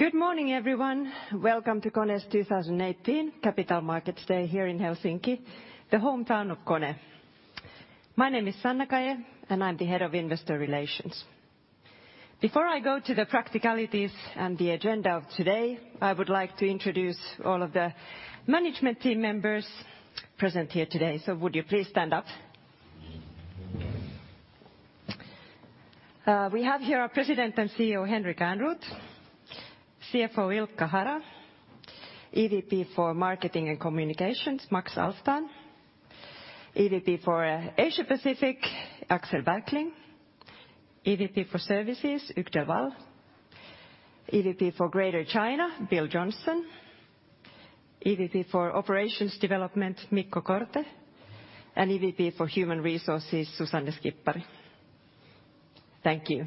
Good morning, everyone. Welcome to KONE's 2018 Capital Markets Day here in Helsinki, the hometown of KONE. My name is Sanna Kaje and I'm the head of investor relations. Before I go to the practicalities and the agenda of today, I would like to introduce all of the management team members present here today. Would you please stand up? We have here our president and CEO, Henrik Ehrnrooth, CFO, Ilkka Hara, EVP for Marketing and Communications, Max Alfthan, EVP for Asia Pacific, Axel Berkling, EVP for Services, Hugues Delval, EVP for Greater China, Bill Johnson, EVP for Operations Development, Mikko Korte, and EVP for Human Resources, Susanne Skippari. Thank you.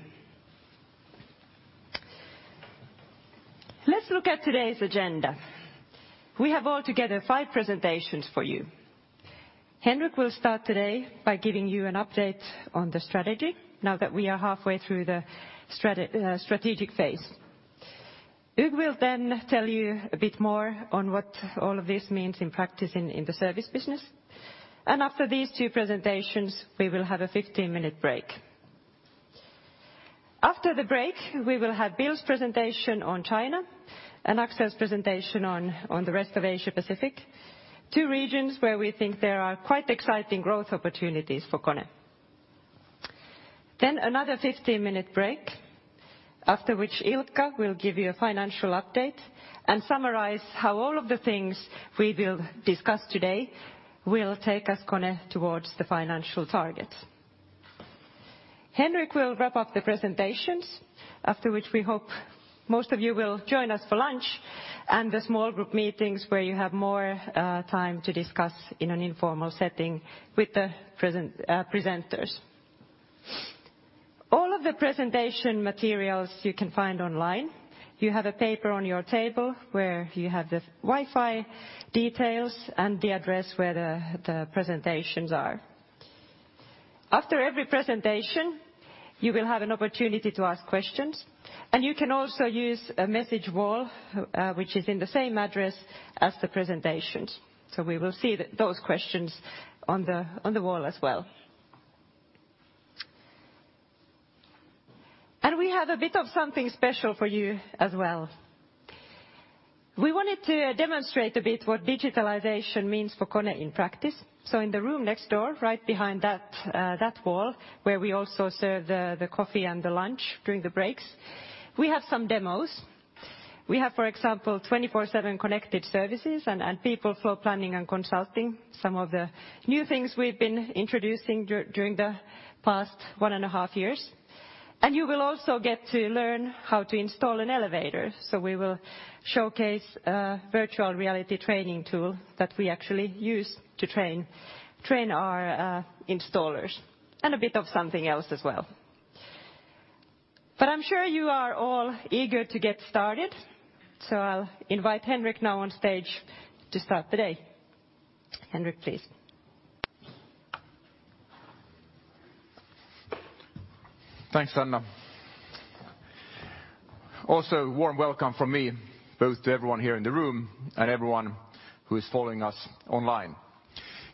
Let's look at today's agenda. We have altogether five presentations for you. Henrik will start today by giving you an update on the strategy now that we are halfway through the strategic phase. Hugues will tell you a bit more on what all of this means in practice in the service business. After these two presentations, we will have a 15-minute break. After the break, we will have Bill's presentation on China, and Axel's presentation on the rest of Asia Pacific, two regions where we think there are quite exciting growth opportunities for KONE. Another 15-minute break, after which Ilkka will give you a financial update and summarize how all of the things we will discuss today will take us, KONE, towards the financial targets. Henrik will wrap up the presentations, after which we hope most of you will join us for lunch and the small group meetings where you have more time to discuss in an informal setting with the presenters. All of the presentation materials you can find online. You have a paper on your table where you have the Wi-Fi details and the address where the presentations are. After every presentation, you will have an opportunity to ask questions, and you can also use a message wall, which is in the same address as the presentations. We will see those questions on the wall as well. We have a bit of something special for you as well. We wanted to demonstrate a bit what digitalization means for KONE in practice. In the room next door, right behind that wall, where we also serve the coffee and the lunch during the breaks, we have some demos. We have, for example, 24/7 Connected Services and People Flow Planning and Consulting, some of the new things we've been introducing during the past one and a half years. You will also get to learn how to install an elevator. We will showcase a virtual reality training tool that we actually use to train our installers, and a bit of something else as well. I'm sure you are all eager to get started, I'll invite Henrik now on stage to start the day. Henrik, please. Thanks, Sanna. Also, warm welcome from me, both to everyone here in the room and everyone who is following us online.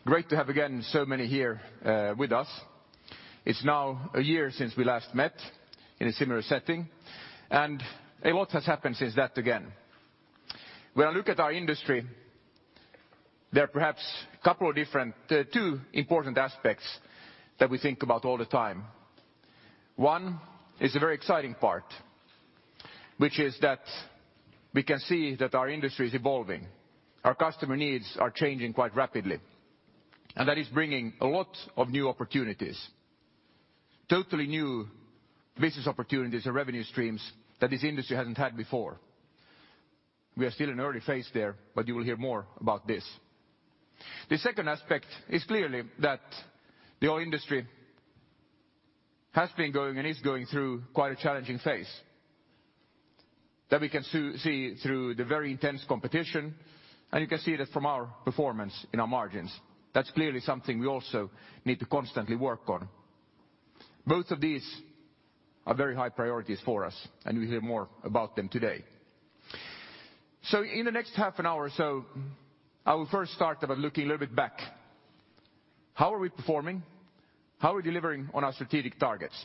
Great to have again so many here with us. It's now a year since we last met in a similar setting, and a lot has happened since that again. When I look at our industry, there are perhaps two important aspects that we think about all the time. One is a very exciting part, which is that we can see that our industry is evolving. Our customer needs are changing quite rapidly. That is bringing a lot of new opportunities, totally new business opportunities and revenue streams that this industry hasn't had before. We are still in early phase there, but you will hear more about this. The second aspect is clearly that our industry has been going, and is going, through quite a challenging phase. That we can see through the very intense competition, and you can see that from our performance and our margins. That's clearly something we also need to constantly work on. Both of these are very high priorities for us, and you'll hear more about them today. In the next half an hour or so, I will first start by looking a little bit back. How are we performing? How are we delivering on our strategic targets?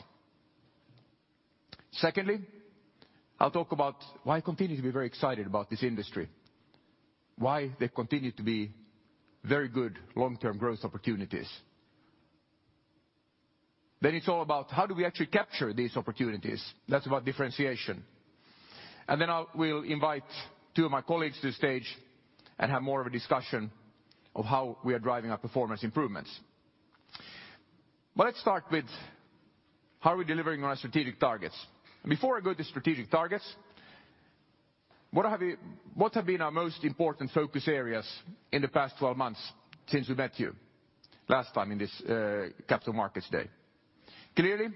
Secondly, I'll talk about why I continue to be very excited about this industry, why there continue to be very good long-term growth opportunities. It's all about how do we actually capture these opportunities. That's about differentiation. Then I will invite two of my colleagues to the stage and have more of a discussion of how we are driving our performance improvements. Let's start with how are we delivering on our strategic targets. Before I go to strategic targets, what have been our most important focus areas in the past 12 months since we met you last time in this Capital Markets Day? Clearly,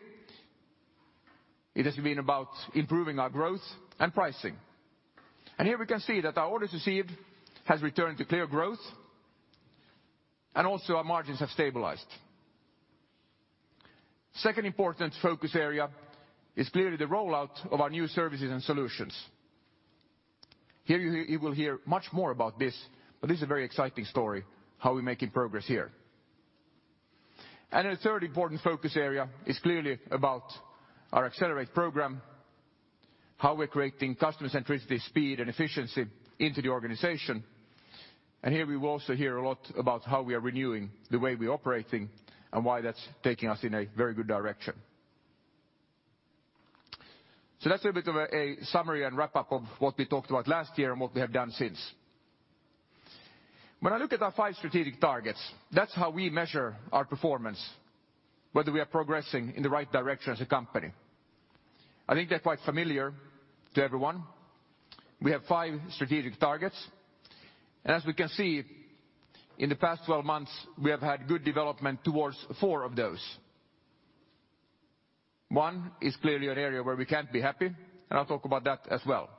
it has been about improving our growth and pricing. Here we can see that our orders received has returned to clear growth, and also our margins have stabilized. Second important focus area is clearly the rollout of our new services and solutions. Here, you will hear much more about this, but this is a very exciting story, how we're making progress here. The third important focus area is clearly about our Accelerate program, how we're creating customer centricity, speed, and efficiency into the organization. Here we will also hear a lot about how we are renewing the way we're operating, and why that's taking us in a very good direction. That's a little bit of a summary and wrap-up of what we talked about last year and what we have done since. When I look at our five strategic targets, that's how we measure our performance, whether we are progressing in the right direction as a company. I think they're quite familiar to everyone. We have five strategic targets. As we can see, in the past 12 months, we have had good development towards four of those. One is clearly an area where we can't be happy, and I'll talk about that as well.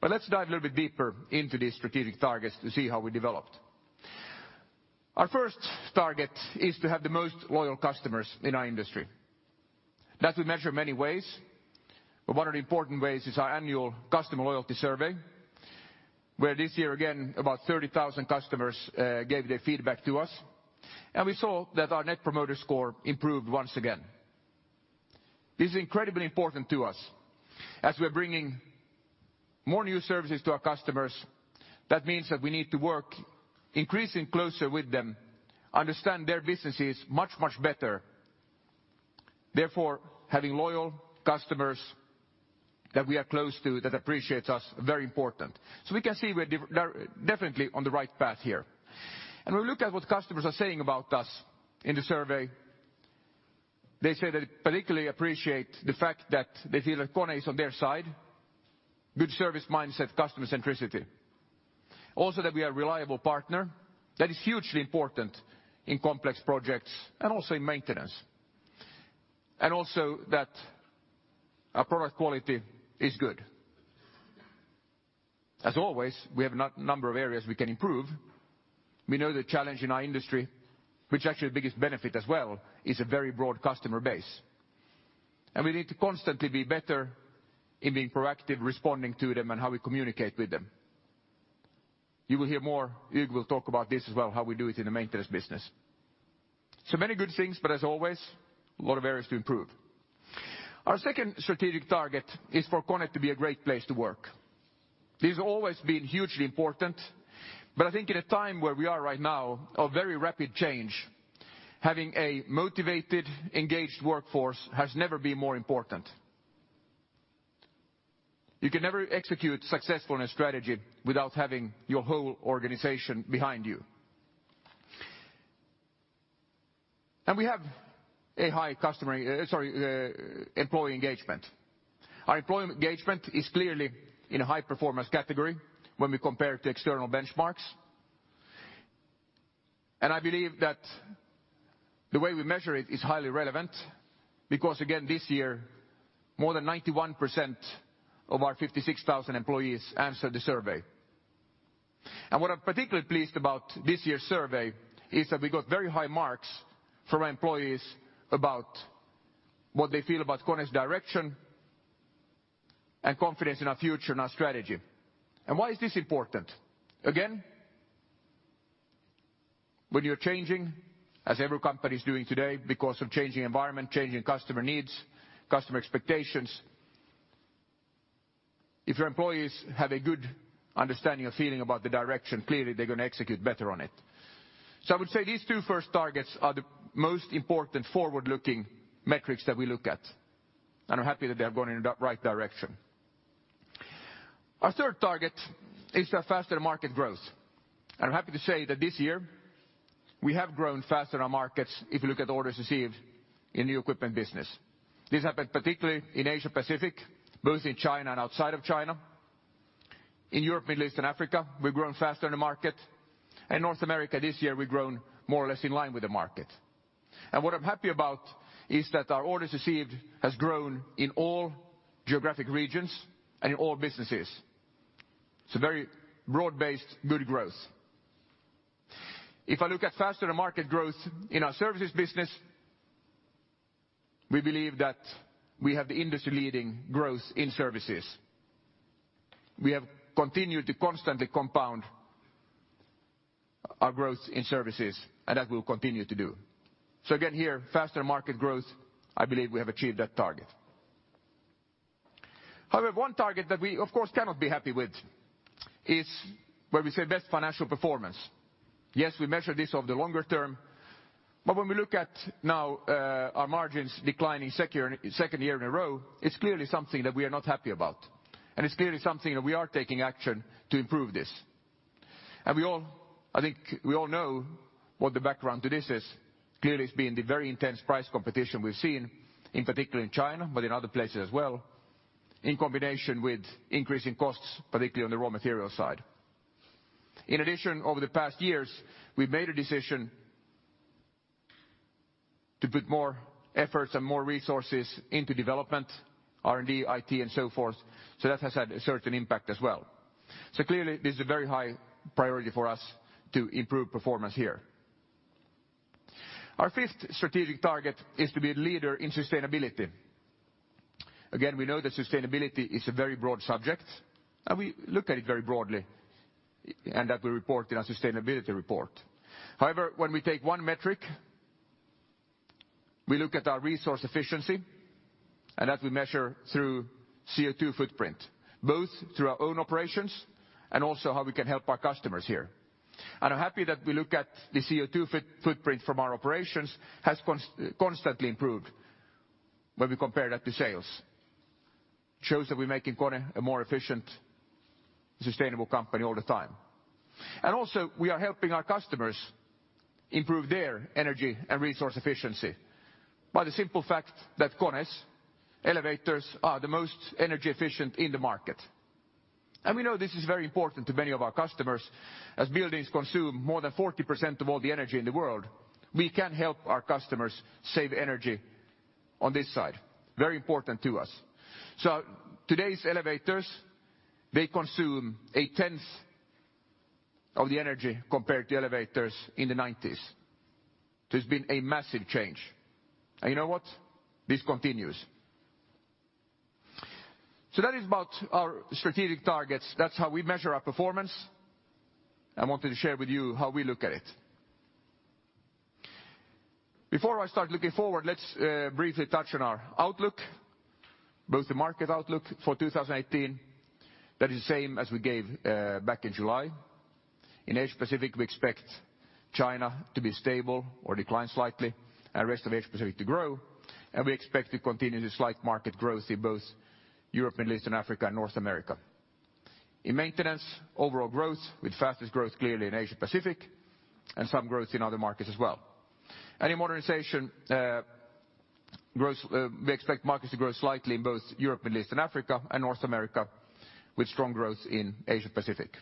Let's dive a little bit deeper into these strategic targets to see how we developed. Our first target is to have the most loyal customers in our industry. That we measure many ways, but one of the important ways is our annual customer loyalty survey, where this year, again, about 30,000 customers gave their feedback to us. We saw that our Net Promoter Score improved once again. This is incredibly important to us. As we're bringing more new services to our customers, that means that we need to work increasing closer with them, understand their businesses much, much better. Therefore, having loyal customers that we are close to, that appreciate us, very important. We can see we're definitely on the right path here. We look at what customers are saying about us in the survey. They say they particularly appreciate the fact that they feel that KONE is on their side, good service mindset, customer centricity. Also that we are a reliable partner. That is hugely important in complex projects, and also in maintenance. Also that our product quality is good. As always, we have a number of areas we can improve. We know the challenge in our industry, which actually the biggest benefit as well, is a very broad customer base. We need to constantly be better in being proactive, responding to them, and how we communicate with them. You will hear more. Hugues will talk about this as well, how we do it in the maintenance business. Many good things, but as always, a lot of areas to improve. Our second strategic target is for KONE to be a great place to work. This has always been hugely important, but I think in a time where we are right now, of very rapid change, having a motivated, engaged workforce has never been more important. You can never execute successfulness strategy without having your whole organization behind you. We have a high employee engagement. Our employee engagement is clearly in a high performance category when we compare it to external benchmarks. I believe that the way we measure it is highly relevant, because again, this year, more than 91% of our 56,000 employees answered the survey. What I'm particularly pleased about this year's survey is that we got very high marks from our employees about what they feel about KONE's direction and confidence in our future and our strategy. Why is this important? Again, when you're changing, as every company's doing today because of changing environment, changing customer needs, customer expectations, if your employees have a good understanding or feeling about the direction, clearly they're going to execute better on it. I would say these two first targets are the most important forward-looking metrics that we look at. I'm happy that they have gone in the right direction. Our third target is a faster market growth. I'm happy to say that this year we have grown faster in our markets if you look at orders received in new equipment business. This happened particularly in Asia Pacific, both in China and outside of China. In Europe, Middle East, and Africa, we've grown faster in the market. In North America this year we've grown more or less in line with the market. What I'm happy about is that our orders received has grown in all geographic regions and in all businesses. It's a very broad-based good growth. Faster market growth in our services business, we believe that we have the industry leading growth in services. We have continued to constantly compound our growth in services, that we'll continue to do. Again here, faster market growth, I believe we have achieved that target. However, one target that we of course cannot be happy with is where we say best financial performance. Yes, we measure this over the longer term, when we look at now our margins declining second year in a row, it's clearly something that we are not happy about. It's clearly something that we are taking action to improve this. I think we all know what the background to this is. It's been the very intense price competition we've seen, in particular in China, but in other places as well, in combination with increasing costs, particularly on the raw material side. In addition, over the past years, we've made a decision to put more efforts and more resources into development, R&D, IT, and so forth. That has had a certain impact as well. This is a very high priority for us to improve performance here. Our fifth strategic target is to be a leader in sustainability. We know that sustainability is a very broad subject, we look at it very broadly that we report in our sustainability report. However, when we take one metric, we look at our resource efficiency, that we measure through CO2 footprint, both through our own operations and also how we can help our customers here. I'm happy that we look at the CO2 footprint from our operations has constantly improved when we compare that to sales. Shows that we're making KONE a more efficient, sustainable company all the time. We are helping our customers improve their energy and resource efficiency. By the simple fact that KONE's elevators are the most energy efficient in the market. We know this is very important to many of our customers, as buildings consume more than 40% of all the energy in the world. We can help our customers save energy on this side. Very important to us. Today's elevators, they consume a 10th of the energy compared to elevators in the '90s. There's been a massive change. You know what? This continues. That is about our strategic targets. That's how we measure our performance. I wanted to share with you how we look at it. Before I start looking forward, let's briefly touch on our outlook, both the market outlook for 2018. That is the same as we gave back in July. In Asia Pacific, we expect China to be stable or decline slightly, rest of Asia Pacific to grow. We expect to continue the slight market growth in both Europe, Middle East, and Africa, North America. In maintenance, overall growth, with fastest growth clearly in Asia Pacific, some growth in other markets as well. In modernization, we expect markets to grow slightly in both Europe, Middle East and Africa, North America, with strong growth in Asia Pacific.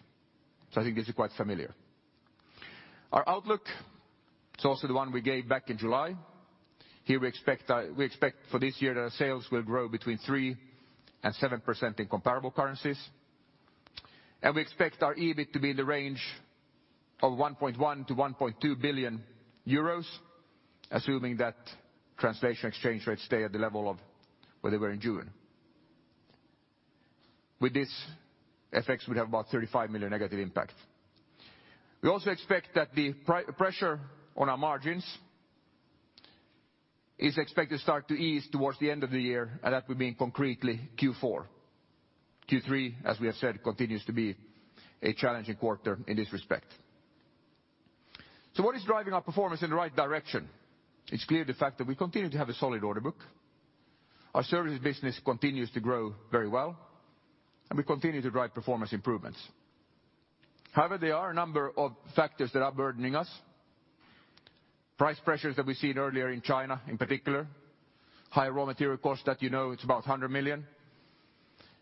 I think this is quite familiar. Our outlook is also the one we gave back in July. We expect for this year that our sales will grow between 3% and 7% in comparable currencies. We expect our EBIT to be in the range of 1.1 billion to 1.2 billion euros, assuming that translation exchange rates stay at the level of where they were in June. With these effects, we would have about 35 million negative impact. We also expect that the pressure on our margins is expected to start to ease towards the end of the year, and that would mean concretely Q4. Q3, as we have said, continues to be a challenging quarter in this respect. What is driving our performance in the right direction? It is clear the fact that we continue to have a solid order book. Our services business continues to grow very well, and we continue to drive performance improvements. There are a number of factors that are burdening us. Price pressures that we seen earlier in China in particular, high raw material costs that you know it is about 100 million,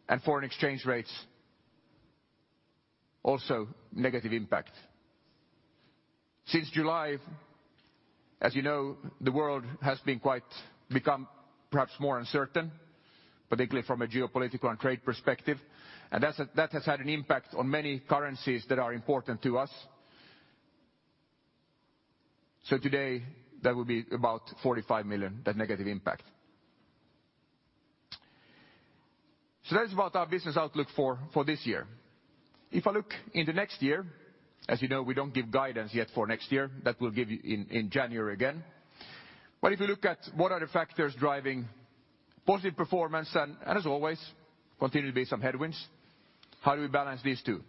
and foreign exchange rates also negative impact. Since July, as you know, the world has become perhaps more uncertain, particularly from a geopolitical and trade perspective, and that has had an impact on many currencies that are important to us. Today that would be about 45 million, that negative impact. That is about our business outlook for this year. If I look in the next year, as you know, we do not give guidance yet for next year. That we will give you in January again. If you look at what are the factors driving positive performance, as always, continue to be some headwinds. How do we balance these two?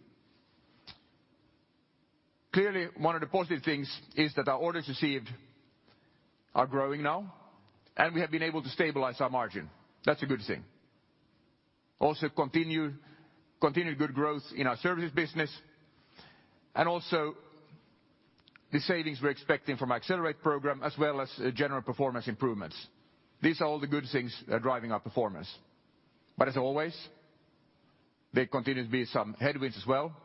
Clearly, one of the positive things is that our orders received are growing now, and we have been able to stabilize our margin. That is a good thing. Also continued good growth in our services business, and also the savings we are expecting from our Accelerate program, as well as general performance improvements. These are all the good things that are driving our performance. As always, there continue to be some headwinds as well.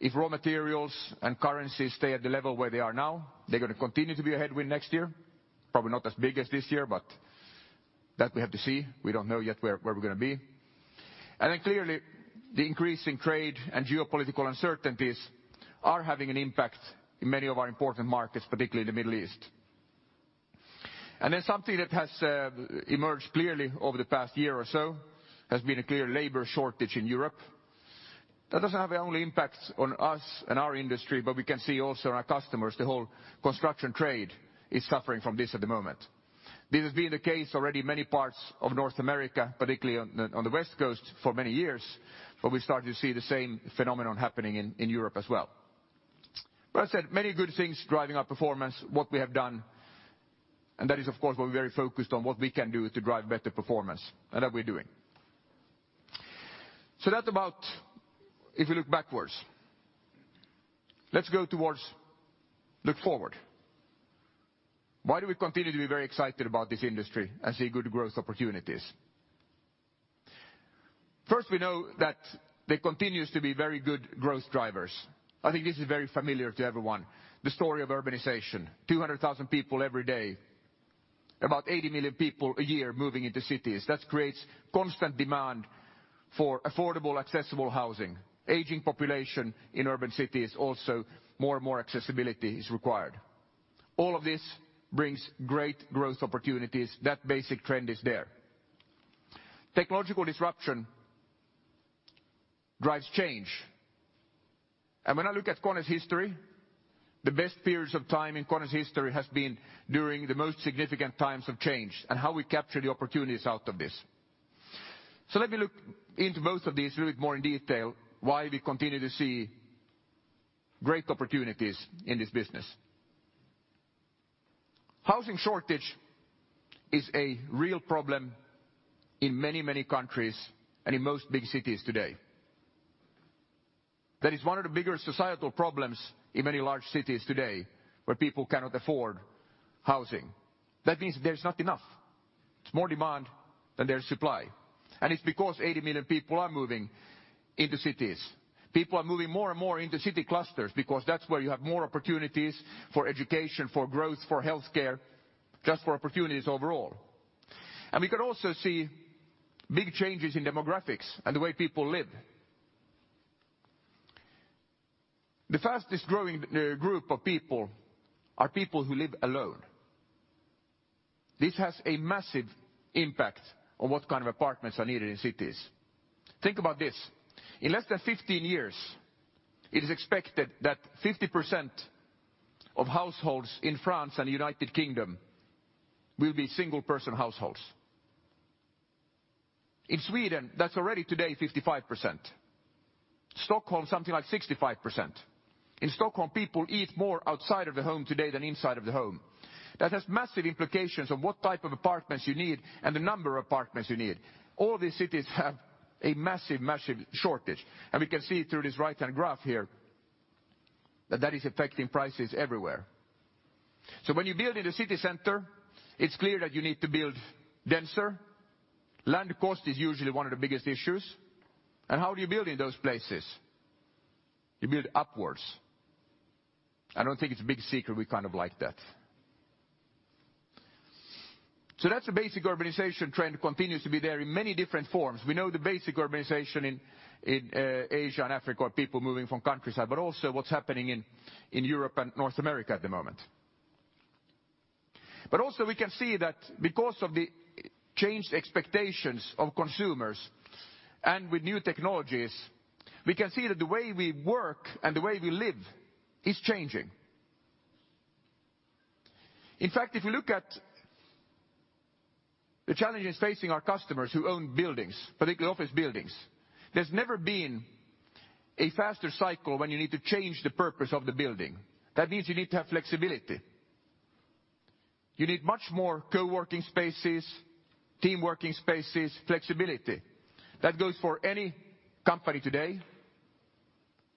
If raw materials and currencies stay at the level where they are now, they are going to continue to be a headwind next year. Probably not as big as this year, but that we have to see. We do not know yet where we are going to be. Clearly, the increase in trade and geopolitical uncertainties are having an impact in many of our important markets, particularly the Middle East. Something that has emerged clearly over the past year or so, has been a clear labor shortage in Europe. That does not have only impacts on us and our industry, but we can see also in our customers, the whole construction trade is suffering from this at the moment. This has been the case already in many parts of North America, particularly on the West Coast, for many years, but we start to see the same phenomenon happening in Europe as well. I said, many good things driving our performance, what we have done, and that is, of course, we are very focused on what we can do to drive better performance, and that we are doing. That about if you look backwards. Let us go towards look forward. Why do we continue to be very excited about this industry and see good growth opportunities? First, we know that there continues to be very good growth drivers. I think this is very familiar to everyone. The story of urbanization, 200,000 people every day. About 80 million people a year are moving into cities. That creates constant demand for affordable, accessible housing. Aging population in urban cities, also, more and more accessibility is required. All of this brings great growth opportunities. That basic trend is there. Technological disruption drives change. When I look at KONE's history, the best periods of time in KONE's history has been during the most significant times of change, and how we capture the opportunities out of this. Let me look into both of these a little bit more in detail, why we continue to see great opportunities in this business. Housing shortage is a real problem in many countries and in most big cities today. That is one of the bigger societal problems in many large cities today, where people cannot afford housing. That means there's not enough. It is more demand than there is supply. It is because 80 million people are moving into cities. People are moving more and more into city clusters because that's where you have more opportunities for education, for growth, for healthcare, just for opportunities overall. We can also see big changes in demographics and the way people live. The fastest growing group of people are people who live alone. This has a massive impact on what kind of apartments are needed in cities. Think about this. In less than 50 years, it is expected that 50% of households in France and United Kingdom will be single-person households. In Sweden, that's already today 55%. Stockholm, something like 65%. In Stockholm, people eat more outside of the home today than inside of the home. That has massive implications on what type of apartments you need and the number of apartments you need. All these cities have a massive shortage. We can see through this right-hand graph here, that that is affecting prices everywhere. When you build in a city center, it's clear that you need to build denser. Land cost is usually one of the biggest issues. How do you build in those places? You build upwards. I don't think it's a big secret we like that. That basic urbanization trend continues to be there in many different forms. We know the basic urbanization in Asia and Africa are people moving from countryside, but also what's happening in Europe and North America at the moment. Also we can see that because of the changed expectations of consumers and with new technologies, we can see that the way we work and the way we live is changing. In fact, if you look at the challenges facing our customers who own buildings, particularly office buildings, there's never been a faster cycle when you need to change the purpose of the building. That means you need to have flexibility. You need much more co-working spaces, team working spaces, flexibility. That goes for any company today.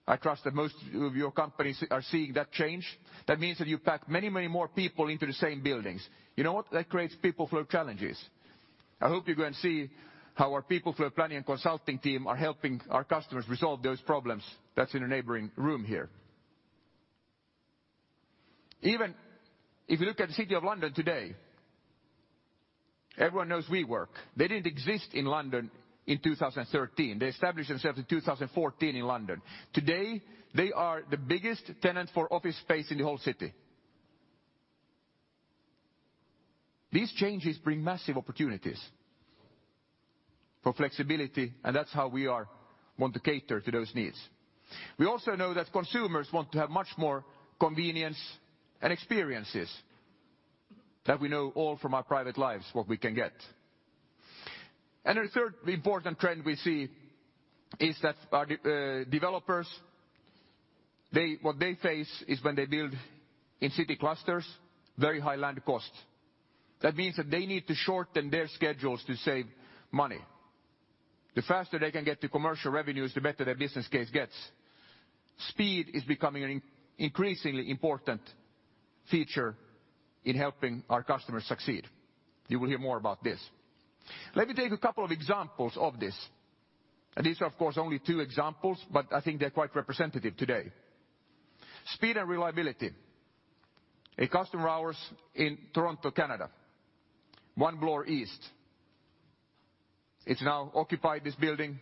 I trust that most of your companies are seeing that change. That means that you pack many more people into the same buildings. You know what? That creates People Flow challenges. I hope you go and see how our People Flow Planning and Consulting team are helping our customers resolve those problems. That's in a neighboring room here. Even if you look at the City of London today, everyone knows WeWork. They didn't exist in London in 2013. They established themselves in 2014 in London. Today, they are the biggest tenant for office space in the whole city. These changes bring massive opportunities for flexibility, that's how we want to cater to those needs. We also know that consumers want to have much more convenience and experiences that we know all from our private lives, what we can get. The third important trend we see is that our developers, what they face is when they build in city clusters, very high land costs. That means that they need to shorten their schedules to save money. The faster they can get to commercial revenues, the better their business case gets. Speed is becoming an increasingly important feature in helping our customers succeed. You will hear more about this. Let me take a couple of examples of this. These are, of course, only two examples, but I think they're quite representative today. Speed and reliability. A customer of ours in Toronto, Canada, One Bloor East. It's now occupied, this building,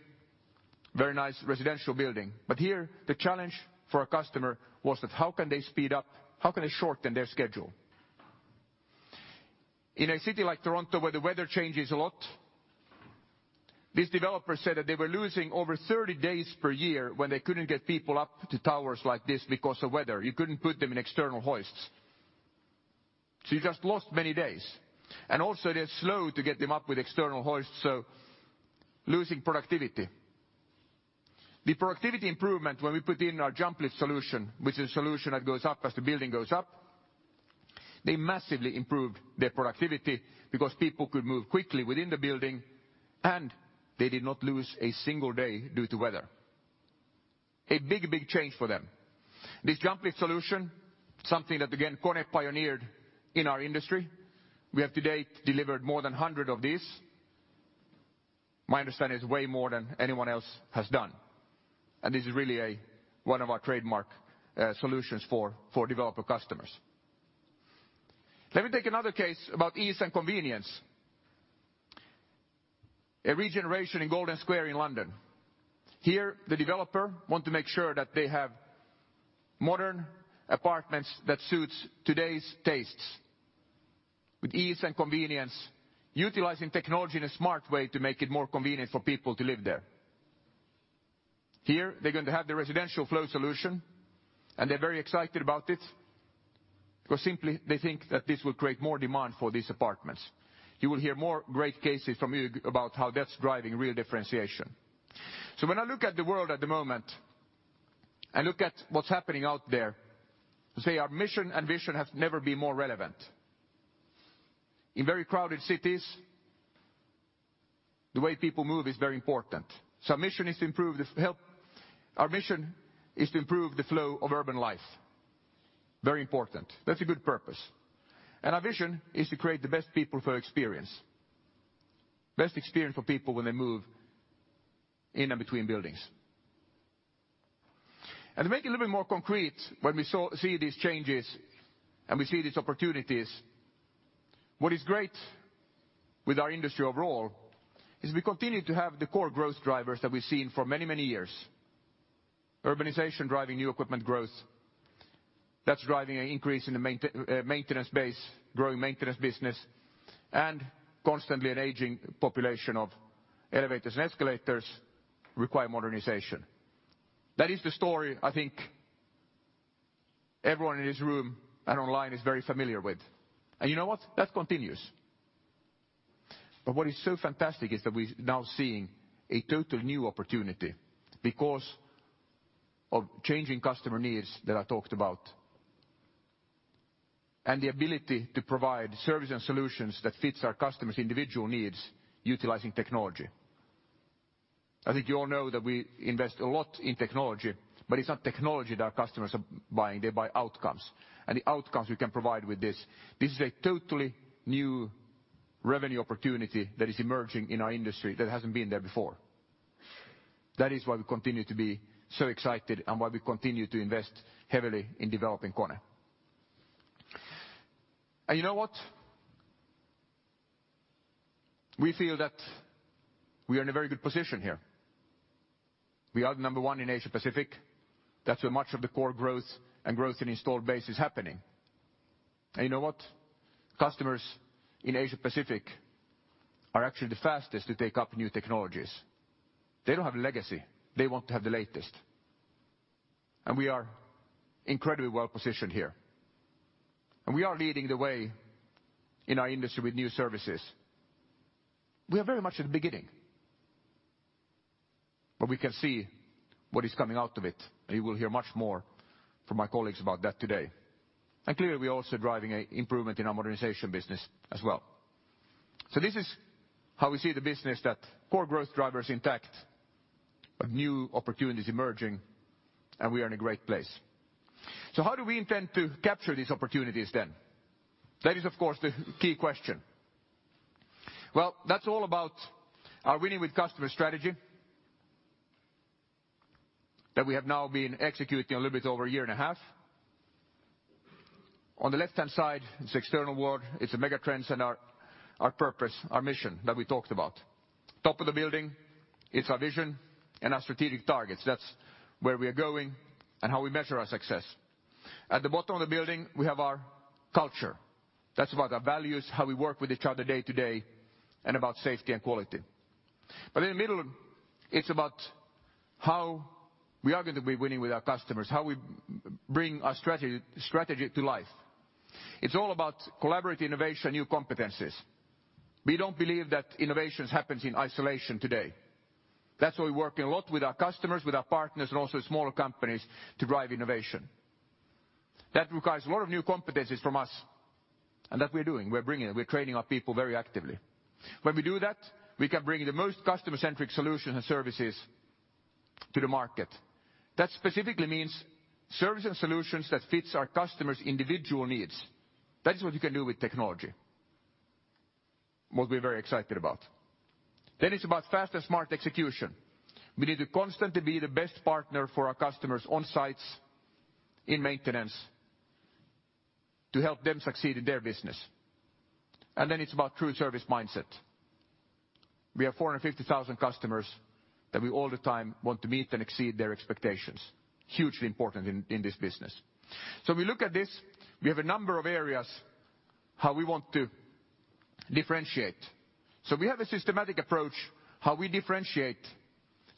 very nice residential building. Here, the challenge for our customer was that how can they speed up, how can they shorten their schedule? In a city like Toronto, where the weather changes a lot, these developers said that they were losing over 30 days per year when they couldn't get people up to towers like this because of weather. You couldn't put them in external hoists. You just lost many days. Also, they're slow to get them up with external hoists, so losing productivity. The productivity improvement when we put in our JumpLift solution, which is a solution that goes up as the building goes up, they massively improved their productivity because people could move quickly within the building, and they did not lose a single day due to weather. A big change for them. This JumpLift solution, something that, again, KONE pioneered in our industry. We have to date delivered more than 100 of these. My understanding is way more than anyone else has done. This is really one of our trademark solutions for developer customers. Let me take another case about ease and convenience. A regeneration in Golden Square in London. Here, the developer want to make sure that they have modern apartments that suits today's tastes, with ease and convenience, utilizing technology in a smart way to make it more convenient for people to live there. Here, they're going to have the Residential Flow solution, and they're very excited about it, because simply they think that this will create more demand for these apartments. You will hear more great cases from Hugues about how that's driving real differentiation. When I look at the world at the moment, I look at what's happening out there, to say our mission and vision have never been more relevant. In very crowded cities, the way people move is very important. Our mission is to improve the flow of urban life. Very important. That's a good purpose. Our vision is to create the best people for experience, best experience for people when they move in and between buildings. To make it a little bit more concrete when we see these changes and we see these opportunities, what is great with our industry overall is we continue to have the core growth drivers that we've seen for many, many years. Urbanization driving new equipment growth. That's driving an increase in the maintenance base, growing maintenance business, and constantly an aging population of elevators and escalators require modernization. That is the story I think everyone in this room and online is very familiar with. You know what? That continues. What is so fantastic is that we're now seeing a total new opportunity because of changing customer needs that I talked about, and the ability to provide service and solutions that fits our customers' individual needs utilizing technology. I think you all know that we invest a lot in technology, it's not technology that our customers are buying. They buy outcomes. The outcomes we can provide with this is a totally new revenue opportunity that is emerging in our industry that hasn't been there before. That is why we continue to be so excited and why we continue to invest heavily in developing KONE. You know what? We feel that we are in a very good position here. We are number one in Asia-Pacific. That's where much of the core growth and growth in installed base is happening. You know what? Customers in Asia-Pacific are actually the fastest to take up new technologies. They don't have a legacy. They want to have the latest. We are incredibly well positioned here. We are leading the way in our industry with new services. We are very much at the beginning, we can see what is coming out of it, and you will hear much more from my colleagues about that today. Clearly, we are also driving improvement in our modernization business as well. This is how we see the business, that core growth drivers intact, new opportunities emerging, and we are in a great place. How do we intend to capture these opportunities then? That is, of course, the key question. Well, that's all about our Winning with Customers strategy, that we have now been executing a little bit over a year and a half. On the left-hand side is the external world. It's the mega trends and our purpose, our mission that we talked about. Top of the building, it's our vision and our strategic targets. That's where we are going and how we measure our success. At the bottom of the building, we have our culture. That's about our values, how we work with each other day to day, and about safety and quality. In the middle, it's about how we are going to be Winning with Customers, how we bring our strategy to life. It's all about collaborative innovation, new competencies. We don't believe that innovations happens in isolation today. That's why we're working a lot with our customers, with our partners, and also smaller companies to drive innovation. That requires a lot of new competencies from us. That we're doing. We're training our people very actively. When we do that, we can bring the most customer-centric solutions and services to the market. That specifically means service and solutions that fits our customers' individual needs. That is what you can do with technology, what we're very excited about. It's about fast and smart execution. We need to constantly be the best partner for our customers on sites, in maintenance, to help them succeed in their business. It's about true service mindset. We have 450,000 customers that we all the time want to meet and exceed their expectations. Hugely important in this business. We look at this, we have a number of areas how we want to differentiate. We have a systematic approach how we differentiate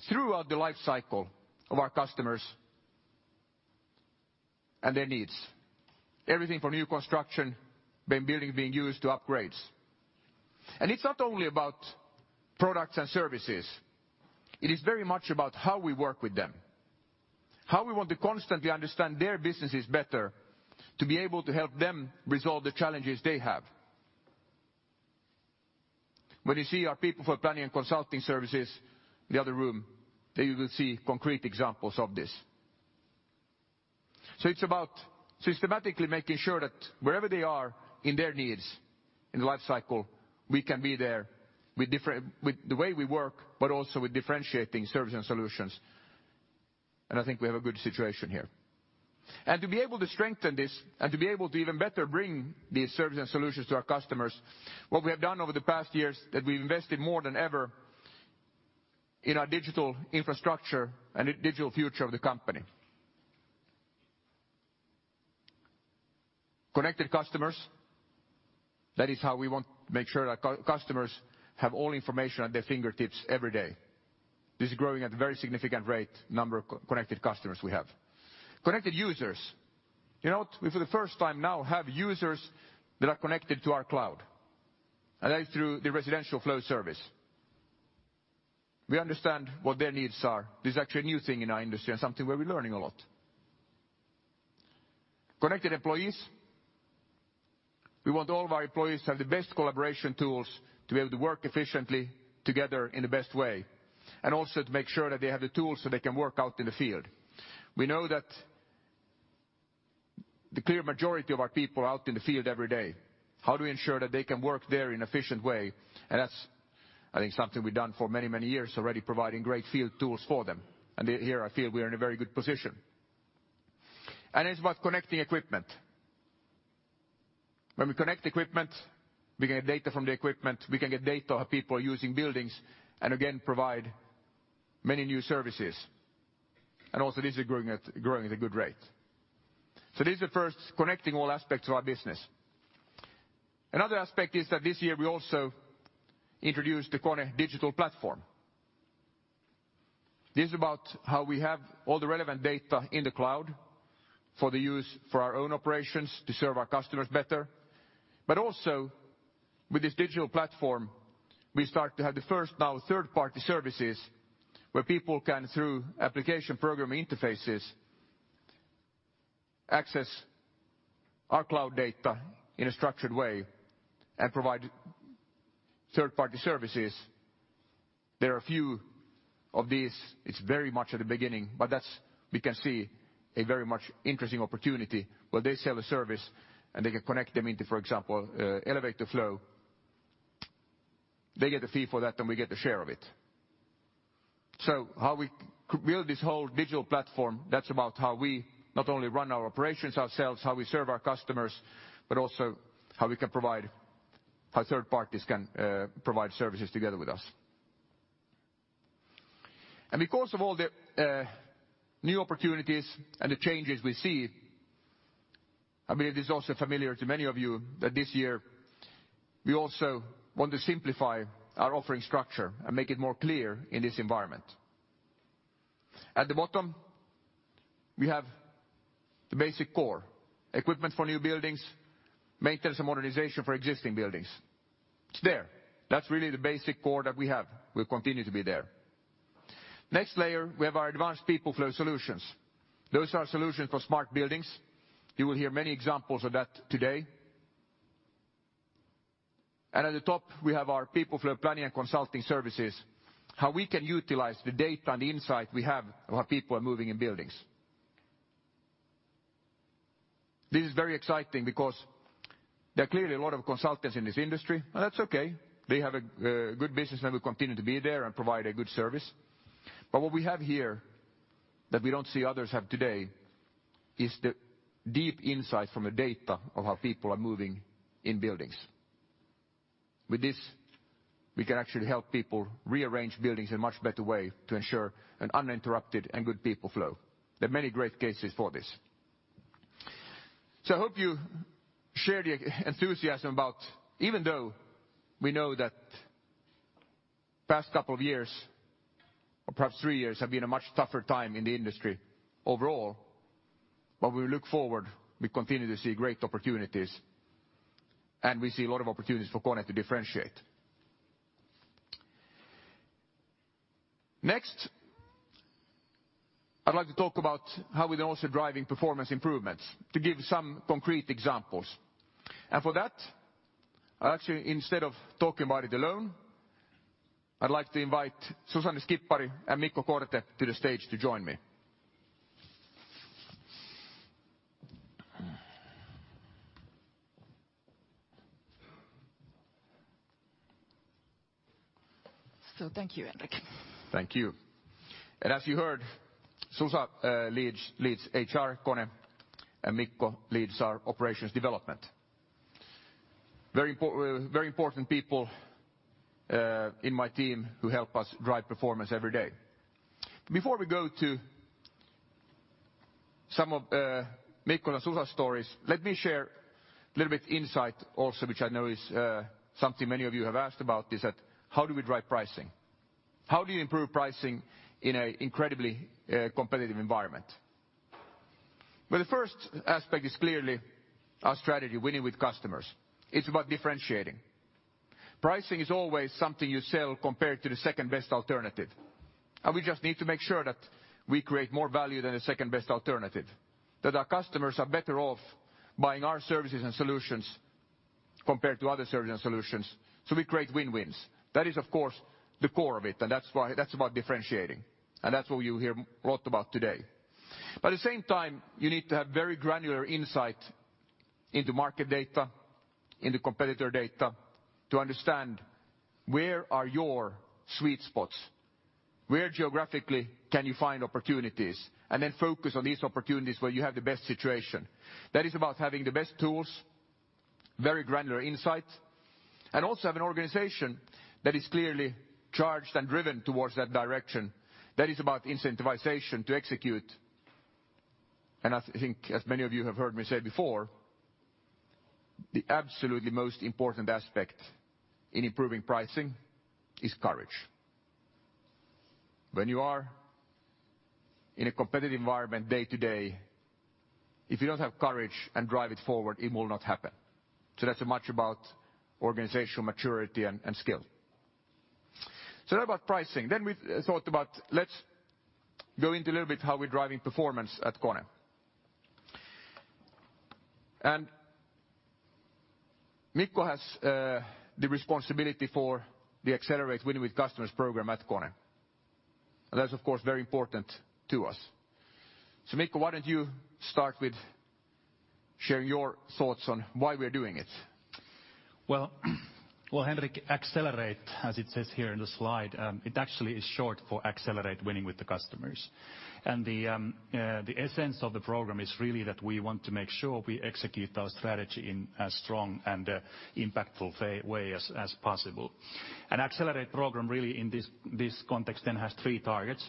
throughout the life cycle of our customers and their needs. Everything from new construction, building being used, to upgrades. It's not only about products and services. It is very much about how we work with them, how we want to constantly understand their businesses better to be able to help them resolve the challenges they have. When you see our People Flow Planning and Consulting services in the other room, there you will see concrete examples of this. It's about systematically making sure that wherever they are in their needs, in the life cycle, we can be there with the way we work, but also with differentiating service and solutions. I think we have a good situation here. To be able to strengthen this and to be able to even better bring these services and solutions to our customers, what we have done over the past years, that we've invested more than ever in our digital infrastructure and digital future of the company. Connected Customers, that is how we want to make sure that customers have all information at their fingertips every day. This is growing at a very significant rate, the number of connected customers we have. Connected Users. We, for the first time now, have users that are connected to our cloud, that is through the Residential Flow service. We understand what their needs are. This is actually a new thing in our industry and something where we're learning a lot. Connected Employees. We want all of our employees to have the best collaboration tools to be able to work efficiently together in the best way, also to make sure that they have the tools so they can work out in the field. We know that the clear majority of our people are out in the field every day. How do we ensure that they can work there in an efficient way? That's, I think, something we've done for many years already, providing great field tools for them. Here, I feel we are in a very good position. It's about connecting equipment. When we connect equipment, we can get data from the equipment, we can get data of people using buildings, and again, provide many new services. Also, this is growing at a good rate. This is the first, connecting all aspects of our business. Another aspect is that this year we also introduced the KONE Digital Platform. This is about how we have all the relevant data in the cloud for the use for our own operations to serve our customers better. Also, with this digital platform, we start to have the first now third-party services where people can, through application programming interfaces, access our cloud data in a structured way and provide third-party services. There are few of these. It's very much at the beginning, but we can see a very much interesting opportunity where they sell a service and they can connect them into, for example, Elevator Flow. They get a fee for that, then we get a share of it. How we build this whole digital platform, that's about how we not only run our operations ourselves, how we serve our customers, but also how third parties can provide services together with us. Because of all the new opportunities and the changes we see, I believe this is also familiar to many of you, that this year we also want to simplify our offering structure and make it more clear in this environment. At the bottom, we have the basic core: equipment for new buildings, maintenance and modernization for existing buildings. It's there. That's really the basic core that we have, will continue to be there. Next layer, we have our advanced People Flow solutions. Those are solutions for smart buildings. You will hear many examples of that today. At the top, we have our People Flow Planning and Consulting services, how we can utilize the data and the insight we have of how people are moving in buildings. This is very exciting because there are clearly a lot of consultants in this industry, and that's okay. They have a good business that will continue to be there and provide a good service. What we have here that we don't see others have today is the deep insight from the data of how people are moving in buildings. With this, we can actually help people rearrange buildings in a much better way to ensure an uninterrupted and good people flow. There are many great cases for this. I hope you share the enthusiasm about even though we know that past couple of years, or perhaps three years, have been a much tougher time in the industry overall, but we look forward, we continue to see great opportunities and we see a lot of opportunities for KONE to differentiate. Next, I'd like to talk about how we're then also driving performance improvements, to give some concrete examples. For that, actually, instead of talking about it alone, I'd like to invite Susanne Skippari and Mikko Korte to the stage to join me. Thank you, Henrik. Thank you. As you heard, Susa leads HR at KONE, and Mikko leads our operations development. Very important people in my team who help us drive performance every day. Before we go to some of Mikko and Susa's stories, let me share a little bit insight also, which I know is something many of you have asked about, is that how do we drive pricing? How do you improve pricing in an incredibly competitive environment? The first aspect is clearly our strategy, Winning with Customers. It's about differentiating. Pricing is always something you sell compared to the second-best alternative, and we just need to make sure that we create more value than the second-best alternative, that our customers are better off buying our services and solutions Compared to other certain solutions, so we create win-wins. That is, of course, the core of it, and that's about differentiating. That's what you hear a lot about today. At the same time, you need to have very granular insight into market data, into competitor data, to understand where are your sweet spots, where geographically can you find opportunities, and then focus on these opportunities where you have the best situation. That is about having the best tools, very granular insight, and also have an organization that is clearly charged and driven towards that direction. That is about incentivization to execute. I think, as many of you have heard me say before, the absolutely most important aspect in improving pricing is courage. When you are in a competitive environment day to day, if you don't have courage and drive it forward, it will not happen. That's much about organizational maturity and skill. That about pricing. We thought about, let's go into a little bit how we're driving performance at KONE. Mikko has the responsibility for the Accelerate Winning with Customers program at KONE. That's, of course, very important to us. Mikko, why don't you start with sharing your thoughts on why we're doing it? Henrik, Accelerate, as it says here in the slide, it actually is short for Accelerate Winning with Customers. The essence of the program is really that we want to make sure we execute our strategy in as strong and impactful way as possible. Accelerate program really in this context then has three targets.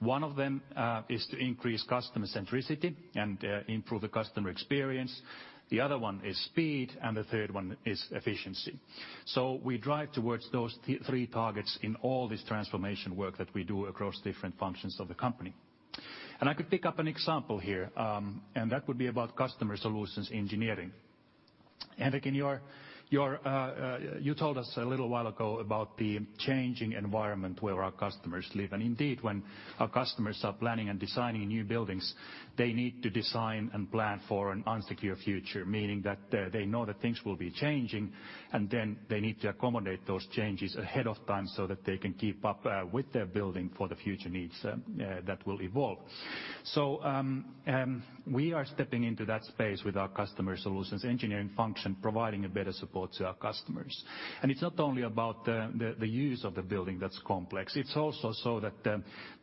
One of them is to increase customer centricity and improve the customer experience. The other one is speed, and the third one is efficiency. We drive towards those three targets in all this transformation work that we do across different functions of the company. I could pick up an example here, and that would be about customer solutions engineering. Henrik, you told us a little while ago about the changing environment where our customers live. Indeed, when our customers are planning and designing new buildings, they need to design and plan for an unsecure future, meaning that they know that things will be changing, then they need to accommodate those changes ahead of time so that they can keep up with their building for the future needs that will evolve. We are stepping into that space with our customer solutions engineering function, providing a better support to our customers. It's not only about the use of the building that's complex, it's also so that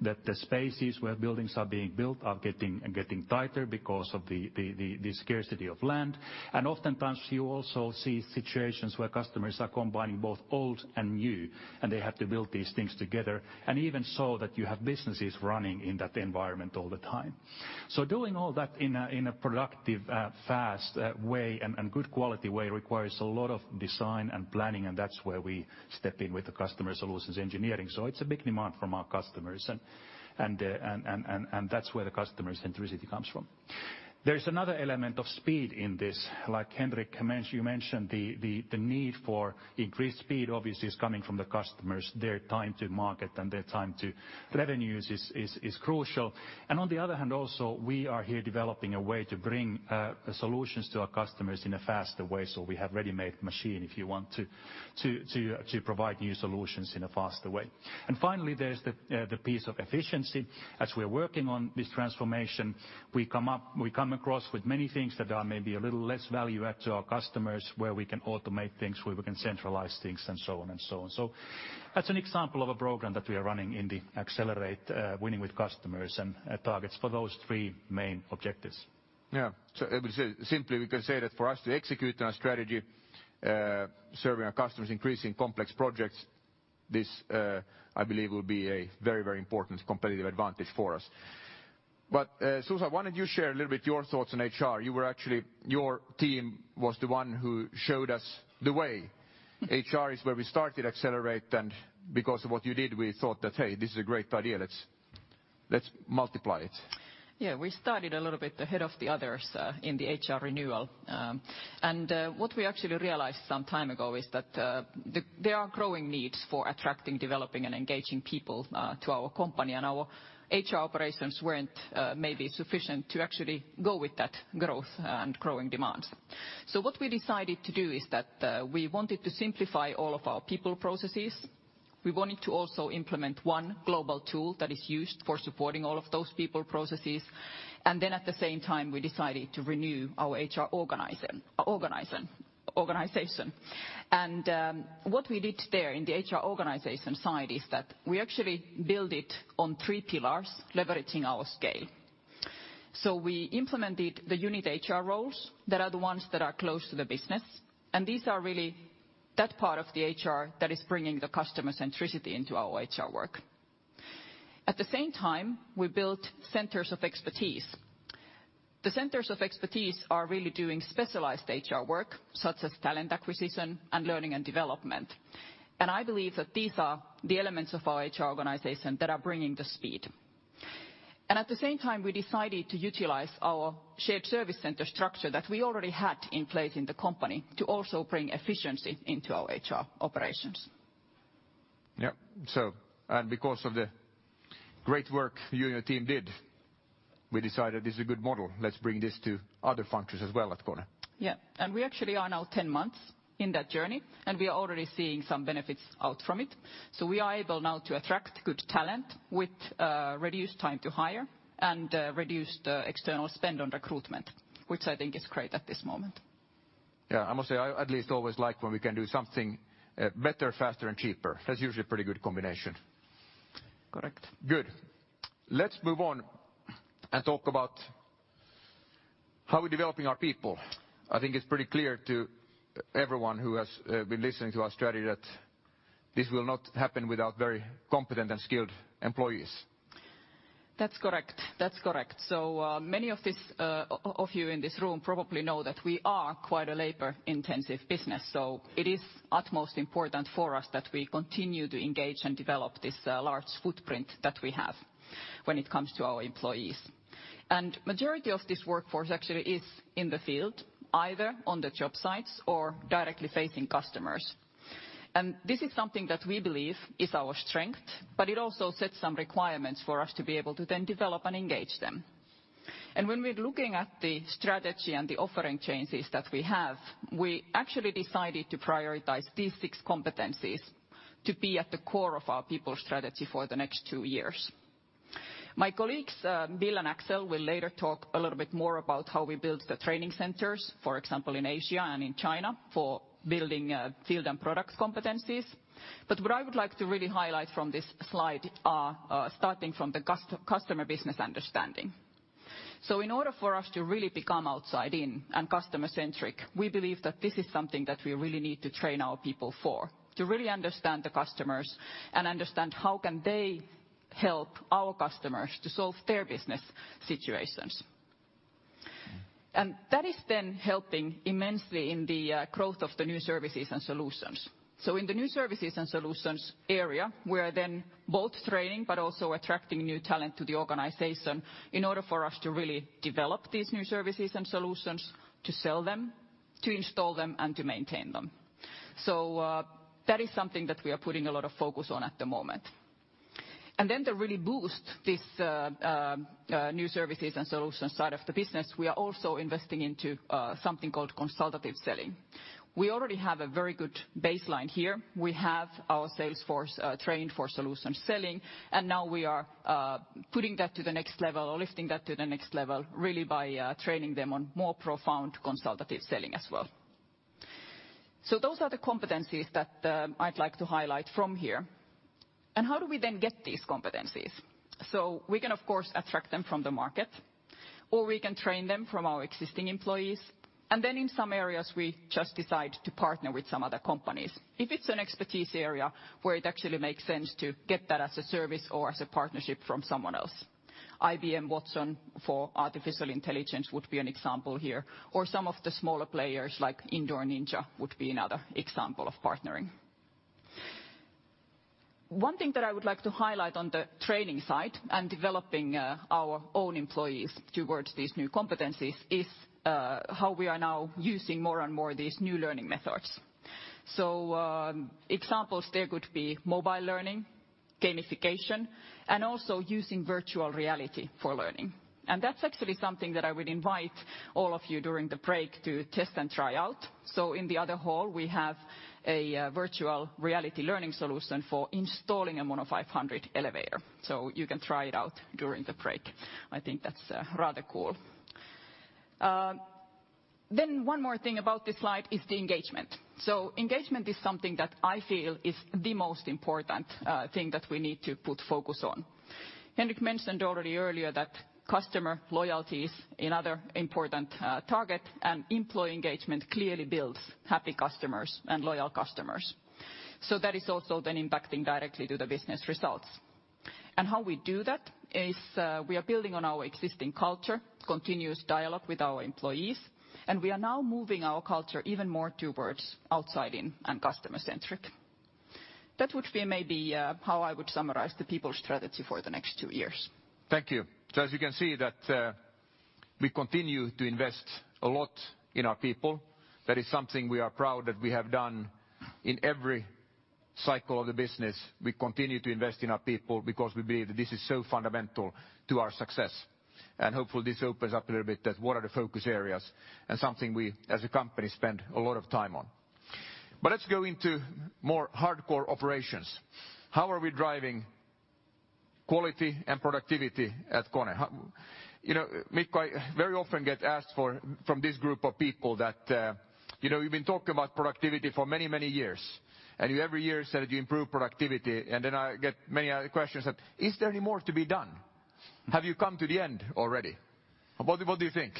the spaces where buildings are being built are getting tighter because of the scarcity of land. Oftentimes you also see situations where customers are combining both old and new, they have to build these things together, even so that you have businesses running in that environment all the time. Doing all that in a productive, fast way, and good quality way, requires a lot of design and planning, that's where we step in with the customer solutions engineering. It's a big demand from our customers. That's where the customer centricity comes from. There's another element of speed in this, like Henrik, you mentioned the need for increased speed obviously is coming from the customers, their time to market, and their time to revenues is crucial. On the other hand also, we are here developing a way to bring solutions to our customers in a faster way. We have ready-made machine if you want to provide new solutions in a faster way. Finally, there's the piece of efficiency. As we're working on this transformation, we come across with many things that are maybe a little less value add to our customers, where we can automate things, where we can centralize things, and so on. That's an example of a program that we are running in the Accelerate Winning with Customers and targets for those three main objectives. Yeah. Simply we can say that for us to execute on our strategy, serving our customers, increasing complex projects, this, I believe will be a very important competitive advantage for us. Susa, why don't you share a little bit your thoughts on HR? Your team was the one who showed us the way. HR is where we started Accelerate, and because of what you did, we thought that, "Hey, this is a great idea. Let's multiply it. Yeah. We started a little bit ahead of the others in the HR renewal. What we actually realized some time ago is that there are growing needs for attracting, developing, and engaging people to our company. Our HR operations weren't maybe sufficient to actually go with that growth and growing demands. What we decided to do is that we wanted to simplify all of our people processes. We wanted to also implement one global tool that is used for supporting all of those people processes. At the same time, we decided to renew our HR organization. What we did there in the HR organization side is that we actually build it on three pillars, leveraging our scale. We implemented the unit HR roles, that are the ones that are close to the business. These are really that part of the HR that is bringing the customer centricity into our HR work. At the same time, we built Centers of Expertise. The Centers of Expertise are really doing specialized HR work, such as talent acquisition and learning and development. I believe that these are the elements of our HR organization that are bringing the speed. At the same time, we decided to utilize our shared service center structure that we already had in place in the company to also bring efficiency into our HR operations. Yep. Because of the great work you and your team did, we decided this is a good model. Let's bring this to other functions as well at KONE. Yeah. We actually are now 10 months in that journey, and we are already seeing some benefits out from it. We are able now to attract good talent with reduced time to hire and reduced external spend on recruitment, which I think is great at this moment. Yeah. I must say, I at least always like when we can do something better, faster, and cheaper. That's usually a pretty good combination. Correct. Good. Let's move on and talk about how we're developing our people. I think it's pretty clear to everyone who has been listening to our strategy that this will not happen without very competent and skilled employees. That's correct. Many of you in this room probably know that we are quite a labor-intensive business. It is utmost important for us that we continue to engage and develop this large footprint that we have when it comes to our employees. Majority of this workforce actually is in the field, either on the job sites or directly facing customers. This is something that we believe is our strength, but it also sets some requirements for us to be able to then develop and engage them. When we're looking at the strategy and the offering changes that we have, we actually decided to prioritize these six competencies to be at the core of our people strategy for the next two years. My colleagues, Bill and Axel, will later talk a little bit more about how we build the training centers, for example, in Asia and in China for building field and product competencies. What I would like to really highlight from this slide are starting from the customer business understanding. In order for us to really become outside-in and customer-centric, we believe that this is something that we really need to train our people for. To really understand the customers and understand how can they help our customers to solve their business situations. That is then helping immensely in the growth of the new services and solutions. In the new services and solutions area, we are then both training but also attracting new talent to the organization in order for us to really develop these new services and solutions, to sell them, to install them, and to maintain them. That is something that we are putting a lot of focus on at the moment. To really boost this new services and solutions side of the business, we are also investing into something called consultative selling. We already have a very good baseline here. We have our sales force trained for solution selling, and now we are putting that to the next level or lifting that to the next level, really by training them on more profound consultative selling as well. Those are the competencies that I'd like to highlight from here. How do we then get these competencies? We can, of course, attract them from the market, or we can train them from our existing employees. In some areas, we just decide to partner with some other companies. If it's an expertise area where it actually makes sense to get that as a service or as a partnership from someone else. IBM Watson for artificial intelligence would be an example here, or some of the smaller players like Indoor Ninja would be another example of partnering. One thing that I would like to highlight on the training side and developing our own employees towards these new competencies is how we are now using more and more these new learning methods. Examples there could be mobile learning, gamification, and also using virtual reality for learning. That's actually something that I would invite all of you during the break to test and try out. In the other hall, we have a virtual reality learning solution for installing a MonoSpace 500 elevator. You can try it out during the break. I think that's rather cool. One more thing about this slide is the engagement. Engagement is something that I feel is the most important thing that we need to put focus on. Henrik mentioned already earlier that customer loyalty is another important target, and employee engagement clearly builds happy customers and loyal customers. That is also then impacting directly to the business results. How we do that is we are building on our existing culture, continuous dialogue with our employees, and we are now moving our culture even more towards outside in and customer centric. That would be maybe how I would summarize the people strategy for the next two years. Thank you. As you can see that we continue to invest a lot in our people. That is something we are proud that we have done in every cycle of the business. We continue to invest in our people because we believe that this is so fundamental to our success. Hopefully this opens up a little bit that what are the focus areas and something we as a company spend a lot of time on. Let's go into more hardcore operations. How are we driving quality and productivity at KONE? Mikko, I very often get asked from this group of people that you've been talking about productivity for many years, and you every year said you improve productivity. I get many other questions that, "Is there any more to be done? Have you come to the end already?" What do you think?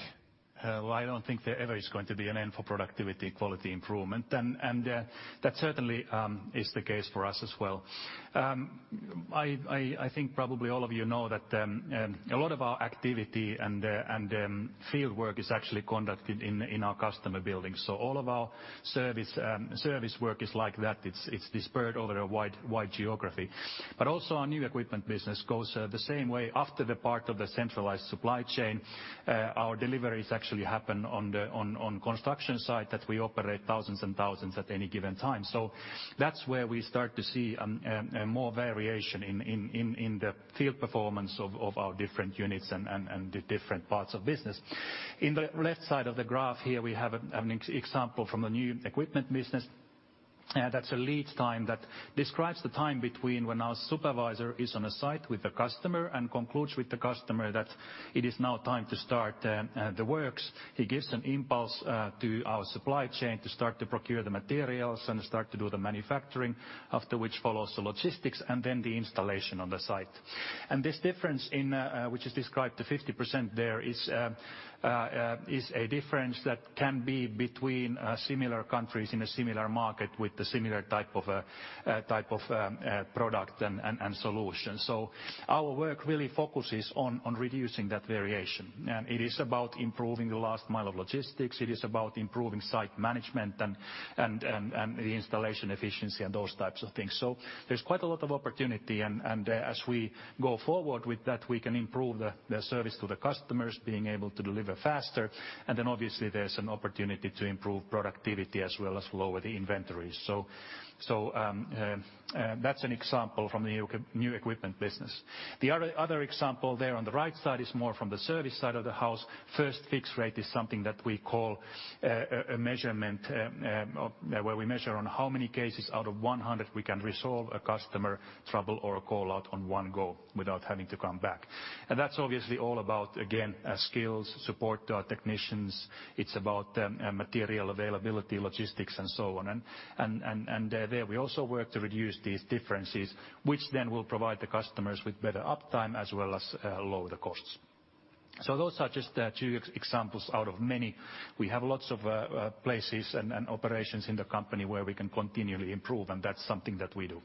I don't think there ever is going to be an end for productivity quality improvement, and that certainly is the case for us as well. I think probably all of you know that a lot of our activity and field work is actually conducted in our customer buildings. All of our service work is like that. It's dispersed over a wide geography. Also our new equipment business goes the same way. After the part of the centralized supply chain, our deliveries actually happen on construction site that we operate thousands and thousands at any given time. That's where we start to see more variation in the field performance of our different units and the different parts of business. In the left side of the graph here, we have an example from the new equipment business. That's a lead time that describes the time between when our supervisor is on a site with the customer and concludes with the customer that it is now time to start the works. He gives an impulse to our supply chain to start to procure the materials and start to do the manufacturing, after which follows the logistics, and then the installation on the site. This difference, which is described to 50% there, is a difference that can be between similar countries in a similar market with a similar type of product and solution. Our work really focuses on reducing that variation. It is about improving the last mile of logistics. It is about improving site management and the installation efficiency and those types of things. There's quite a lot of opportunity, as we go forward with that, we can improve the service to the customers, being able to deliver faster, obviously there's an opportunity to improve productivity as well as lower the inventory. That's an example from the new equipment business. The other example there on the right side is more from the service side of the house. First-Time Fix Rate is something that we call a measurement, where we measure on how many cases out of 100 we can resolve a customer trouble or a call-out on one go without having to come back. That's obviously all about, again, skills, support to our technicians. It's about material availability, logistics, and so on. There, we also work to reduce these differences, which then will provide the customers with better uptime as well as lower the costs. Those are just two examples out of many. We have lots of places and operations in the company where we can continually improve, and that's something that we do.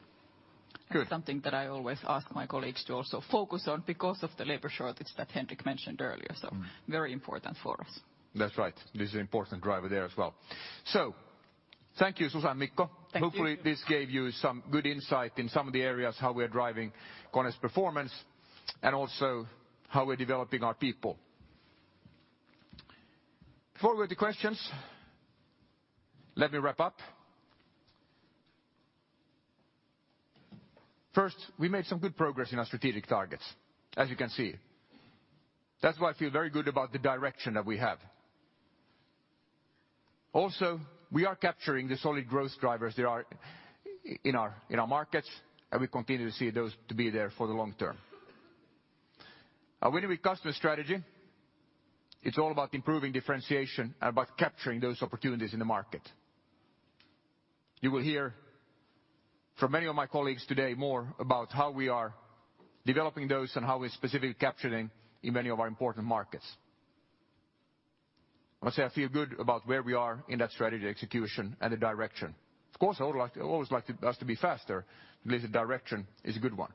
Something that I always ask my colleagues to also focus on because of the labor shortage that Henrik mentioned earlier, so very important for us. That's right. This is an important driver there as well. Thank you, Susanne, Mikko. Thank you. Hopefully, this gave you some good insight in some of the areas, how we're driving KONE's performance, and also how we're developing our people. Before we go to questions, let me wrap up. First, we made some good progress in our strategic targets, as you can see. That's why I feel very good about the direction that we have. Also, we are capturing the solid growth drivers that are in our markets, and we continue to see those to be there for the long term. Our Winning with Customers strategy, it's all about improving differentiation and about capturing those opportunities in the market. You will hear from many of my colleagues today more about how we are developing those and how we're specifically capturing in many of our important markets. I must say, I feel good about where we are in that strategy execution and the direction. Of course, I always like us to be faster, but at least the direction is a good one.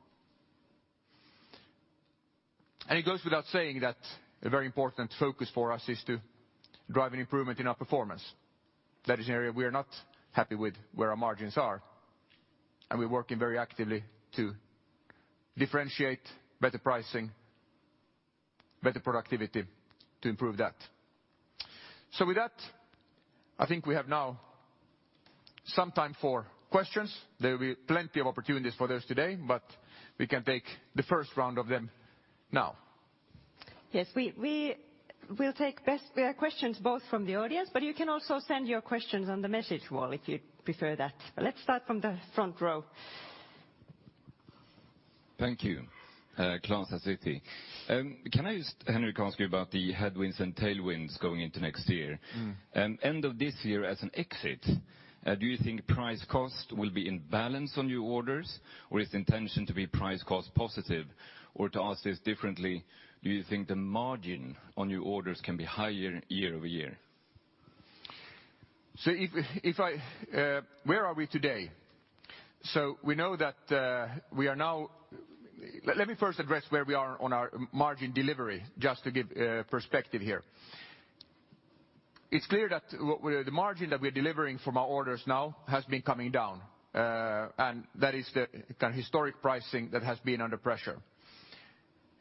It goes without saying that a very important focus for us is to drive an improvement in our performance. That is an area we are not happy with where our margins are, and we're working very actively to differentiate better pricing, better productivity to improve that. With that, I think we have now some time for questions. There will be plenty of opportunities for those today, but we can take the first round of them now. Yes, we will take questions both from the audience, but you can also send your questions on the message wall if you'd prefer that. Let's start from the front row. Thank you. Klas at Citi. Can I just, Henrik, ask you about the headwinds and tailwinds going into next year? End of this year as an exit, do you think price cost will be in balance on new orders, or is the intention to be price cost positive? To ask this differently, do you think the margin on new orders can be higher year-over-year? Where are we today? Let me first address where we are on our margin delivery, just to give perspective here. It's clear that the margin that we're delivering from our orders now has been coming down, and that is the kind of historic pricing that has been under pressure.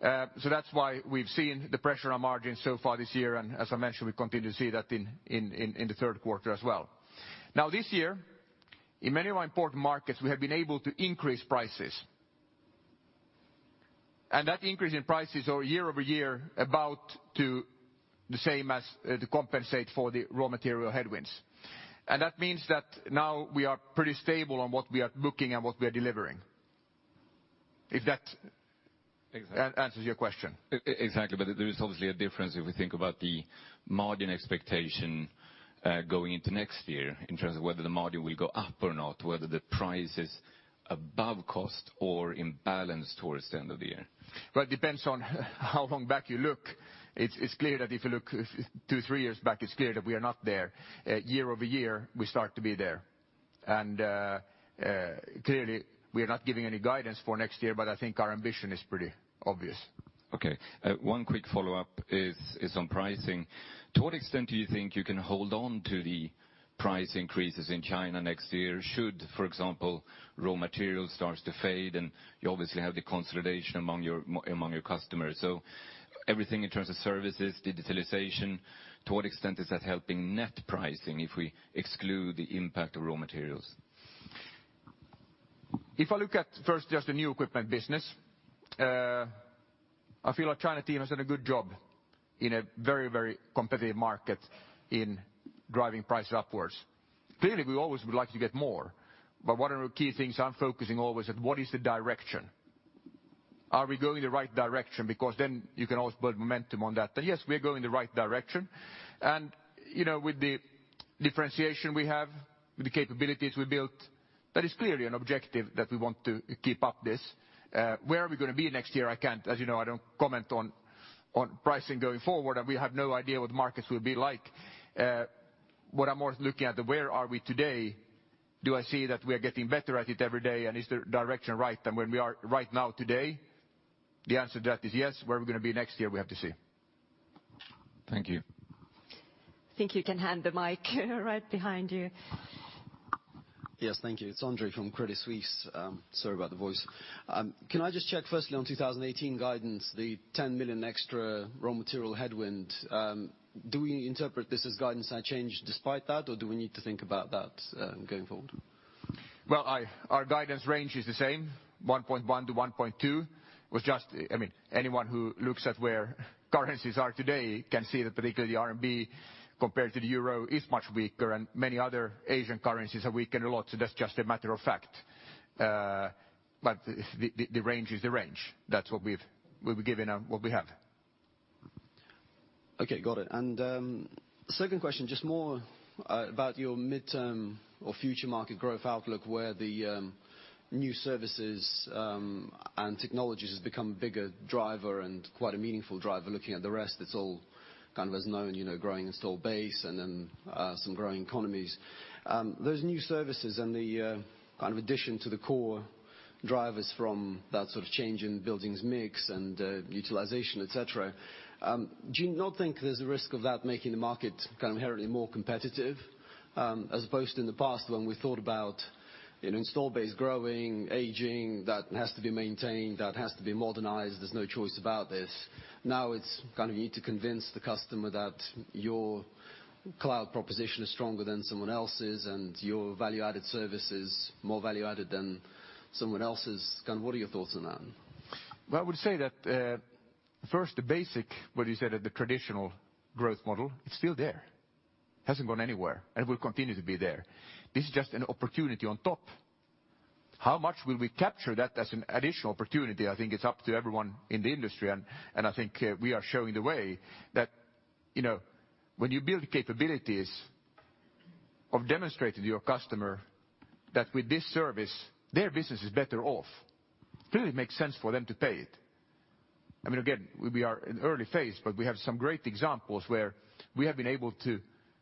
That's why we've seen the pressure on margins so far this year, and as I mentioned, we continue to see that in the third quarter as well. This year, in many of our important markets, we have been able to increase prices. That increase in prices are year-over-year about to the same as to compensate for the raw material headwinds. That means that now we are pretty stable on what we are booking and what we are delivering. Exactly It answers your question. Exactly, there is obviously a difference if we think about the margin expectation going into next year in terms of whether the margin will go up or not, whether the price is above cost or in balance towards the end of the year. Well, it depends on how long back you look. If you look two, three years back, it's clear that we are not there. Year-over-year, we start to be there. Clearly, we are not giving any guidance for next year, but I think our ambition is pretty obvious. Okay. One quick follow-up is on pricing. To what extent do you think you can hold on to the price increases in China next year? Should, for example, raw material starts to fade, and you obviously have the consolidation among your customers. Everything in terms of services, digitalization, to what extent is that helping net pricing if we exclude the impact of raw materials? If I look at first just the new equipment business, I feel our China team has done a good job in a very competitive market in driving prices upwards. Clearly, we always would like to get more, but one of the key things I'm focusing always is what is the direction? Are we going the right direction? Then you can always build momentum on that. Yes, we are going the right direction. With the differentiation we have, with the capabilities we built, that is clearly an objective that we want to keep up this. Where are we going to be next year? As you know, I don't comment on pricing going forward, and we have no idea what the markets will be like. What I'm more looking at the where are we today. Do I see that we are getting better at it every day, and is the direction right than where we are right now today? The answer to that is yes. Where we're going to be next year, we have to see. Thank you. I think you can hand the mic right behind you. Yes. Thank you. It's Andre from Credit Suisse. Sorry about the voice. Can I just check firstly on 2018 guidance, the 10 million extra raw material headwind. Do we interpret this as guidance unchanged despite that, or do we need to think about that going forward? Our guidance range is the same, 1.1 billion to 1.2 billion. Anyone who looks at where currencies are today can see that particularly the RMB compared to the EUR is much weaker and many other Asian currencies have weakened a lot. That's just a matter of fact. The range is the range. That's what we've given and what we have. Okay, got it. Second question, just more about your midterm or future market growth outlook, where the new services, and technologies has become bigger driver and quite a meaningful driver. Looking at the rest, it's all kind of as known, growing installed base and then some growing economies. Those new services and the addition to the core drivers from that sort of change in buildings mix and utilization, et cetera, do you not think there's a risk of that making the market kind of inherently more competitive? As opposed to in the past when we thought about an install base growing, aging, that has to be maintained, that has to be modernized, there's no choice about this. Now it's you need to convince the customer that your cloud proposition is stronger than someone else's, and your value-added service is more value-added than someone else's. What are your thoughts on that? Well, I would say that, first, the basic, what you said, the traditional growth model, it's still there. Hasn't gone anywhere and will continue to be there. This is just an opportunity on top. How much will we capture that as an additional opportunity, I think it's up to everyone in our industry, and I think we are showing the way. That when you build capabilities of demonstrating to your customer that with this service, their business is better off, clearly makes sense for them to pay it. Again, we are in early phase, but we have some great examples where we have been able to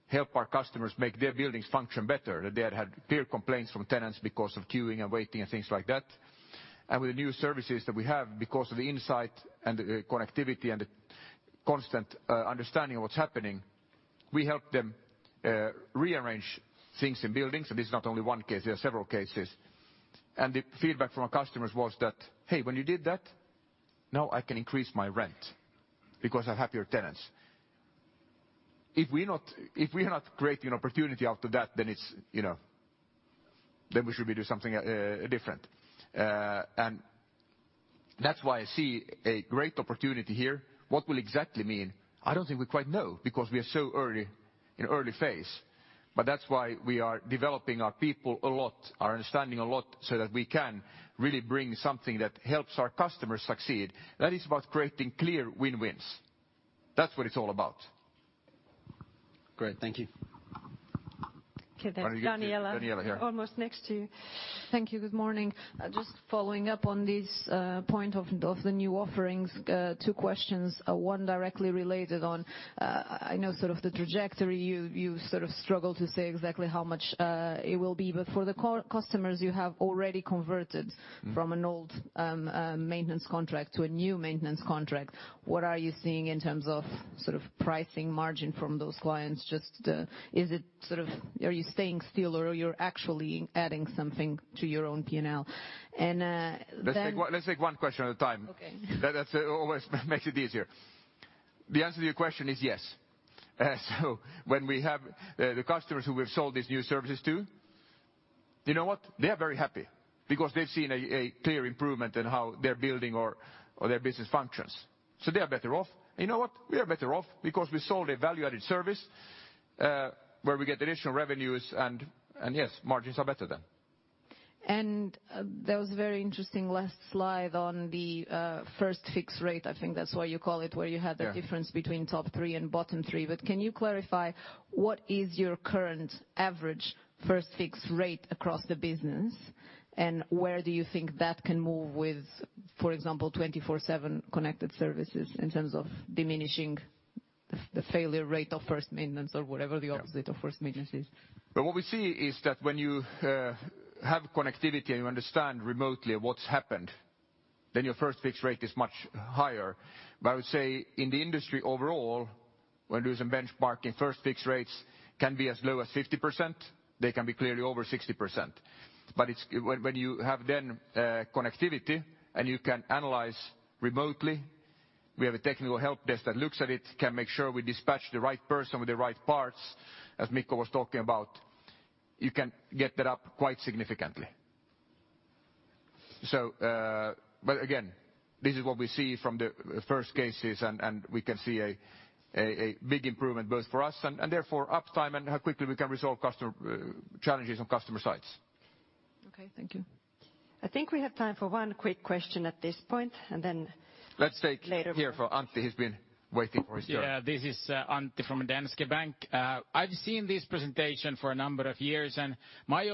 help our customers make their buildings function better. That they had clear complaints from tenants because of queuing and waiting and things like that. With the new services that we have because of the insight and the connectivity and the constant understanding of what's happening, we help them rearrange things in buildings. This is not only one case, there are several cases. The feedback from our customers was that, "Hey, when you did that, now I can increase my rent because I have your tenants." If we are not creating opportunity after that, we should be doing something different. That's why I see a great opportunity here. What will exactly mean, I don't think we quite know because we are so in early phase. That's why we are developing our people a lot, our understanding a lot, so that we can really bring something that helps our customers succeed. That is about creating clear win-wins. That's what it's all about. Great. Thank you. Okay, Daniela. Daniela here. Almost next to you. Thank you. Good morning. Just following up on this point of the new offerings. Two questions. One directly related on, I know sort of the trajectory you've sort of struggled to say exactly how much it will be. For the customers you have already converted from an old maintenance contract to a new maintenance contract, what are you seeing in terms of pricing margin from those clients? Are you staying still or you're actually adding something to your own P&L? Let's take one question at a time. Okay. That always makes it easier. The answer to your question is yes. When we have the customers who we've sold these new services to, you know what? They are very happy because they've seen a clear improvement in how they're building or their business functions. They are better off. You know what? We are better off because we sold a value-added service, where we get additional revenues and, yes, margins are better then. That was very interesting last slide on the First-Time Fix Rate, I think that's what you call it, where you had the difference between top three and bottom three. Can you clarify what is your current average First-Time Fix Rate across the business, and where do you think that can move with, for example, KONE 24/7 Connected Services in terms of diminishing the failure rate of first maintenance or whatever the opposite of first maintenance is? What we see is that when you have connectivity and you understand remotely what's happened, then your First-Time Fix Rate is much higher. I would say in our industry overall, when doing some benchmarking, First-Time Fix Rates can be as low as 50%, they can be clearly over 60%. When you have then connectivity and you can analyze remotely We have a technical help desk that looks at it, can make sure we dispatch the right person with the right parts, as Mikko was talking about. You can get that up quite significantly. Again, this is what we see from the first cases, and we can see a big improvement both for us, and therefore uptime and how quickly we can resolve challenges on customer sites. Okay, thank you. I think we have time for one quick question at this point, and then later. Let's take here from Antti, who's been waiting for his turn. Yeah. This is Antti from Danske Bank. My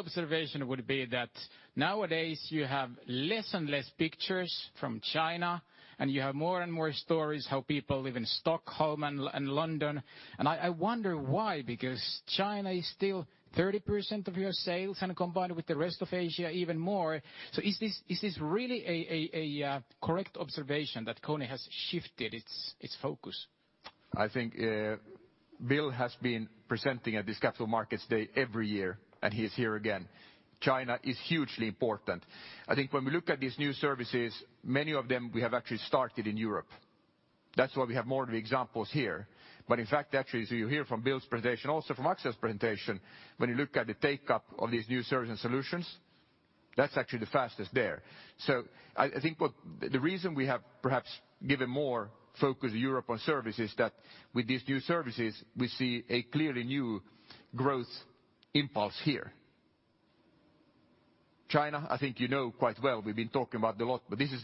observation would be that nowadays you have less and less pictures from China, and you have more and more stories how people live in Stockholm and London, and I wonder why, because China is still 30% of your sales, and combined with the rest of Asia, even more. Is this really a correct observation that KONE has shifted its focus? I think Bill has been presenting at this Capital Markets Day every year, and he's here again. China is hugely important. I think when we look at these new services, many of them we have actually started in Europe. That's why we have more of the examples here. In fact, actually, you hear from Bill's presentation, also from Axel's presentation, when you look at the take-up of these new service and solutions, that's actually the fastest there. I think the reason we have perhaps given more focus to Europe on service is that with these new services, we see a clearly new growth impulse here. China, I think you know quite well, we've been talking about a lot, but this is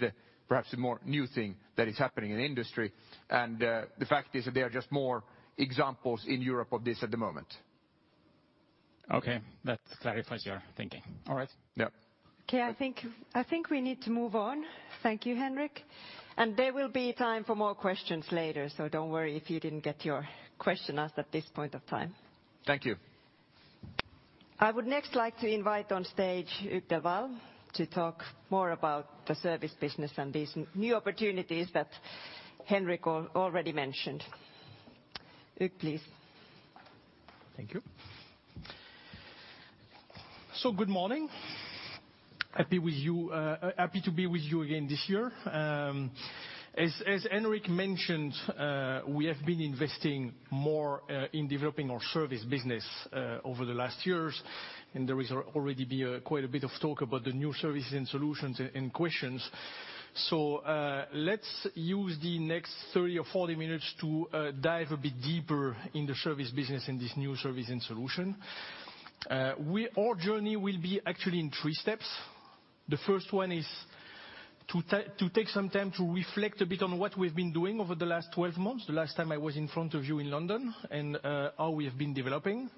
perhaps a more new thing that is happening in the industry. The fact is that there are just more examples in Europe of this at the moment. That clarifies your thinking. Yeah. I think we need to move on. Thank you, Henrik. There will be time for more questions later. Don't worry if you didn't get your question asked at this point of time. Thank you. I would next like to invite on stage Hugues Delval to talk more about the service business and these new opportunities that Henrik already mentioned. Hugues, please. Thank you. Good morning. Happy to be with you again this year. As Henrik mentioned, we have been investing more in developing our service business over the last years, and there has already been quite a bit of talk about the new services and solutions and questions. Let's use the next 30 or 40 minutes to dive a bit deeper in the service business and this new service and solution. Our journey will be actually in three steps. The first one is to take some time to reflect a bit on what we've been doing over the last 12 months, the last time I was in front of you in London, and how we have been developing.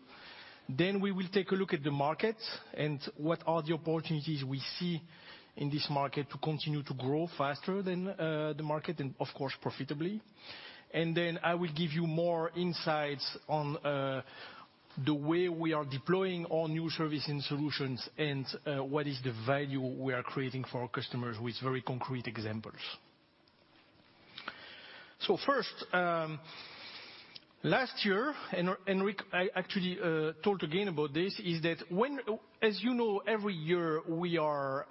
We will take a look at the market and what are the opportunities we see in this market to continue to grow faster than the market, and of course, profitably. I will give you more insights on the way we are deploying our new service and solutions and what is the value we are creating for our customers with very concrete examples. First, last year, Henrik actually talked again about this, As you know, every year we are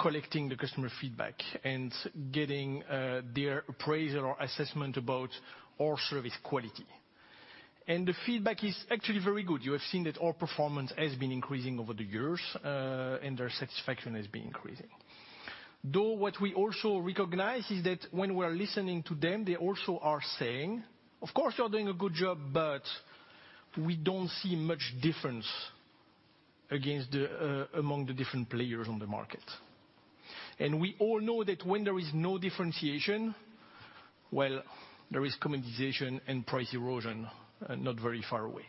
collecting the customer feedback and getting their appraisal or assessment about our service quality. The feedback is actually very good. You have seen that our performance has been increasing over the years, and their satisfaction has been increasing. What we also recognize is that when we're listening to them, they also are saying, "Of course, you're doing a good job, but we don't see much difference among the different players on the market." We all know that when there is no differentiation, well, there is commoditization and price erosion not very far away.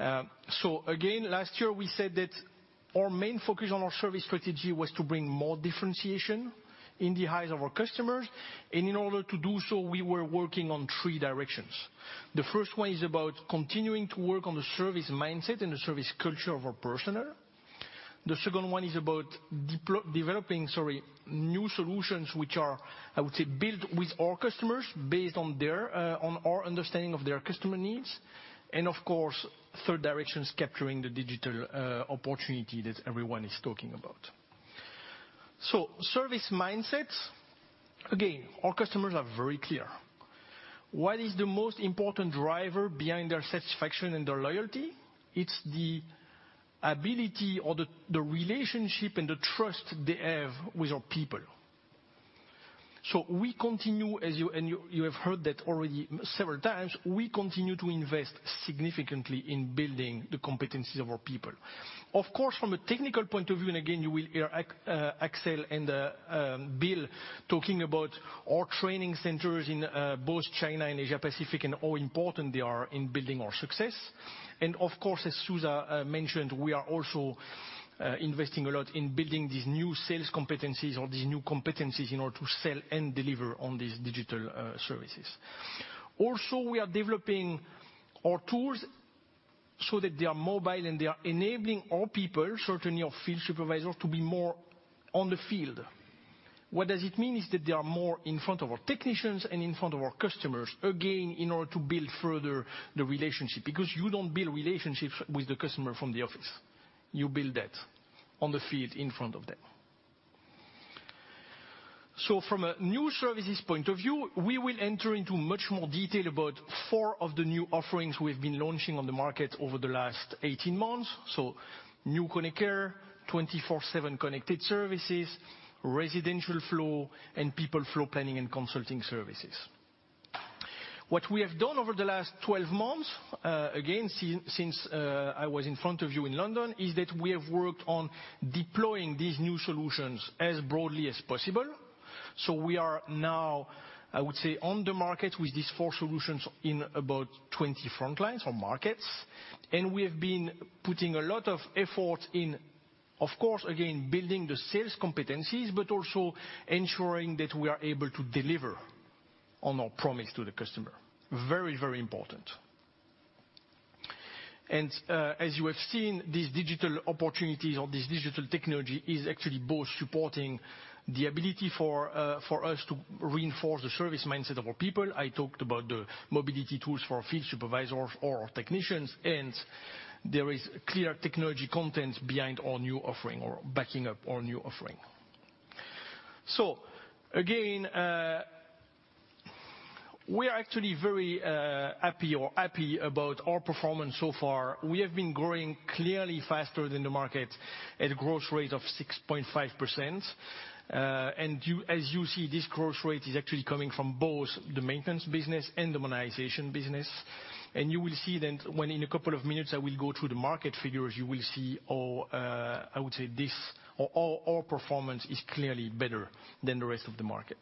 Again, last year we said that our main focus on our service strategy was to bring more differentiation in the eyes of our customers. In order to do so, we were working on three directions. The first one is about continuing to work on the service mindset and the service culture of our personnel. The second one is about developing new solutions, which are, I would say, built with our customers based on our understanding of their customer needs. Of course, third direction is capturing the digital opportunity that everyone is talking about. Service mindsets, again, our customers are very clear. What is the most important driver behind their satisfaction and their loyalty? It's the ability or the relationship and the trust they have with our people. We continue, you have heard that already several times, we continue to invest significantly in building the competencies of our people. Of course, from a technical point of view, you will hear Axel and Bill talking about our training centers in both China and Asia Pacific and how important they are in building our success. Of course, as Susa mentioned, we are also investing a lot in building these new sales competencies or these new competencies in order to sell and deliver on these digital services. We are developing our tools so that they are mobile and they are enabling our people, certainly our field supervisors, to be more on the field. What does it mean is that they are more in front of our technicians and in front of our customers, again, in order to build further the relationship. You don't build relationships with the customer from the office. You build that on the field in front of them. From a new services point of view, we will enter into much more detail about four of the new offerings we've been launching on the market over the last 18 months. New KONE Care, 24/7 Connected Services, Residential Flow, and People Flow Planning and Consulting services. What we have done over the last 12 months, again, since I was in front of you in London, is that we have worked on deploying these new solutions as broadly as possible. We are now, I would say, on the market with these four solutions in about 20 front lines or markets. We have been putting a lot of effort in, of course, again, building the sales competencies, but also ensuring that we are able to deliver on our promise to the customer. Very important. As you have seen, these digital opportunities or this digital technology is actually both supporting the ability for us to reinforce the service mindset of our people. I talked about the mobility tools for our field supervisors or our technicians, there is clear technology content behind our new offering or backing up our new offering. Again, we are actually very happy about our performance so far. We have been growing clearly faster than the market at a growth rate of 6.5%. As you see, this growth rate is actually coming from both the maintenance business and the modernization business. You will see then when in a couple of minutes, I will go through the market figures, you will see all, I would say this or all our performance is clearly better than the rest of the market.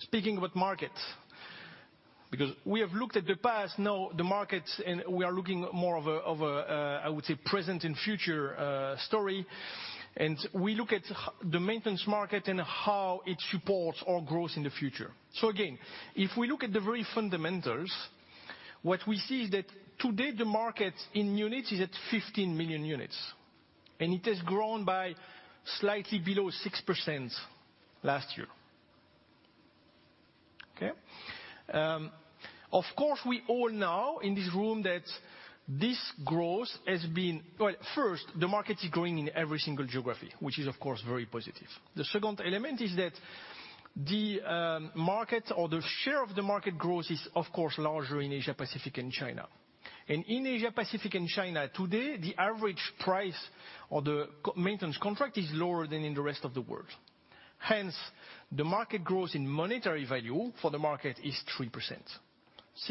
Speaking about markets, because we have looked at the past, now the markets, we are looking more of a, I would say present and future story. We look at the maintenance market and how it supports our growth in the future. Again, if we look at the very fundamentals, what we see is that today the market in units is at 15 million units, it has grown by slightly below 6% last year. Okay. Of course, we all know in this room that this growth, the market is growing in every single geography, which is of course very positive. The second element is that the market or the share of the market growth is, of course, larger in Asia-Pacific and China. In Asia-Pacific and China today, the average price or the maintenance contract is lower than in the rest of the world. Hence, the market growth in monetary value for the market is 3%.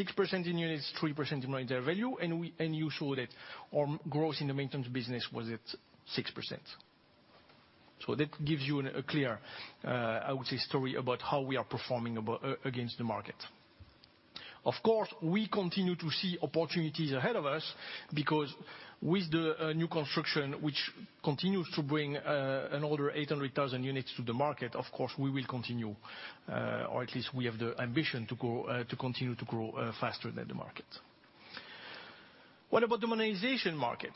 6% in units, 3% in monetary value. You saw that our growth in the maintenance business was at 6%. That gives you a clear, I would say, story about how we are performing against the market. Of course, we continue to see opportunities ahead of us because with the new construction, which continues to bring another 800,000 units to the market, of course, we will continue, or at least we have the ambition to continue to grow faster than the market. What about the modernization market?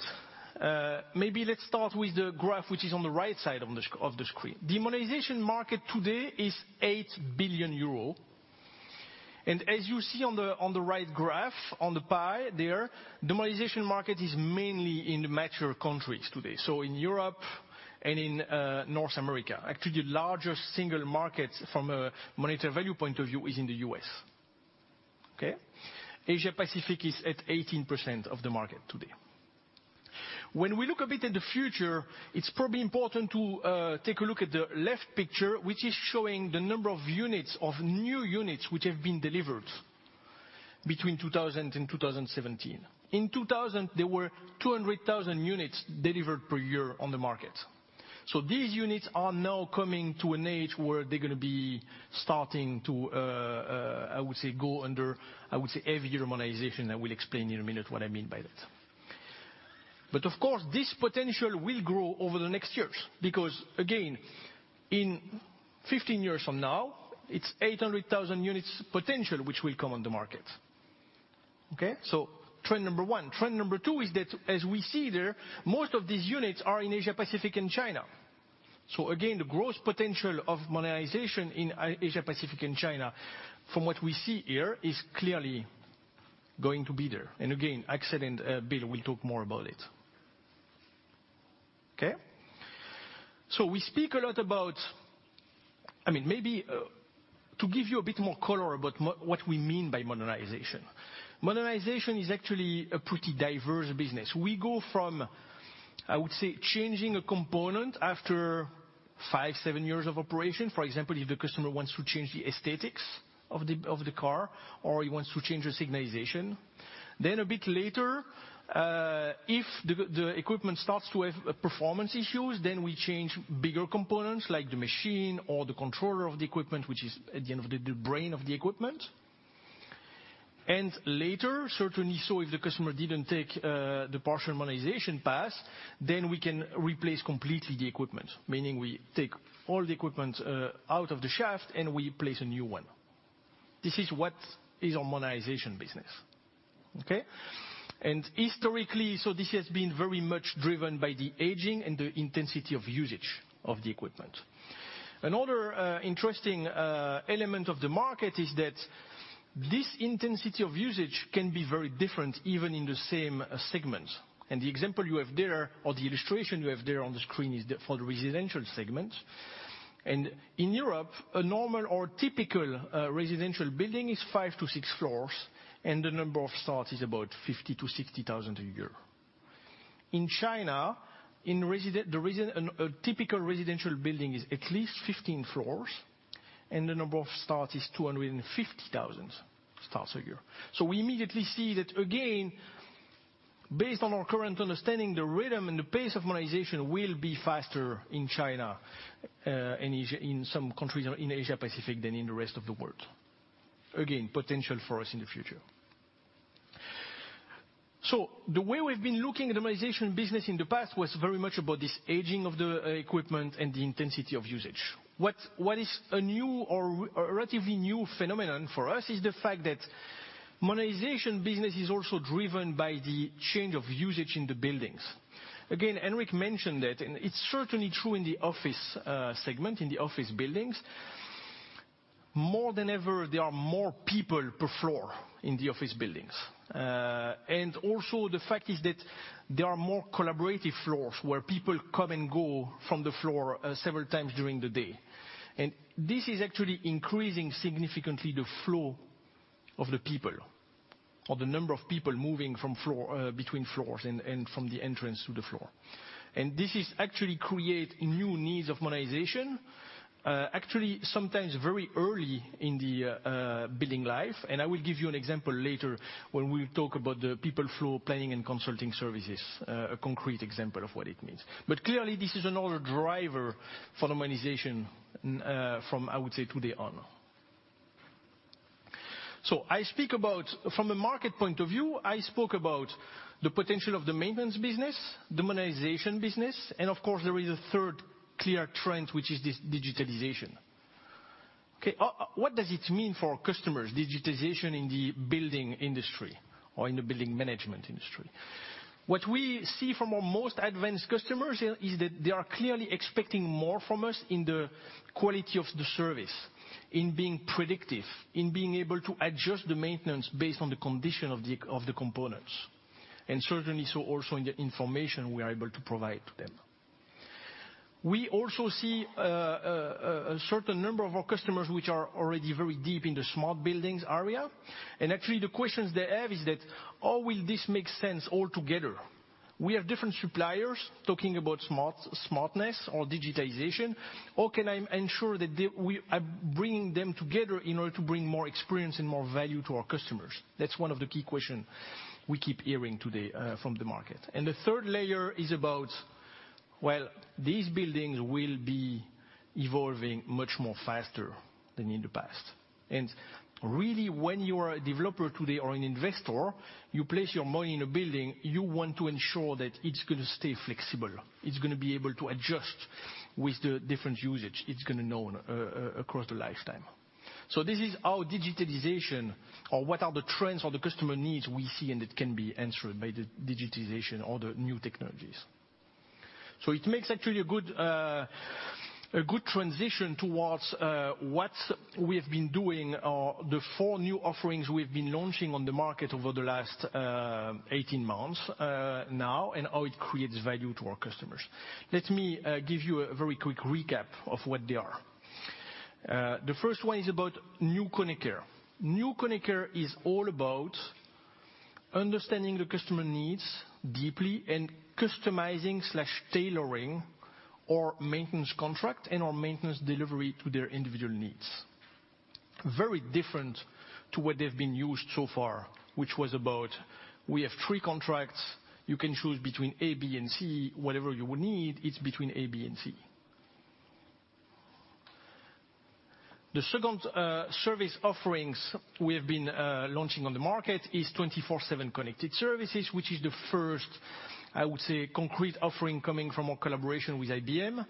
Maybe let's start with the graph, which is on the right side of the screen. The modernization market today is 8 billion euros. As you see on the right graph, on the pie there, the modernization market is mainly in the mature countries today. In Europe and in North America. Actually, the largest single market from a monetary value point of view is in the U.S. Okay? Asia-Pacific is at 18% of the market today. When we look a bit at the future, it's probably important to take a look at the left picture, which is showing the number of units, of new units, which have been delivered between 2000 and 2017. In 2000, there were 200,000 units delivered per year on the market. These units are now coming to an age where they're going to be starting to, I would say go under, I would say every year modernization. I will explain in a minute what I mean by that. Of course, this potential will grow over the next years because again, in 15 years from now, it's 800,000 units potential which will come on the market. Okay? Trend number one. Trend number two is that as we see there, most of these units are in Asia-Pacific and China. Again, the growth potential of modernization in Asia-Pacific and China, from what we see here, is clearly going to be there. Again, Axel and Bill will talk more about it. Okay? We speak a lot about-- Maybe to give you a bit more color about what we mean by modernization. Modernization is actually a pretty diverse business. We go from, I would say, changing a component after five, seven years of operation. For example, if the customer wants to change the aesthetics of the car, or he wants to change the signalization. A bit later, if the equipment starts to have performance issues, then we change bigger components like the machine or the controller of the equipment, which is at the end of the day, the brain of the equipment. Later, certainly, if the customer didn't take the partial modernization path, then we can replace completely the equipment, meaning we take all the equipment out of the shaft and we place a new one. This is what is our modernization business. Okay? Historically, this has been very much driven by the aging and the intensity of usage of the equipment. Another interesting element of the market is that this intensity of usage can be very different, even in the same segment. The example you have there, or the illustration you have there on the screen, is for the residential segment. In Europe, a normal or typical residential building is five to six floors, and the number of starts is about 50,000 to 60,000 a year. In China, a typical residential building is at least 15 floors, and the number of starts is 250,000 starts a year. We immediately see that, again, based on our current understanding, the rhythm and the pace of modernization will be faster in China and in some countries in Asia Pacific than in the rest of the world. Again, potential for us in the future. The way we've been looking at the modernization business in the past was very much about this aging of the equipment and the intensity of usage. What is a new or relatively new phenomenon for us is the fact that modernization business is also driven by the change of usage in the buildings. Again, Henrik mentioned that, and it's certainly true in the office segment, in the office buildings. More than ever, there are more people per floor in the office buildings. Also, the fact is that there are more collaborative floors where people come and go from the floor several times during the day. This is actually increasing, significantly, the flow of the people, or the number of people moving between floors and from the entrance to the floor. This is actually create new needs of modernization, actually, sometimes very early in the building life. I will give you an example later when we talk about the KONE People Flow Planning and Consulting services, a concrete example of what it means. Clearly, this is another driver for the modernization from, I would say, today on. From a market point of view, I spoke about the potential of the maintenance business, the modernization business. Of course, there is a third clear trend, which is this digitalization. Okay. What does it mean for our customers, digitization in the building industry or in the building management industry? What we see from our most advanced customers is that they are clearly expecting more from us in the quality of the service, in being predictive, in being able to adjust the maintenance based on the condition of the components, certainly, also in the information we are able to provide to them. We also see a certain number of our customers which are already very deep in the smart buildings area. Actually, the questions they have is that, "Oh, will this make sense all together? We have different suppliers talking about smartness or digitization. How can I ensure that I'm bringing them together in order to bring more experience and more value to our customers?" That's one of the key question we keep hearing today from the market. The third layer is about, well, these buildings will be evolving much more faster than in the past. Really, when you are a developer today or an investor, you place your money in a building, you want to ensure that it's going to stay flexible. It's going to be able to adjust with the different usage it's going to know across the lifetime. This is our digitalization, or what are the trends or the customer needs we see, and it can be answered by the digitization or the new technologies. It makes actually a good transition towards what we have been doing, or the four new offerings we've been launching on the market over the last 18 months now, and how it creates value to our customers. Let me give you a very quick recap of what they are. The first one is about New KONE Care. New KONE Care is all about understanding the customer needs deeply and customizing/tailoring our maintenance contract and our maintenance delivery to their individual needs. Very different to what they've been used so far, which was about, "We have three contracts. You can choose between A, B, and C. Whatever you would need, it's between A, B, and C." The second service offerings we have been launching on the market is 24/7 Connected Services, which is the first, I would say, concrete offering coming from our collaboration with IBM,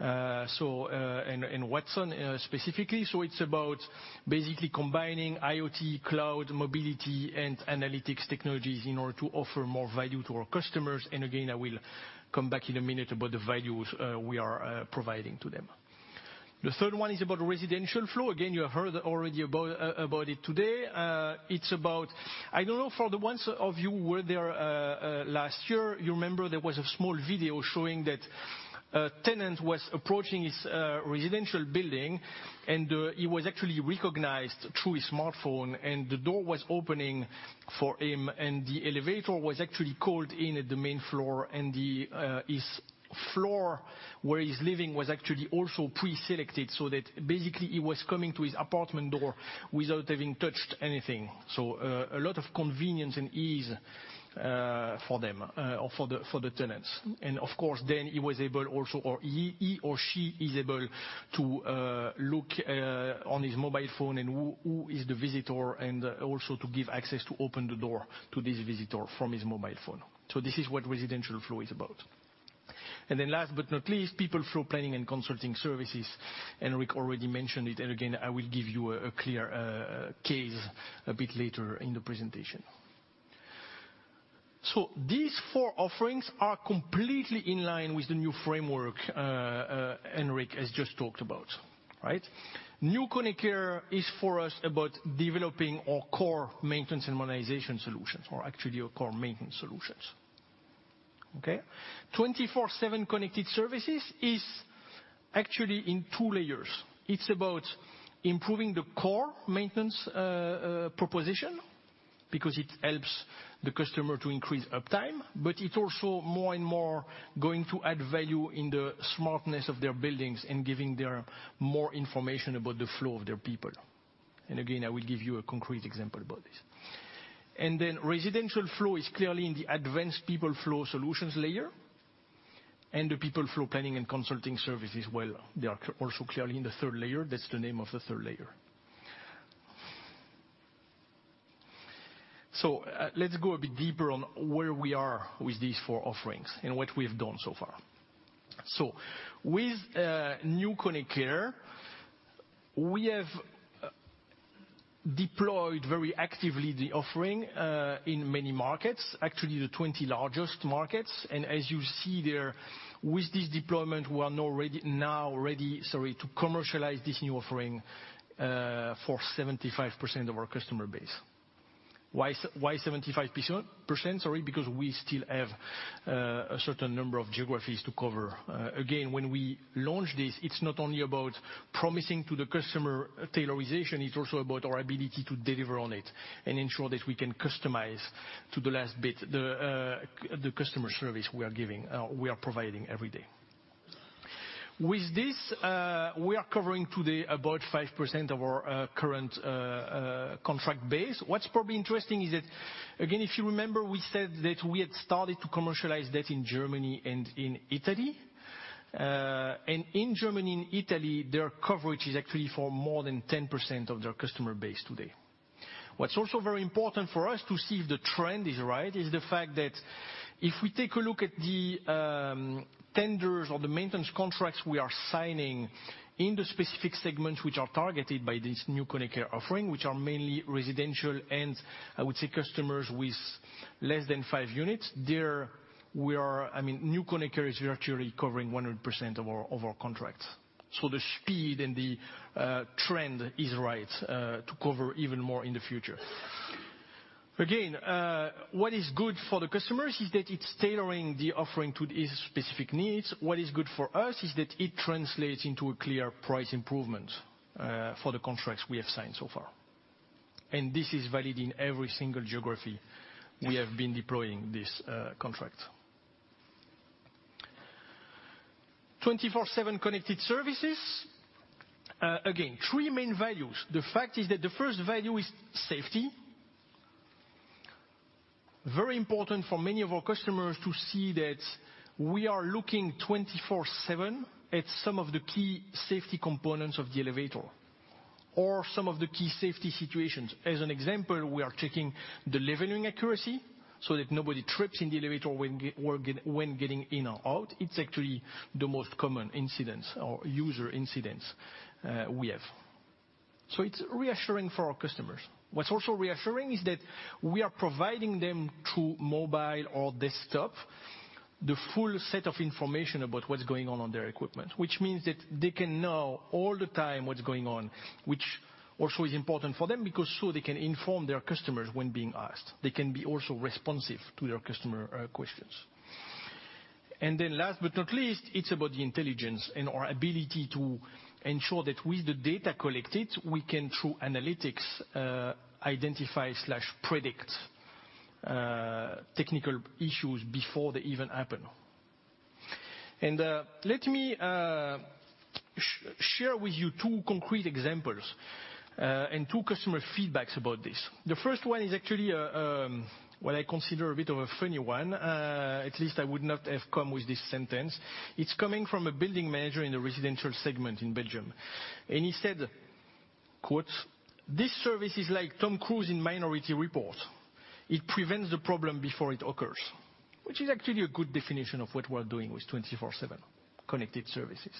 and Watson specifically. It's about basically combining IoT, cloud, mobility, and analytics technologies in order to offer more value to our customers. Again, I will come back in a minute about the values we are providing to them. The third one is about Residential Flow. Again, you have heard already about it today. I don't know, for the ones of you who were there last year, you remember there was a small video showing that a tenant was approaching his residential building, he was actually recognized through his smartphone, the door was opening for him, the elevator was actually called in at the main floor, and his floor where he's living was actually also preselected, that basically he was coming to his apartment door without having touched anything. A lot of convenience and ease for them or for the tenants. Of course, then he was able also, or he or she is able to look on his mobile phone and who is the visitor and also to give access to open the door to this visitor from his mobile phone. This is what Residential Flow is about. Last but not least, KONE People Flow Planning and Consulting Services. Henrik already mentioned it, again, I will give you a clear case a bit later in the presentation. These four offerings are completely in line with the new framework Henrik has just talked about. New KONE Care is for us about developing our core maintenance and modernization solutions, or actually our core maintenance solutions. Okay? 24/7 Connected Services is actually in two layers. It's about improving the core maintenance proposition, because it helps the customer to increase uptime, but it also more and more going to add value in the smartness of their buildings and giving more information about the flow of their people. Again, I will give you a concrete example about this. Residential Flow is clearly in the advanced people flow solutions layer, and the People Flow Planning and Consulting Services, well, they are also clearly in the third layer. That's the name of the third layer. Let's go a bit deeper on where we are with these four offerings and what we have done so far. With New KONE Care, we have deployed very actively the offering, in many markets, actually the 20 largest markets. As you see there with this deployment, we are now ready to commercialize this new offering, for 75% of our customer base. Why 75%? Because we still have a certain number of geographies to cover. When we launch this, it's not only about promising to the customer tailorization, it's also about our ability to deliver on it and ensure that we can customize to the last bit, the customer service we are providing every day. With this, we are covering today about 5% of our current contract base. What's probably interesting is that, again, if you remember, we said that we had started to commercialize that in Germany and in Italy. In Germany and Italy, their coverage is actually for more than 10% of their customer base today. What's also very important for us to see if the trend is right, is the fact that, if we take a look at the tenders or the maintenance contracts we are signing in the specific segments, which are targeted by this New KONE Care offering, which are mainly residential and I would say customers with less than 5 units. New KONE Care is virtually covering 100% of our contracts. The speed and the trend is right to cover even more in the future. What is good for the customers is that it's tailoring the offering to their specific needs. What is good for us is that it translates into a clear price improvement for the contracts we have signed so far. This is valid in every single geography we have been deploying this contract. 24/7 Connected Services, again, three main values. The fact is that the first value is safety. Very important for many of our customers to see that we are looking 24/7 at some of the key safety components of the elevator or some of the key safety situations. As an example, we are checking the leveling accuracy so that nobody trips in the elevator when getting in or out. It's actually the most common incidents or user incidents we have. It's reassuring for our customers. What's also reassuring is that we are providing them through mobile or desktop, the full set of information about what's going on their equipment. Which means that they can know all the time what's going on, which also is important for them because so they can inform their customers when being asked. They can be also responsive to their customer questions. Last but not least, it's about the intelligence and our ability to ensure that with the data collected, we can, through analytics, identify/predict technical issues before they even happen. Let me share with you two concrete examples, and two customer feedbacks about this. The first one is actually what I consider a bit of a funny one. At least I would not have come with this sentence. It's coming from a building manager in a residential segment in Belgium. He said, quote, "This service is like Tom Cruise in Minority Report. It prevents the problem before it occurs." Which is actually a good definition of what we're doing with 24/7 Connected Services.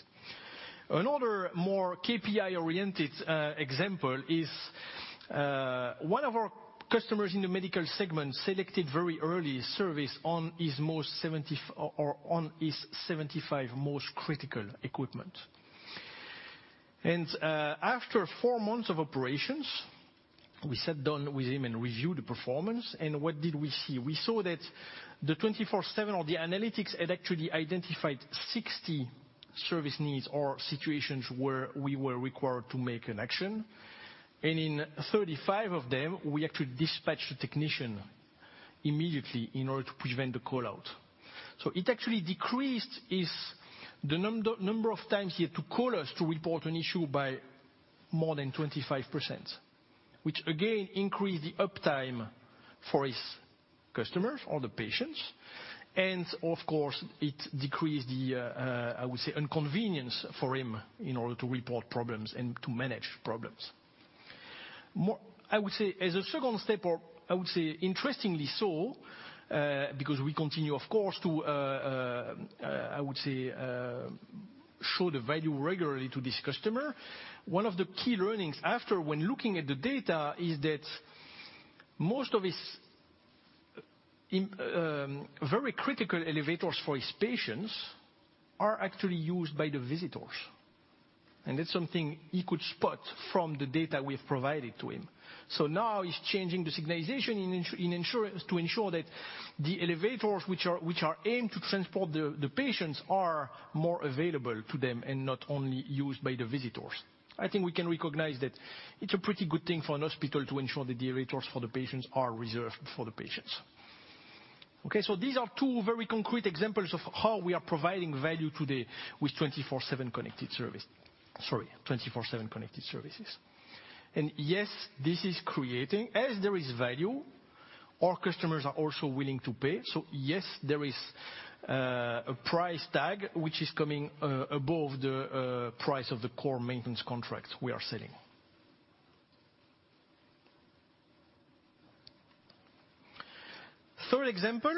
Another more KPI-oriented example is, one of our customers in the medical segment selected very early service on his 75 most critical equipment. After four months of operations, we sat down with him and reviewed the performance. What did we see? We saw that the 24/7 or the analytics had actually identified 60 service needs or situations where we were required to make an action. In 35 of them, we actually dispatched a technician immediately in order to prevent the call-out. It actually decreased the number of times he had to call us to report an issue by more than 25%, which again increased the uptime for his customers or the patients. Of course, it decreased the, I would say, inconvenience for him in order to report problems and to manage problems. As a second step, I would say interestingly so, because we continue, of course, to, I would say show the value regularly to this customer. One of the key learnings after, when looking at the data, is that most of his very critical elevators for his patients are actually used by the visitors. It's something he could spot from the data we've provided to him. Now he's changing the signalization to ensure that the elevators, which are aimed to transport the patients, are more available to them and not only used by the visitors. I think we can recognize that it's a pretty good thing for an hospital to ensure that the elevators for the patients are reserved for the patients. These are two very concrete examples of how we are providing value today with 24/7 Connected Services. Sorry, 24/7 Connected Services. Yes, this is creating. As there is value, our customers are also willing to pay. Yes, there is a price tag which is coming above the price of the core maintenance contract we are selling. Third example,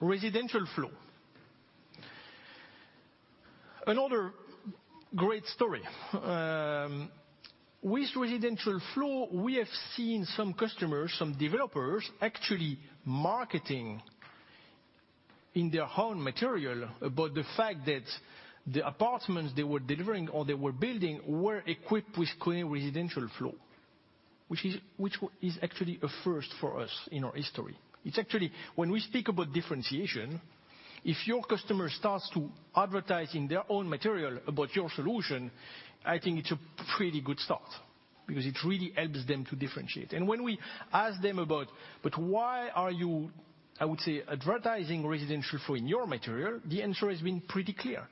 Residential Flow. Another great story. With Residential Flow, we have seen some customers, some developers, actually marketing in their own material about the fact that the apartments they were delivering or they were building were equipped with KONE Residential Flow, which is actually a first for us in our history. It's actually, when we speak about differentiation, if your customer starts to advertise in their own material about your solution, I think it's a pretty good start, because it really helps them to differentiate. When we ask them about, why are you, I would say, advertising Residential Flow in your material? The answer has been pretty clear.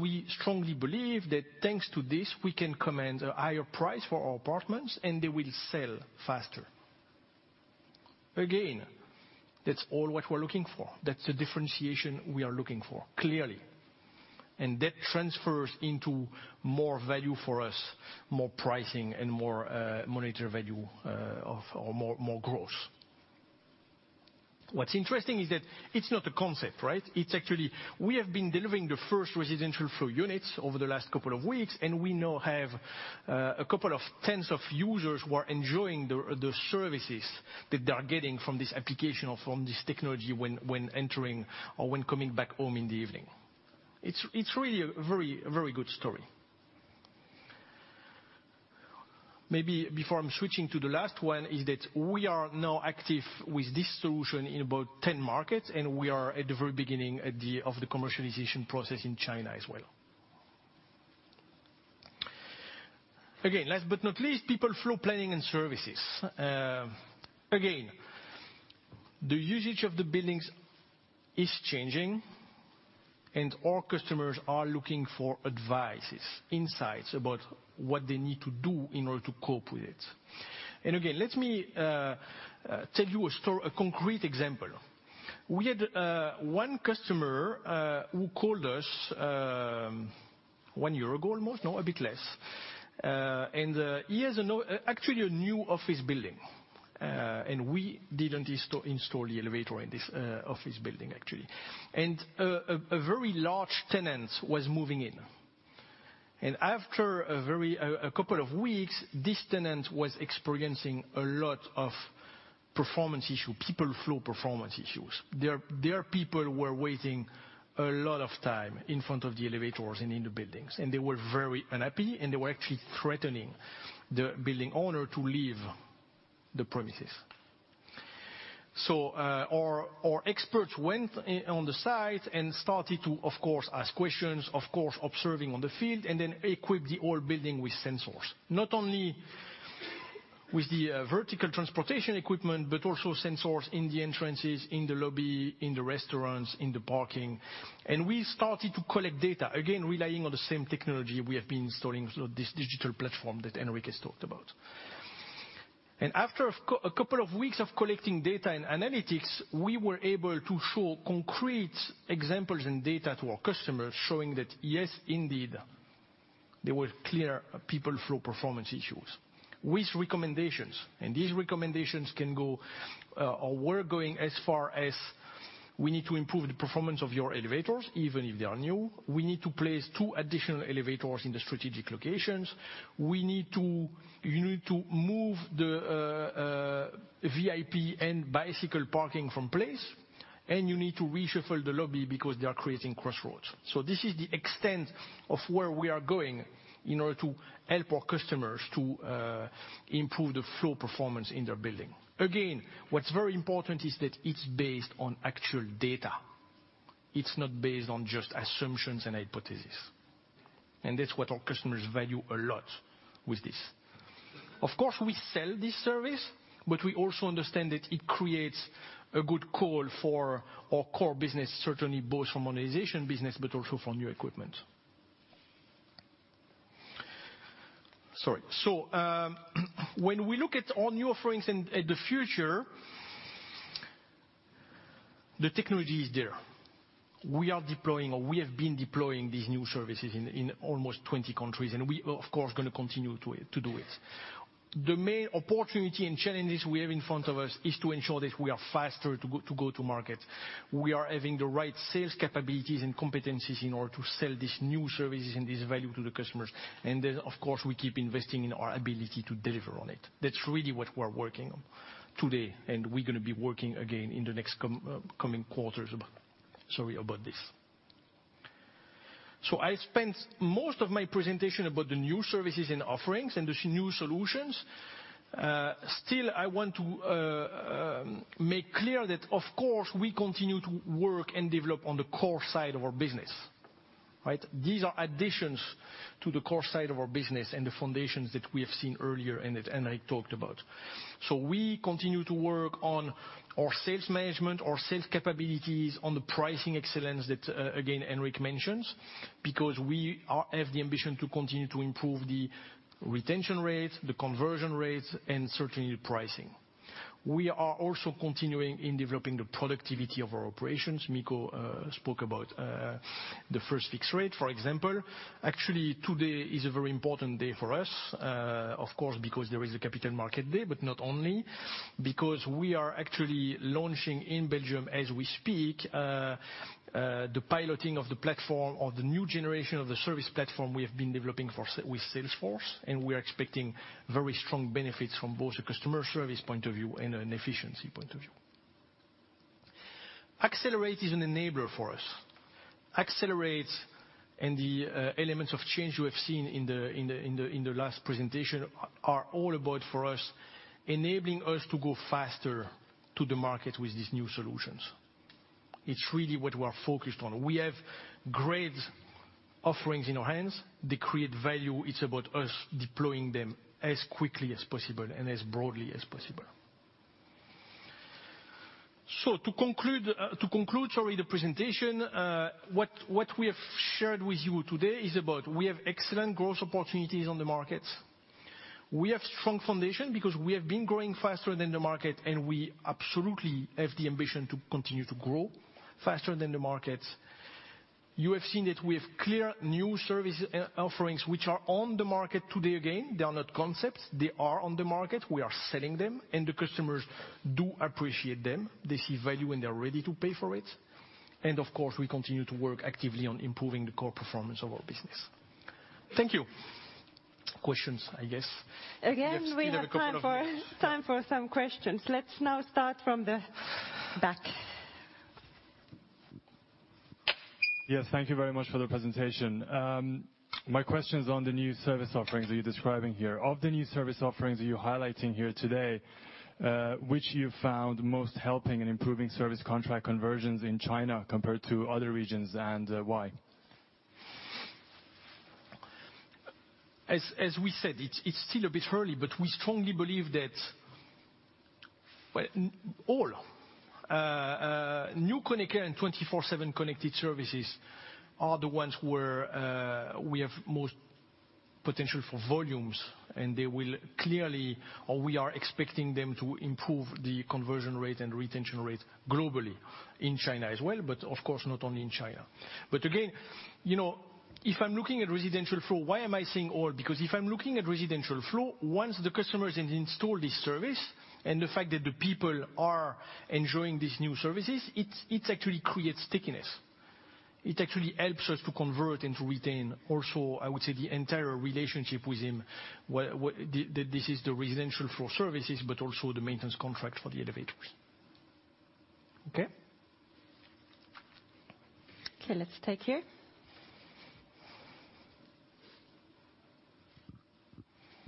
We strongly believe that thanks to this, we can command a higher price for our apartments, and they will sell faster. That's all what we're looking for. That's the differentiation we are looking for, clearly. That transfers into more value for us, more pricing, and more monetary value, or more growth. What's interesting is that it's not a concept, right? It's actually, we have been delivering the first Residential Flow units over the last couple of weeks, and we now have a couple of tens of users who are enjoying the services that they are getting from this application or from this technology when entering or when coming back home in the evening. It's really a very good story. Maybe before I'm switching to the last one, is that we are now active with this solution in about 10 markets, we are at the very beginning of the commercialization process in China as well. Last but not least, KONE People Flow Planning and Consulting. The usage of the buildings is changing, our customers are looking for advices, insights about what they need to do in order to cope with it. Let me tell you a concrete example. We had one customer who called us one year ago, almost. No, a bit less. He has actually a new office building. We didn't install the elevator in this office building, actually. A very large tenant was moving in. After a couple of weeks, this tenant was experiencing a lot of performance issue, people flow performance issues. Their people were waiting a lot of time in front of the elevators and in the buildings. They were very unhappy, they were actually threatening the building owner to leave the premises. Our experts went on the site and started to, of course, ask questions, of course, observing on the field, then equipped the whole building with sensors. Not only with the vertical transportation equipment, but also sensors in the entrances, in the lobby, in the restaurants, in the parking. We started to collect data, again, relying on the same technology we have been installing for this KONE Digital Platform that Henrik Ehrnrooth has talked about. After a couple of weeks of collecting data and analytics, we were able to show concrete examples and data to our customers, showing that yes, indeed, there were clear people flow performance issues. With recommendations, these recommendations can go, or we're going as far as we need to improve the performance of your elevators, even if they are new. We need to place two additional elevators in the strategic locations. You need to move the VIP and bicycle parking from place. You need to reshuffle the lobby because they are creating crossroads. This is the extent of where we are going in order to help our customers to improve the flow performance in their building. What's very important is that it's based on actual data. It's not based on just assumptions and hypothesis. That's what our customers value a lot with this. Of course, we sell this service, but we also understand that it creates a good call for our core business, certainly both from modernization business, but also for new equipment. Sorry. When we look at our new offerings in the future, the technology is there. We are deploying, or we have been deploying these new services in almost 20 countries, and we of course, are going to continue to do it. The main opportunity and challenges we have in front of us is to ensure that we are faster to go to market. We are having the right sales capabilities and competencies in order to sell these new services and this value to the customers. Of course, we keep investing in our ability to deliver on it. That's really what we're working on today, and we're going to be working again in the next coming quarters about this. I spent most of my presentation about the new services and offerings and the new solutions. I want to make clear that, of course, we continue to work and develop on the core side of our business, right? These are additions to the core side of our business and the foundations that we have seen earlier and that Henrik talked about. We continue to work on our sales management, our sales capabilities, on the pricing excellence that, again, Henrik mentions, because we have the ambition to continue to improve the retention rates, the conversion rates, and certainly the pricing. We are also continuing in developing the productivity of our operations. Mikko spoke about the First-Time Fix Rate, for example. Today is a very important day for us, of course, because there is a capital market day, but not only, because we are actually launching in Belgium as we speak, the piloting of the platform of the new generation of the service platform we have been developing with Salesforce, and we are expecting very strong benefits from both a customer service point of view and an efficiency point of view. Accelerate is an enabler for us. Accelerate and the elements of change you have seen in the last presentation are all about, for us, enabling us to go faster to the market with these new solutions. It's really what we are focused on. We have great offerings in our hands. They create value. It's about us deploying them as quickly as possible and as broadly as possible. To conclude the presentation, what we have shared with you today is about, we have excellent growth opportunities on the market. We have strong foundation because we have been growing faster than the market, and we absolutely have the ambition to continue to grow faster than the market. You have seen that we have clear new service offerings which are on the market today. Again, they are not concepts. They are on the market. We are selling them, and the customers do appreciate them. They see value, and they are ready to pay for it. Of course, we continue to work actively on improving the core performance of our business. Thank you. Questions, I guess. We have time for some questions. Let's now start from the back. Yes, thank you very much for the presentation. My question is on the new service offerings that you're describing here. Of the new service offerings that you're highlighting here today, which you found most helping in improving service contract conversions in China compared to other regions, and why? As we said, it's still a bit early, we strongly believe that all new KONE Care and KONE 24/7 Connected Services are the ones where we have most potential for volumes, and they will clearly, or we are expecting them to improve the conversion rate and retention rate globally in China as well, of course, not only in China. Again, if I'm looking at Residential Flow, why am I saying all? Because if I'm looking at Residential Flow, once the customer has installed this service, and the fact that the people are enjoying these new services, it actually creates stickiness. It actually helps us to convert and to retain also, I would say, the entire relationship with him, that this is the Residential Flow services, but also the maintenance contract for the elevators. Okay? Okay, let's take here.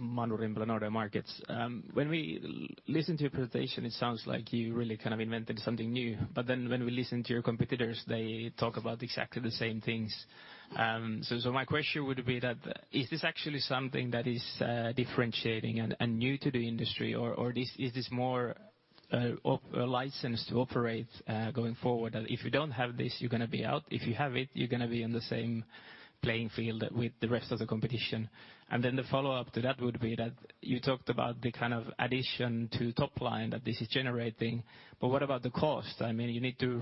Manu Rimpelä, Nordea Markets. When we listen to your presentation, it sounds like you really kind of invented something new, but then when we listen to your competitors, they talk about exactly the same things. My question would be that, is this actually something that is differentiating and new to our industry, or is this more a license to operate going forward? That if you don't have this, you're going to be out. If you have it, you're going to be on the same playing field with the rest of the competition. The follow-up to that would be that you talked about the kind of addition to top line that this is generating, but what about the cost? You need to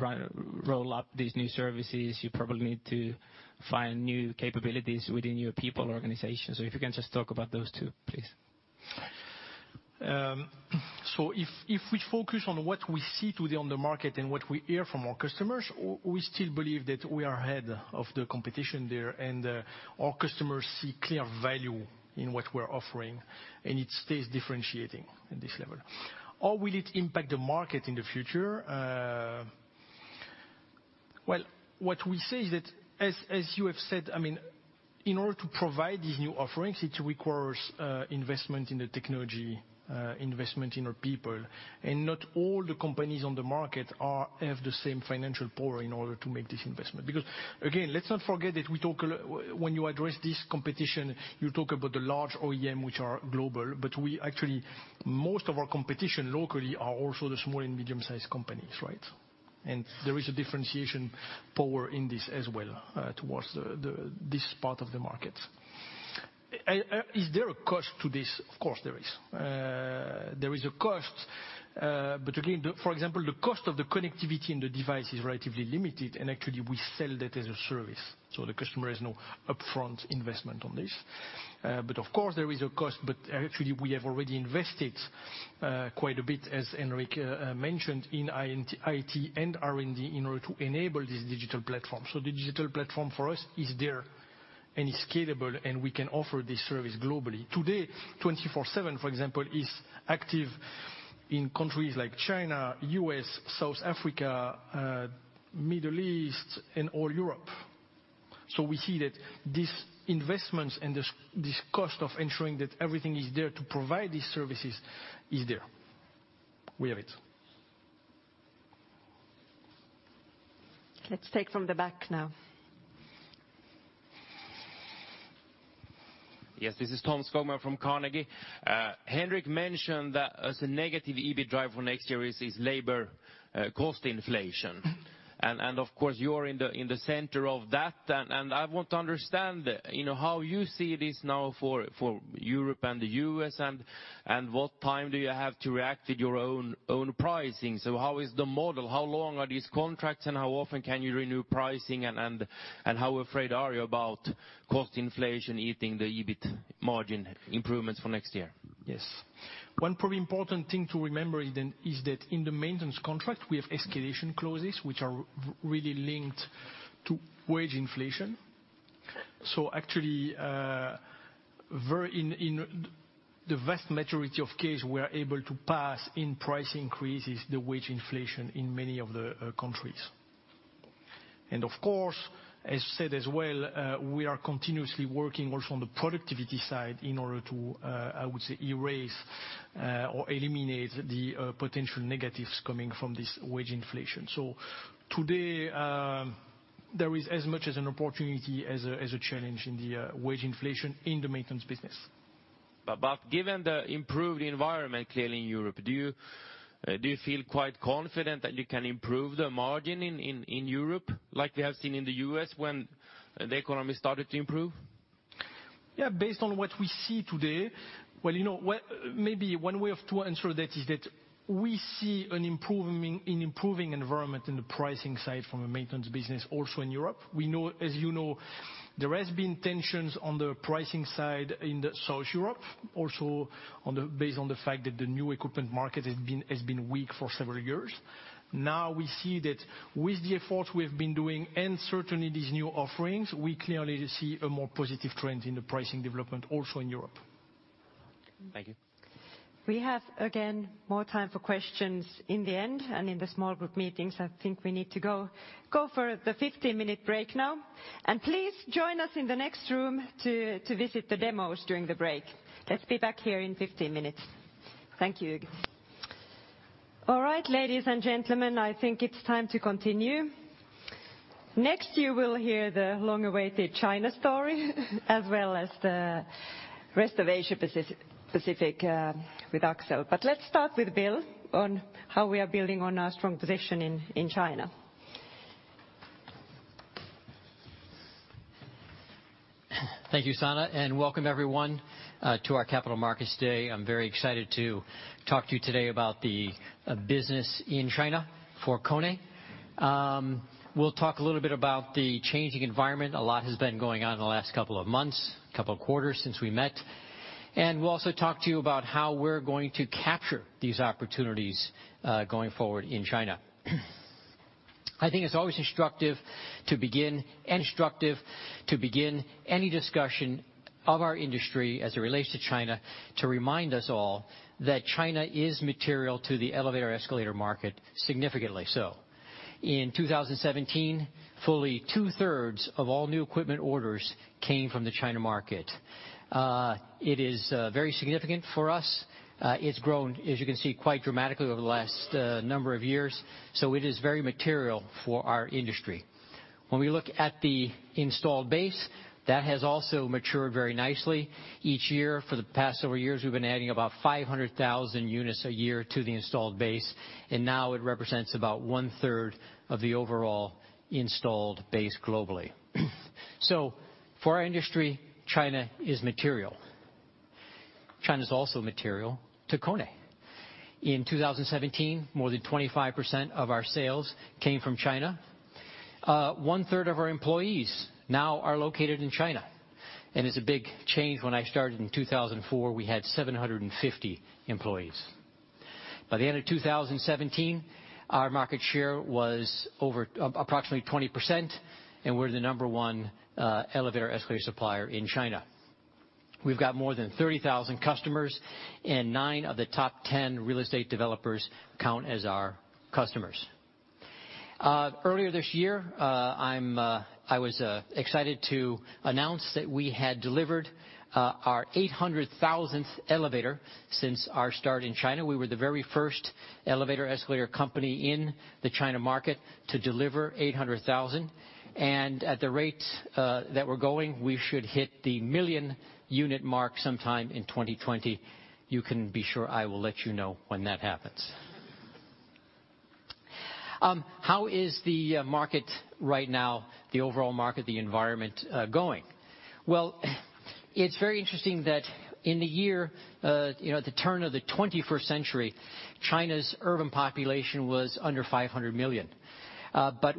roll up these new services. You probably need to find new capabilities within your people or organization. If you can just talk about those two, please. If we focus on what we see today on the market and what we hear from our customers, we still believe that we are ahead of the competition there, and our customers see clear value in what we're offering, and it stays differentiating at this level. Or will it impact the market in the future? Well, what we say is that, as you have said, in order to provide these new offerings, it requires investment in the technology, investment in our people, and not all the companies on the market have the same financial power in order to make this investment. Because, again, let's not forget that when you address this competition, you talk about the large OEM, which are global. Actually, most of our competition locally are also the small and medium-sized companies, right? There is a differentiation power in this as well towards this part of the market. Is there a cost to this? Of course, there is. There is a cost, but again, for example, the cost of the connectivity in the device is relatively limited, and actually we sell that as a service. The customer has no upfront investment on this. Of course, there is a cost. Actually, we have already invested quite a bit, as Henrik mentioned, in IT and R&D in order to enable this Digital Platform. The Digital Platform for us is there and is scalable, and we can offer this service globally. Today, 24/7, for example, is active in countries like China, U.S., South Africa, Middle East, and all Europe. We see that these investments and this cost of ensuring that everything is there to provide these services is there. We have it. Let's take from the back now. Yes, this is Tom Skogman from Carnegie. Henrik mentioned that as a negative EBIT driver for next year is labor cost inflation. Of course, you're in the center of that, I want to understand how you see this now for Europe and the U.S., what time do you have to react with your own pricing? How is the model? How long are these contracts, and how often can you renew pricing, and how afraid are you about cost inflation eating the EBIT margin improvements for next year? Yes. One probably important thing to remember is that in the maintenance contract, we have escalation clauses which are really linked to wage inflation. Actually, in the vast majority of case, we are able to pass in price increases the wage inflation in many of the countries. Of course, as said as well, we are continuously working also on the productivity side in order to, I would say, erase or eliminate the potential negatives coming from this wage inflation. Today, there is as much as an opportunity as a challenge in the wage inflation in the maintenance business. Given the improved environment clearly in Europe, do you feel quite confident that you can improve the margin in Europe like we have seen in the U.S. when the economy started to improve? Yeah. Based on what we see today, maybe one way of to answer that is that we see an improving environment in the pricing side from a maintenance business also in Europe. As you know, there has been tensions on the pricing side in the South Europe, also based on the fact that the new equipment market has been weak for several years. Now we see that with the effort we've been doing and certainly these new offerings, we clearly see a more positive trend in the pricing development also in Europe. Thank you. We have, again, more time for questions in the end and in the small group meetings. I think we need to go for the 15-minute break now. Please join us in the next room to visit the demos during the break. Let's be back here in 15 minutes. Thank you. All right, ladies and gentlemen, I think it's time to continue. Next, you will hear the long-awaited China story as well as the rest of Asia Pacific with Axel. Let's start with Bill on how we are building on our strong position in China. Thank you, Sanna, and welcome everyone to our Capital Markets Day. I'm very excited to talk to you today about the business in China for KONE. We'll talk a little bit about the changing environment. A lot has been going on in the last couple of months, couple of quarters since we met. We'll also talk to you about how we're going to capture these opportunities going forward in China. I think it's always instructive to begin any discussion of our industry as it relates to China to remind us all that China is material to the elevator, escalator market, significantly so. In 2017, fully two-thirds of all new equipment orders came from the China market. It is very significant for us. It's grown, as you can see, quite dramatically over the last number of years, so it is very material for our industry. When we look at the installed base, that has also matured very nicely. Each year for the past several years, we've been adding about 500,000 units a year to the installed base. Now it represents about one-third of the overall installed base globally. So for our industry, China is material. China's also material to KONE. In 2017, more than 25% of our sales came from China. One-third of our employees now are located in China. It's a big change. When I started in 2004, we had 750 employees. By the end of 2017, our market share was approximately 20%. We're the number 1 elevator, escalator supplier in China. We've got more than 30,000 customers. 9 of the top 10 real estate developers count as our customers. Earlier this year, I was excited to announce that we had delivered our 800,000th elevator since our start in China. We were the very first elevator, escalator company in the China market to deliver 800,000. At the rate that we're going, we should hit the million unit mark sometime in 2020. You can be sure I will let you know when that happens How is the market right now, the overall market, the environment going? Well, it's very interesting that in the year, at the turn of the 21st century, China's urban population was under 500 million.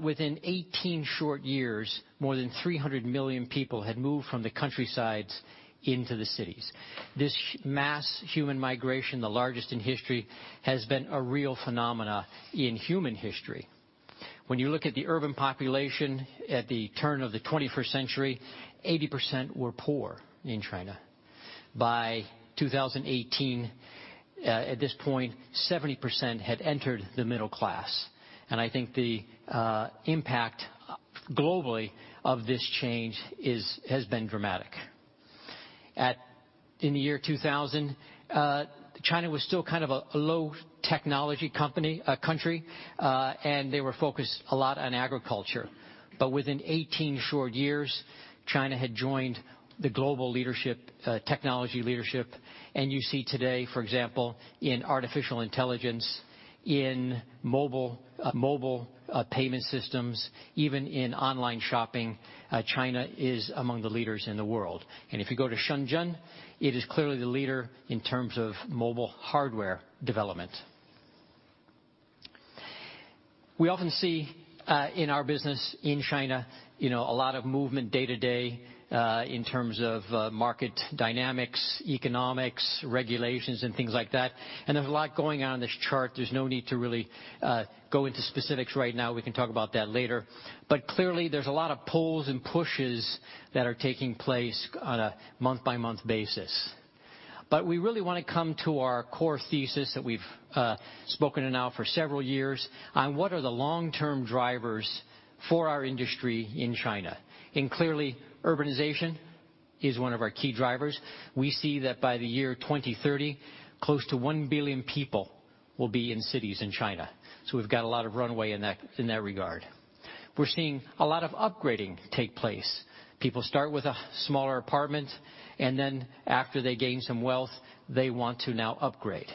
Within 18 short years, more than 300 million people had moved from the countrysides into the cities. This mass human migration, the largest in history, has been a real phenomena in human history. When you look at the urban population at the turn of the 21st century, 80% were poor in China. By 2018, at this point, 70% had entered the middle class. I think the impact globally of this change has been dramatic. In the year 2000, China was still kind of a low technology country. They were focused a lot on agriculture. Within 18 short years, China had joined the global leadership, technology leadership. You see today, for example, in artificial intelligence, in mobile payment systems, even in online shopping, China is among the leaders in the world. If you go to Shenzhen, it is clearly the leader in terms of mobile hardware development. We often see, in our business in China, a lot of movement day to day, in terms of market dynamics, economics, regulations and things like that. There's a lot going on in this chart. There's no need to really go into specifics right now. We can talk about that later. Clearly, there's a lot of pulls and pushes that are taking place on a month-by-month basis. We really want to come to our core thesis that we've spoken now for several years on what are the long-term drivers for our industry in China. Clearly urbanization is one of our key drivers. We see that by the year 2030, close to 1 billion people will be in cities in China, so we've got a lot of runway in that regard. We're seeing a lot of upgrading take place. People start with a smaller apartment, then after they gain some wealth, they want to now upgrade.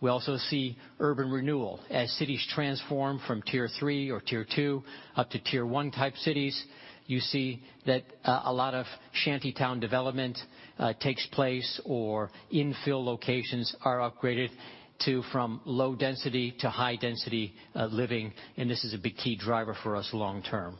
We also see urban renewal. As cities transform from tier 3 or tier 2 up to tier 1 type cities, you see that a lot of shantytown development takes place, or infill locations are upgraded from low density to high density living. This is a big key driver for us long term.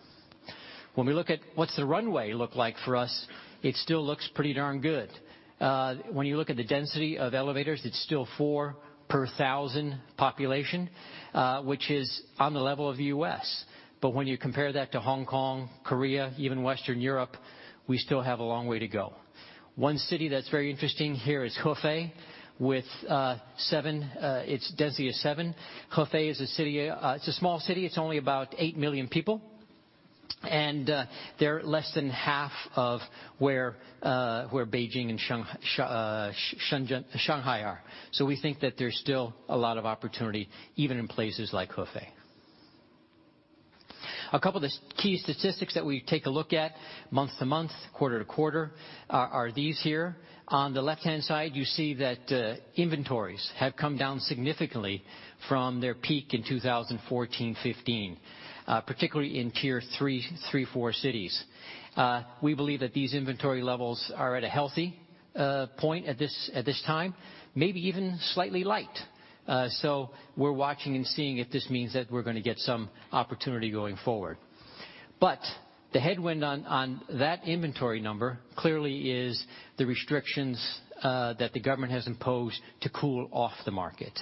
When we look at what's the runway look like for us, it still looks pretty darn good. When you look at the density of elevators, it's still four per thousand population, which is on the level of the U.S. When you compare that to Hong Kong, Korea, even Western Europe, we still have a long way to go. One city that's very interesting here is Hefei. Its density is seven. Hefei, it's a small city. It's only about 8 million people, and they're less than half of where Beijing and Shanghai are. We think that there's still a lot of opportunity, even in places like Hefei. A couple of the key statistics that we take a look at month-to-month, quarter-to-quarter, are these here. On the left-hand side, you see that inventories have come down significantly from their peak in 2014, 2015, particularly in tier 3, 4 cities. We believe that these inventory levels are at a healthy point at this time, maybe even slightly light. We're watching and seeing if this means that we're going to get some opportunity going forward. The headwind on that inventory number clearly is the restrictions that the government has imposed to cool off the market.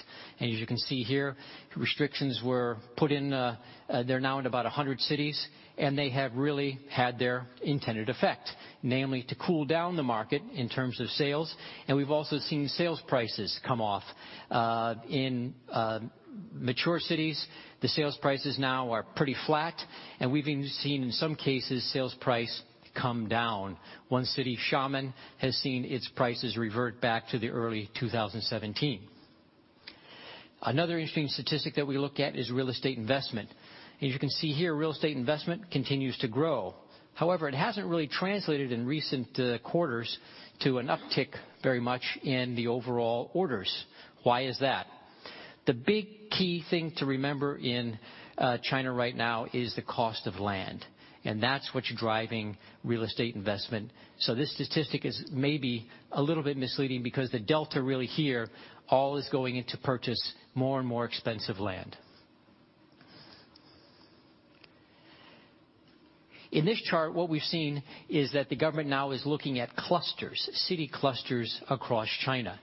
As you can see here, restrictions, they're now in about 100 cities, and they have really had their intended effect, namely to cool down the market in terms of sales. We've also seen sales prices come off. In mature cities, the sales prices now are pretty flat, and we've even seen, in some cases, sales price come down. One city, Xiamen, has seen its prices revert back to the early 2017. Another interesting statistic that we look at is real estate investment. It hasn't really translated in recent quarters to an uptick very much in the overall orders. Why is that? The big key thing to remember in China right now is the cost of land, and that's what's driving real estate investment. This statistic is maybe a little bit misleading because the delta really here all is going into purchase more and more expensive land. In this chart, what we've seen is that the government now is looking at clusters, city clusters across China.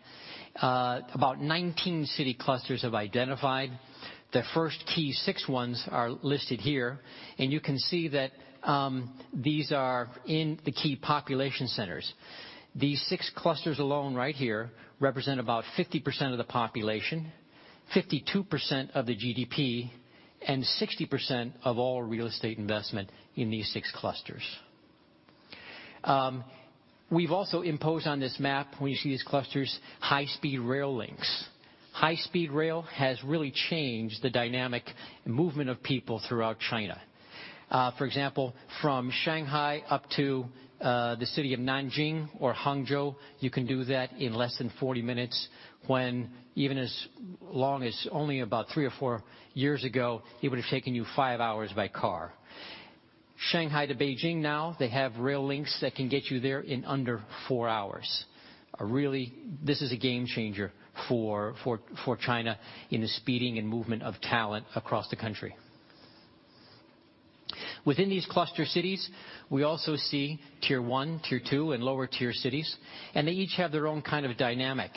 About 19 city clusters have identified. The first key six ones are listed here, and you can see that these are in the key population centers. These six clusters alone right here represent about 50% of the population, 52% of the GDP, and 60% of all real estate investment in these six clusters. We've also imposed on this map, when you see these clusters, high-speed rail links. High-speed rail has really changed the dynamic movement of people throughout China. For example, from Shanghai up to the city of Nanjing or Hangzhou, you can do that in less than 40 minutes, when even as long as only about three or four years ago, it would have taken you five hours by car. Shanghai to Beijing now, they have rail links that can get you there in under four hours. This is a game changer for China in the speeding and movement of talent across the country. Within these cluster cities, we also see tier 1, tier 2, and lower tier cities, and they each have their own kind of dynamic.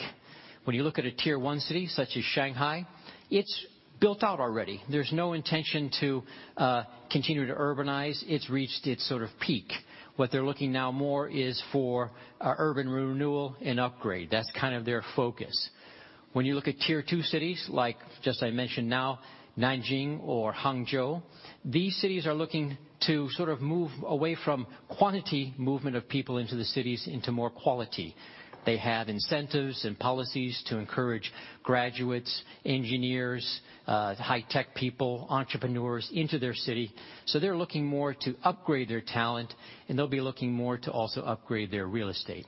When you look at a tier 1 city such as Shanghai, it's built out already. There's no intention to continue to urbanize. It's reached its sort of peak. What they're looking now more is for urban renewal and upgrade. That's kind of their focus. When you look at tier 2 cities, like just I mentioned now, Nanjing or Hangzhou, these cities are looking to sort of move away from quantity movement of people into the cities into more quality. They have incentives and policies to encourage graduates, engineers, high-tech people, entrepreneurs into their city. They're looking more to upgrade their talent, and they'll be looking more to also upgrade their real estate.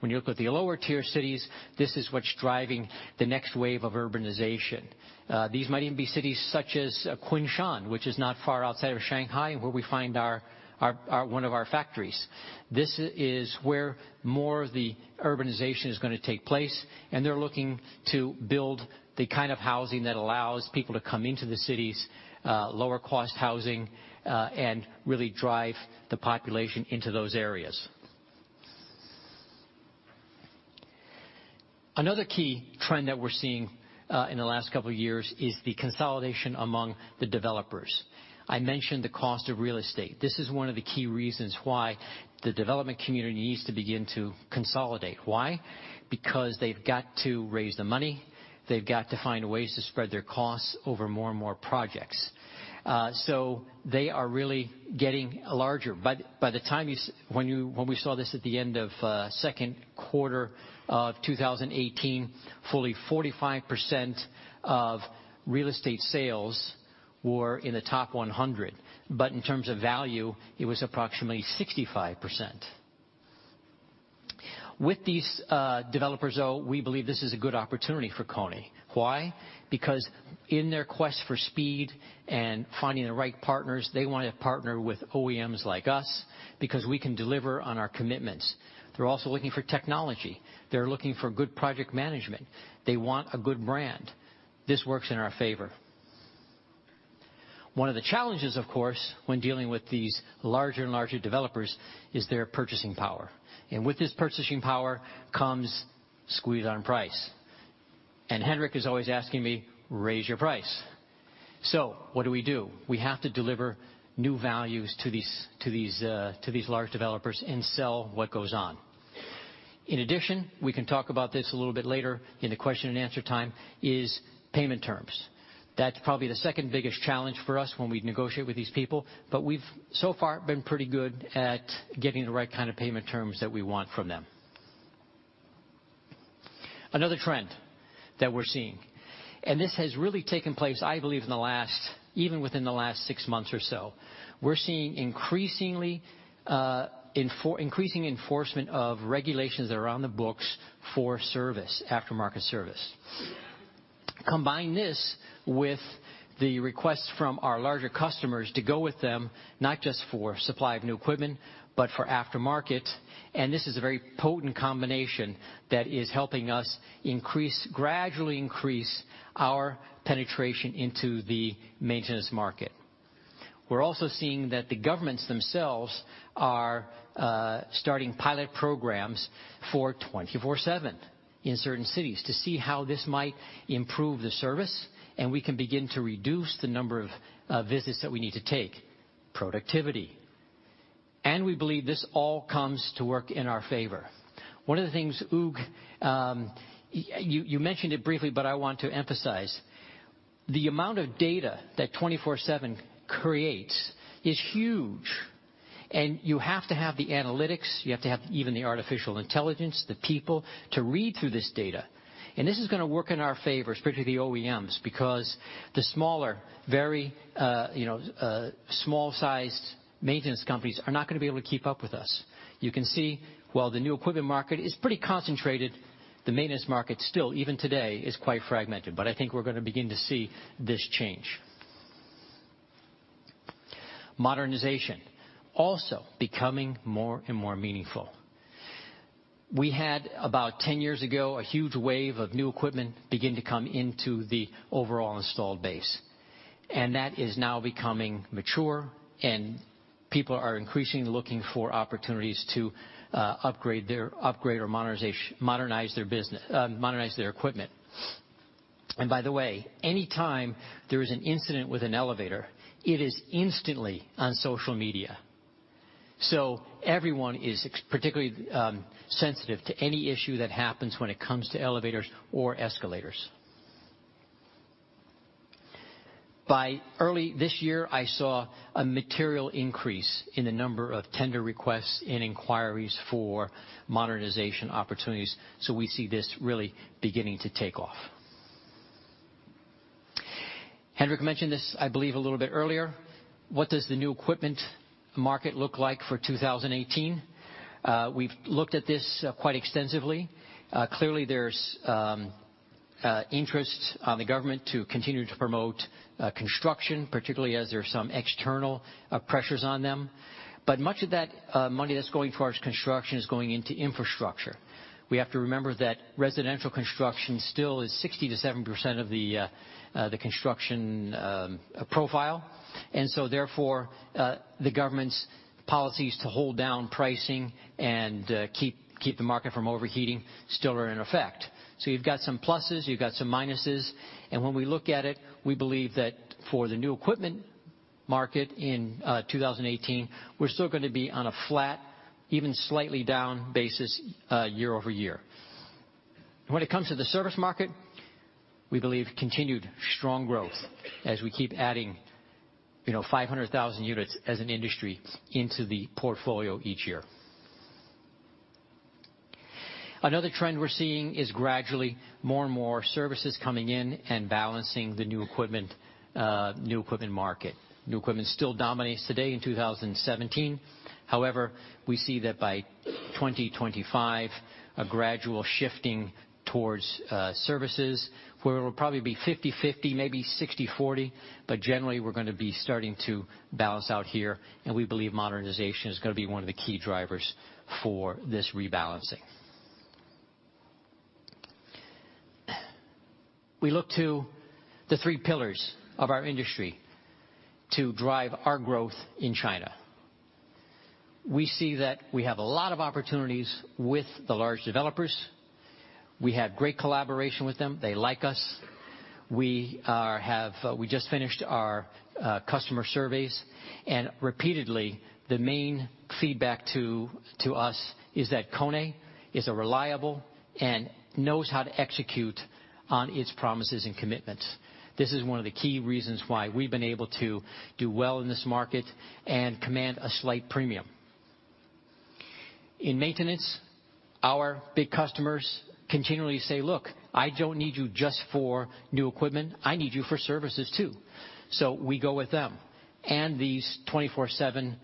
When you look at the lower tier cities, this is what's driving the next wave of urbanization. These might even be cities such as Kunshan, which is not far outside of Shanghai, and where we find one of our factories. This is where more of the urbanization is going to take place, and they're looking to build the kind of housing that allows people to come into the cities, lower cost housing, and really drive the population into those areas. Another key trend that we're seeing in the last couple of years is the consolidation among the developers. I mentioned the cost of real estate. This is one of the key reasons why the development community needs to begin to consolidate. Why? They've got to raise the money. They have got to find ways to spread their costs over more and more projects. They are really getting larger. When we saw this at the end of second quarter of 2018, fully 45% of real estate sales were in the top 100. In terms of value, it was approximately 65%. With these developers, though, we believe this is a good opportunity for KONE. Why? Because in their quest for speed and finding the right partners, they want to partner with OEMs like us because we can deliver on our commitments. They are also looking for technology. They are looking for good project management. They want a good brand. This works in our favor. One of the challenges, of course, when dealing with these larger and larger developers is their purchasing power. With this purchasing power comes squeeze on price. Henrik is always asking me, "Raise your price." What do we do? We have to deliver new values to these large developers and sell what goes on. In addition, we can talk about this a little bit later in the question and answer time, is payment terms. That is probably the second biggest challenge for us when we negotiate with these people, but we have so far been pretty good at getting the right kind of payment terms that we want from them. Another trend that we are seeing, this has really taken place, I believe, even within the last six months or so. We are seeing increasing enforcement of regulations that are on the books for service, aftermarket service. Combine this with the requests from our larger customers to go with them, not just for supply of new equipment, but for aftermarket, this is a very potent combination that is helping us gradually increase our penetration into the maintenance market. We are also seeing that the governments themselves are starting pilot programs for 24/7 in certain cities to see how this might improve the service, we can begin to reduce the number of visits that we need to take. Productivity. We believe this all comes to work in our favor. One of the things, Hugues, you mentioned it briefly, but I want to emphasize, the amount of data that 24/7 creates is huge, you have to have the analytics, you have to have even the artificial intelligence, the people to read through this data. This is going to work in our favor, especially the OEMs, because the smaller, very small-sized maintenance companies are not going to be able to keep up with us. You can see while the new equipment market is pretty concentrated, the maintenance market still, even today, is quite fragmented. I think we are going to begin to see this change. Modernization also becoming more and more meaningful. We had about 10 years ago, a huge wave of new equipment begin to come into the overall installed base. That is now becoming mature, people are increasingly looking for opportunities to upgrade or modernize their equipment. By the way, any time there is an incident with an elevator, it is instantly on social media. Everyone is particularly sensitive to any issue that happens when it comes to elevators or escalators. By early this year, I saw a material increase in the number of tender requests and inquiries for modernization opportunities. We see this really beginning to take off. Henrik mentioned this, I believe a little bit earlier. What does the new equipment market look like for 2018? We've looked at this quite extensively. Clearly there's interest on the government to continue to promote construction, particularly as there are some external pressures on them. Much of that money that's going towards construction is going into infrastructure. We have to remember that residential construction still is 60%-7% of the construction profile. Therefore, the government's policies to hold down pricing and keep the market from overheating still are in effect. You've got some pluses, you've got some minuses, and when we look at it, we believe that for the new equipment market in 2018, we're still going to be on a flat, even slightly down basis year-over-year. When it comes to the service market, we believe continued strong growth as we keep adding 500,000 units as an industry into the portfolio each year. Another trend we're seeing is gradually more and more services coming in and balancing the new equipment market. New equipment still dominates today in 2017. However, we see that by 2025, a gradual shifting towards services where it will probably be 50/50, maybe 60/40. Generally, we're going to be starting to balance out here, and we believe modernization is going to be one of the key drivers for this rebalancing. We look to the three pillars of our industry to drive our growth in China. We see that we have a lot of opportunities with the large developers. We have great collaboration with them. They like us. We just finished our customer surveys, and repeatedly, the main feedback to us is that KONE is reliable and knows how to execute on its promises and commitments. This is one of the key reasons why we've been able to do well in this market and command a slight premium. In maintenance, our big customers continually say, "Look, I don't need you just for new equipment. I need you for services too." We go with them, and these 24/7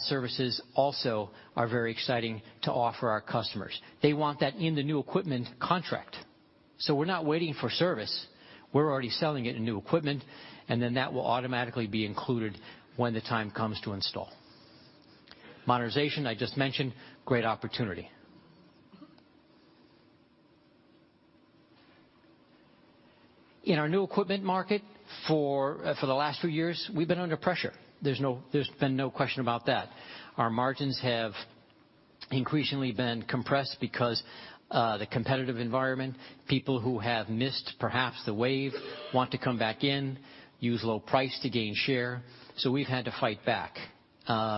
services also are very exciting to offer our customers. They want that in the new equipment contract. We're not waiting for service. We're already selling it in new equipment, and then that will automatically be included when the time comes to install. Modernization, I just mentioned, great opportunity. In our new equipment market, for the last few years, we've been under pressure. There's been no question about that. Our margins have increasingly been compressed because the competitive environment, people who have missed perhaps the wave want to come back in, use low price to gain share. We've had to fight back.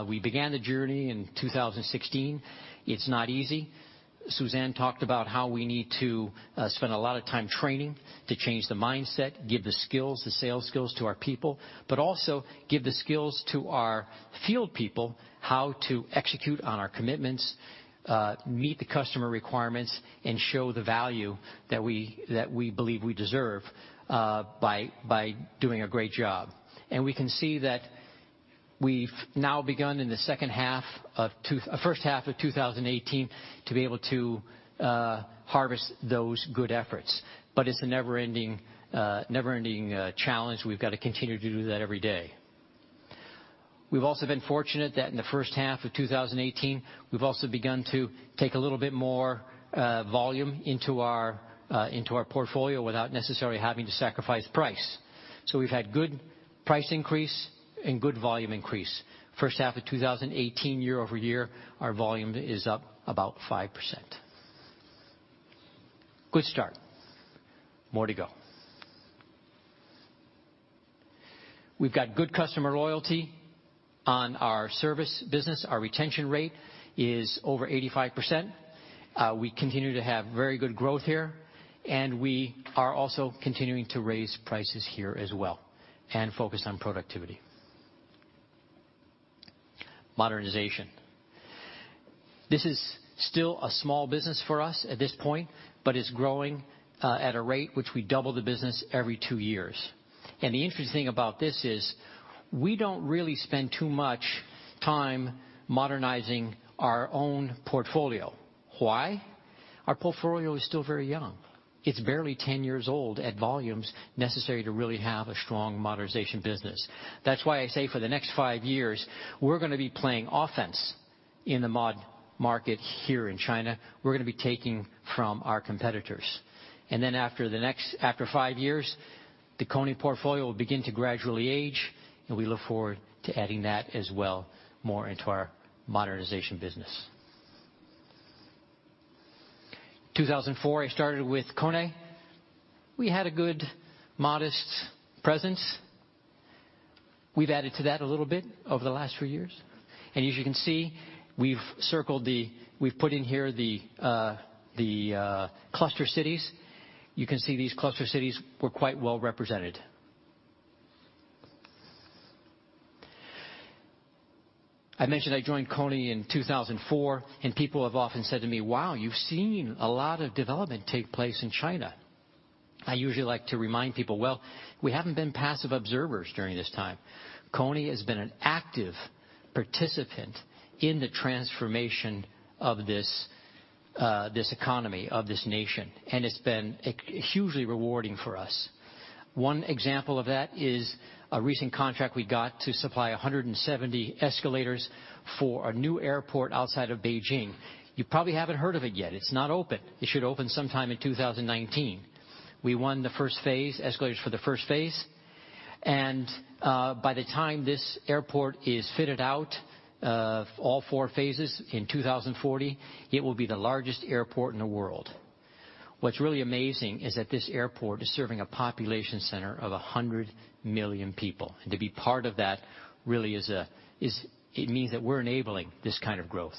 We began the journey in 2016. It's not easy. Susanne talked about how we need to spend a lot of time training to change the mindset, give the skills, the sales skills to our people, but also give the skills to our field people how to execute on our commitments, meet the customer requirements, and show the value that we believe we deserve by doing a great job. We can see that we've now begun in the first half of 2018 to be able to harvest those good efforts. It's a never-ending challenge. We've got to continue to do that every day. We've also been fortunate that in the first half of 2018, we've also begun to take a little bit more volume into our portfolio without necessarily having to sacrifice price. We've had good price increase and good volume increase. First half of 2018, year-over-year, our volume is up about 5%. Good start. More to go. We've got good customer loyalty on our service business. Our retention rate is over 85%. We continue to have very good growth here, and we are also continuing to raise prices here as well, and focused on productivity. Modernization. This is still a small business for us at this point, but it's growing at a rate which we double the business every two years. The interesting thing about this is we don't really spend too much time modernizing our own portfolio. Why? Our portfolio is still very young. It's barely 10 years old at volumes necessary to really have a strong modernization business. That's why I say for the next five years, we're going to be playing offense in the mod market here in China. We're going to be taking from our competitors. After five years, the KONE portfolio will begin to gradually age, and we look forward to adding that as well more into our modernization business. 2004, I started with KONE. We had a good, modest presence. We've added to that a little bit over the last few years. As you can see, we've put in here the cluster cities. You can see these cluster cities were quite well represented. I mentioned I joined KONE in 2004, and people have often said to me, "Wow, you've seen a lot of development take place in China." I usually like to remind people, well, we haven't been passive observers during this time. KONE has been an active participant in the transformation of this economy, of this nation, and it's been hugely rewarding for us. One example of that is a recent contract we got to supply 170 escalators for a new airport outside of Beijing. You probably haven't heard of it yet. It's not open. It should open sometime in 2019. We won the first phase, escalators for the first phase, and by the time this airport is fitted out, all four phases in 2040, it will be the largest airport in the world. What's really amazing is that this airport is serving a population center of 100 million people, and to be part of that, it means that we're enabling this kind of growth.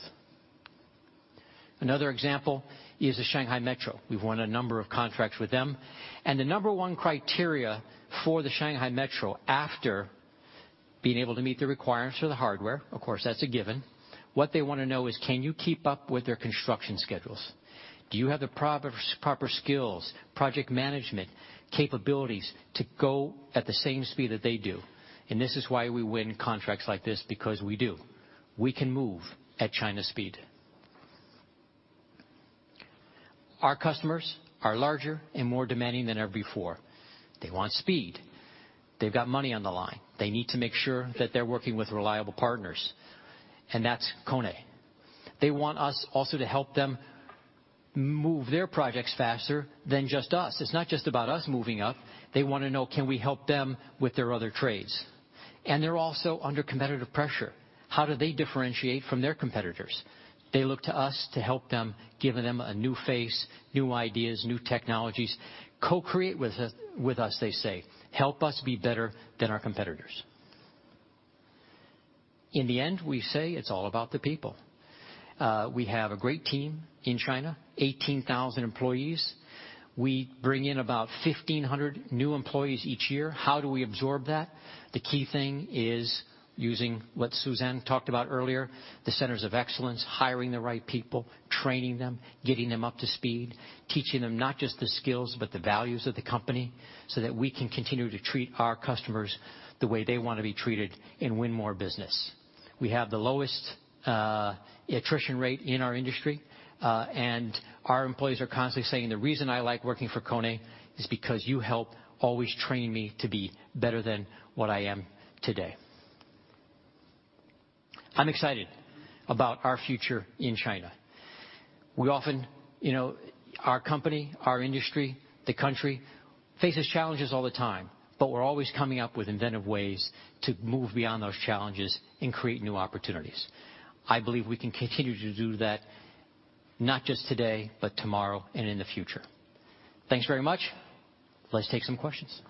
Another example is the Shanghai Metro. We've won a number of contracts with them, and the number one criteria for the Shanghai Metro, after being able to meet the requirements for the hardware, of course, that's a given. What they want to know is, can you keep up with their construction schedules? Do you have the proper skills, project management capabilities to go at the same speed that they do? This is why we win contracts like this, because we do. We can move at China speed. Our customers are larger and more demanding than ever before. They want speed. They've got money on the line. They need to make sure that they're working with reliable partners, and that's KONE. They want us also to help them move their projects faster than just us. It's not just about us moving up. They want to know, can we help them with their other trades? They're also under competitive pressure. How do they differentiate from their competitors? They look to us to help them, giving them a new face, new ideas, new technologies. Co-create with us, they say. Help us be better than our competitors. In the end, we say it's all about the people. We have a great team in China, 18,000 employees. We bring in about 1,500 new employees each year. How do we absorb that? The key thing is using what Susanne talked about earlier, the centers of excellence, hiring the right people, training them, getting them up to speed, teaching them not just the skills, but the values of the company, so that we can continue to treat our customers the way they want to be treated and win more business. We have the lowest attrition rate in our industry. Our employees are constantly saying, "The reason I like working for KONE is because you help always train me to be better than what I am today." I'm excited about our future in China. Our company, our industry, the country, faces challenges all the time, but we're always coming up with inventive ways to move beyond those challenges and create new opportunities. I believe we can continue to do that, not just today, but tomorrow and in the future. Thanks very much. Let's take some questions.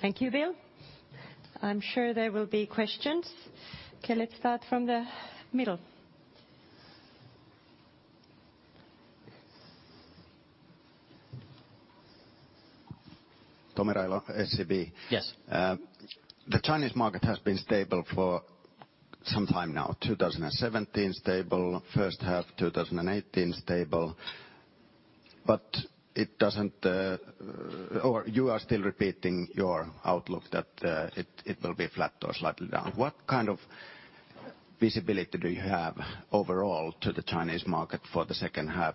Thank you, Bill. I'm sure there will be questions. Okay, let's start from the middle. Tomi Railo, SEB. Yes. The Chinese market has been stable for some time now. 2017, stable. First half 2018, stable. You are still repeating your outlook that it will be flat or slightly down. What kind of visibility do you have overall to the Chinese market for the second half?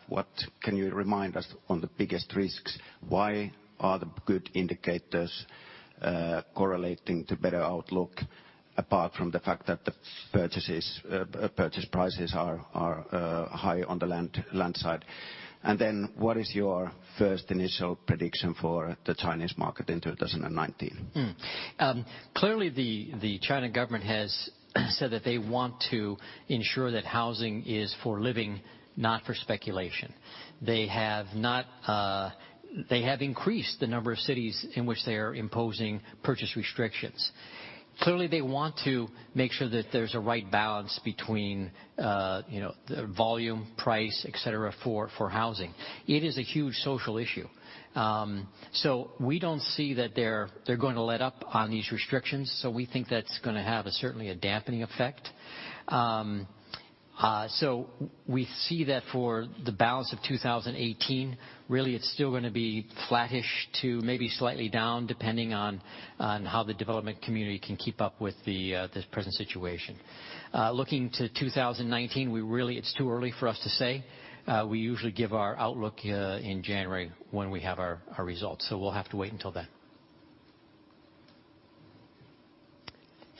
Can you remind us on the biggest risks? Why are the good indicators correlating to better outlook, apart from the fact that the purchase prices are high on the land side? What is your first initial prediction for the Chinese market in 2019? Clearly, the China government has said that they want to ensure that housing is for living, not for speculation. They have increased the number of cities in which they are imposing purchase restrictions. Clearly, they want to make sure that there's a right balance between volume, price, et cetera, for housing. It is a huge social issue. We don't see that they're going to let up on these restrictions. We think that's going to have certainly a dampening effect. We see that for the balance of 2018, really, it's still going to be flattish to maybe slightly down, depending on how the development community can keep up with this present situation. Looking to 2019, it's too early for us to say. We usually give our outlook in January when we have our results. We'll have to wait until then.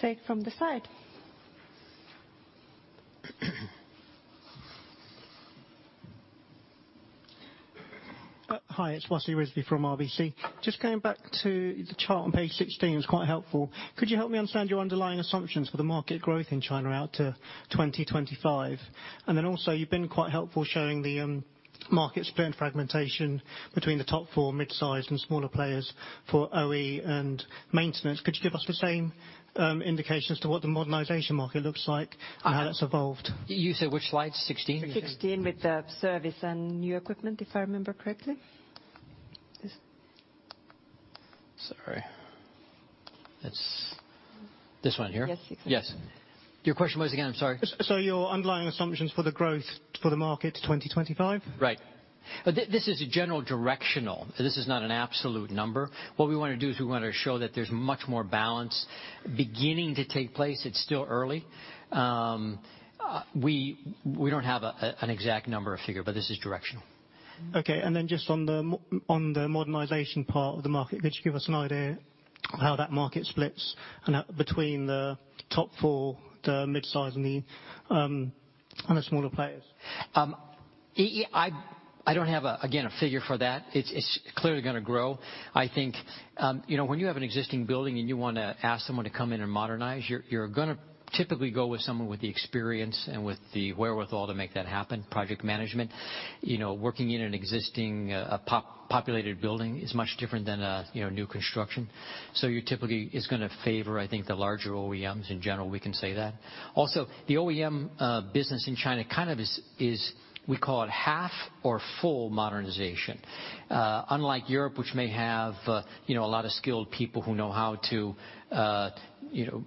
Take from the side. Hi, it's Wasi Rizvi from RBC. Just going back to the chart on page 16, it's quite helpful. Could you help me understand your underlying assumptions for the market growth in China out to 2025? Also, you've been quite helpful showing the market split and fragmentation between the top four mid-size and smaller players for OE and maintenance. Could you give us the same indication as to what the modernization market looks like and how that's evolved? You say which slide? 16? 16 with the service and new equipment, if I remember correctly. Yes Sorry. It's this one here? Yes, you can. Yes. Your question was again, I'm sorry? Your underlying assumptions for the growth for the market to 2025? Right. This is a general directional. This is not an absolute number. What we want to do is we want to show that there's much more balance beginning to take place. It's still early. We don't have an exact number or figure, but this is directional. Okay. Just on the modernization part of the market, could you give us an idea how that market splits between the top four, the mid-size, and the smaller players? I don't have, again, a figure for that. It's clearly going to grow. I think, when you have an existing building and you want to ask someone to come in and modernize, you're going to typically go with someone with the experience and with the wherewithal to make that happen, project management. Working in an existing populated building is much different than new construction. You typically it's going to favor, I think, the larger OEMs in general, we can say that. Also, the OEM business in China kind of is, we call it half or full modernization. Unlike Europe, which may have a lot of skilled people who know how to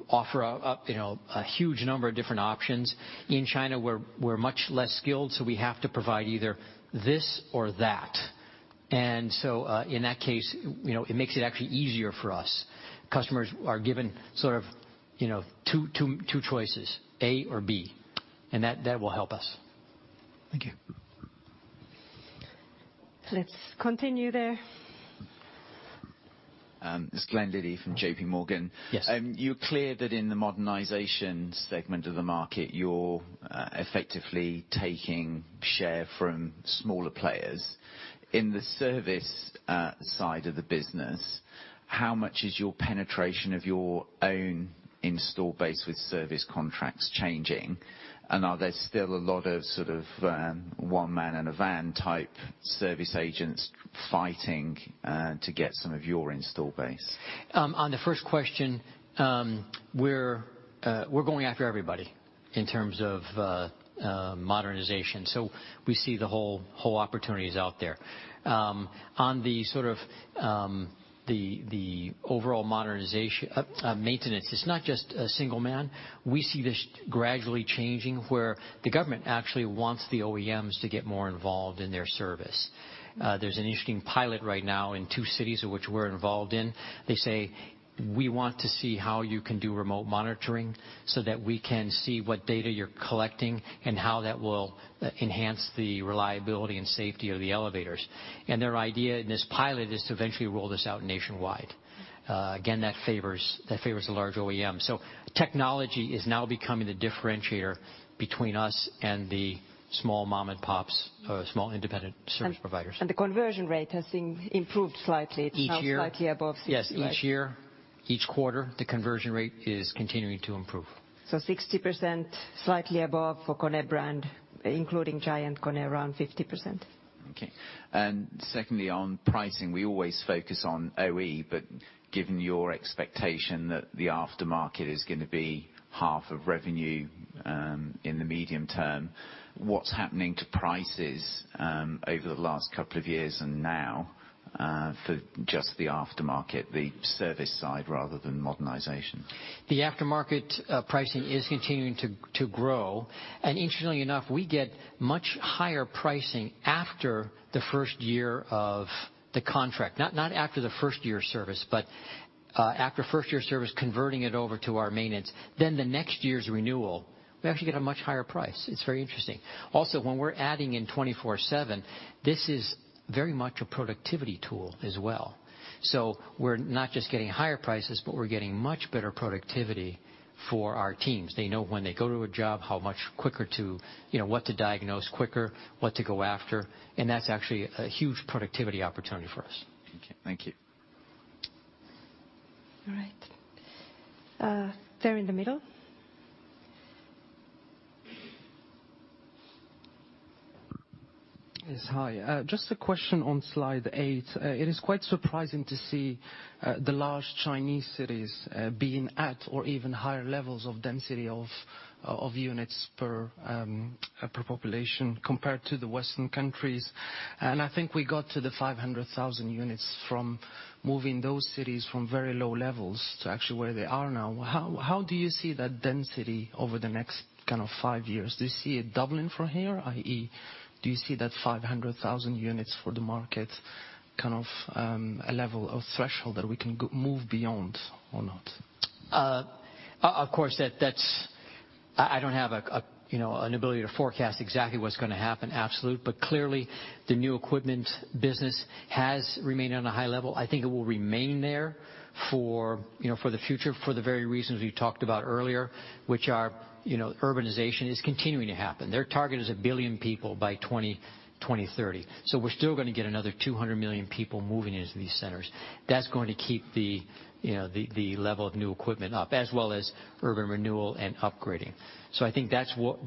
offer a huge number of different options. In China, we're much less skilled, so we have to provide either this or that. In that case, it makes it actually easier for us. Customers are given sort of two choices, A or B. That will help us. Thank you. Let's continue there. It's Glen Liddy from JP Morgan. Yes. You're clear that in the modernization segment of the market, you're effectively taking share from smaller players. In the service side of the business, how much is your penetration of your own install base with service contracts changing? Are there still a lot of sort of one man and a van type service agents fighting to get some of your install base? On the first question, we're going after everybody in terms of modernization. We see the whole opportunity is out there. On the sort of the overall maintenance, it's not just a single man. We see this gradually changing where the government actually wants the OEMs to get more involved in their service. There's an interesting pilot right now in two cities which we're involved in. They say, "We want to see how you can do remote monitoring so that we can see what data you're collecting and how that will enhance the reliability and safety of the elevators." Their idea in this pilot is to eventually roll this out nationwide. Again, that favors the large OEM. Technology is now becoming the differentiator between us and the small mom and pops, small independent service providers. The conversion rate has improved slightly. Each year. It's now slightly above 60, right? Yes. Each year, each quarter, the conversion rate is continuing to improve. 60%, slightly above for KONE brand, including GiantKONE, around 50%. Okay. Secondly, on pricing, we always focus on OE, but given your expectation that the aftermarket is going to be half of revenue, in the medium term, what's happening to prices over the last couple of years and now, for just the aftermarket, the service side rather than modernization? The aftermarket pricing is continuing to grow. Interestingly enough, we get much higher pricing after the first year of the contract. Not after the first year of service, but after first year of service, converting it over to our maintenance, then the next year's renewal, we actually get a much higher price. It's very interesting. Also, when we're adding in 24/7, this is very much a productivity tool as well. We're not just getting higher prices, but we're getting much better productivity for our teams. They know when they go to a job, what to diagnose quicker, what to go after, and that's actually a huge productivity opportunity for us. Okay. Thank you. All right. There in the middle. Yes, hi. Just a question on slide eight. It is quite surprising to see the large Chinese cities being at or even higher levels of density of units per population compared to the Western countries. I think we got to the 500,000 units from moving those cities from very low levels to actually where they are now. How do you see that density over the next kind of five years? Do you see it doubling from here, i.e., do you see that 500,000 units for the market kind of a level of threshold that we can go move beyond or not? Of course, I don't have an ability to forecast exactly what's going to happen absolute. Clearly, the new equipment business has remained on a high level. I think it will remain there for the future for the very reasons we talked about earlier, which are urbanization is continuing to happen. Their target is 1 billion people by 2030. We're still going to get another 200 million people moving into these centers. That's going to keep the level of new equipment up as well as urban renewal and upgrading. I think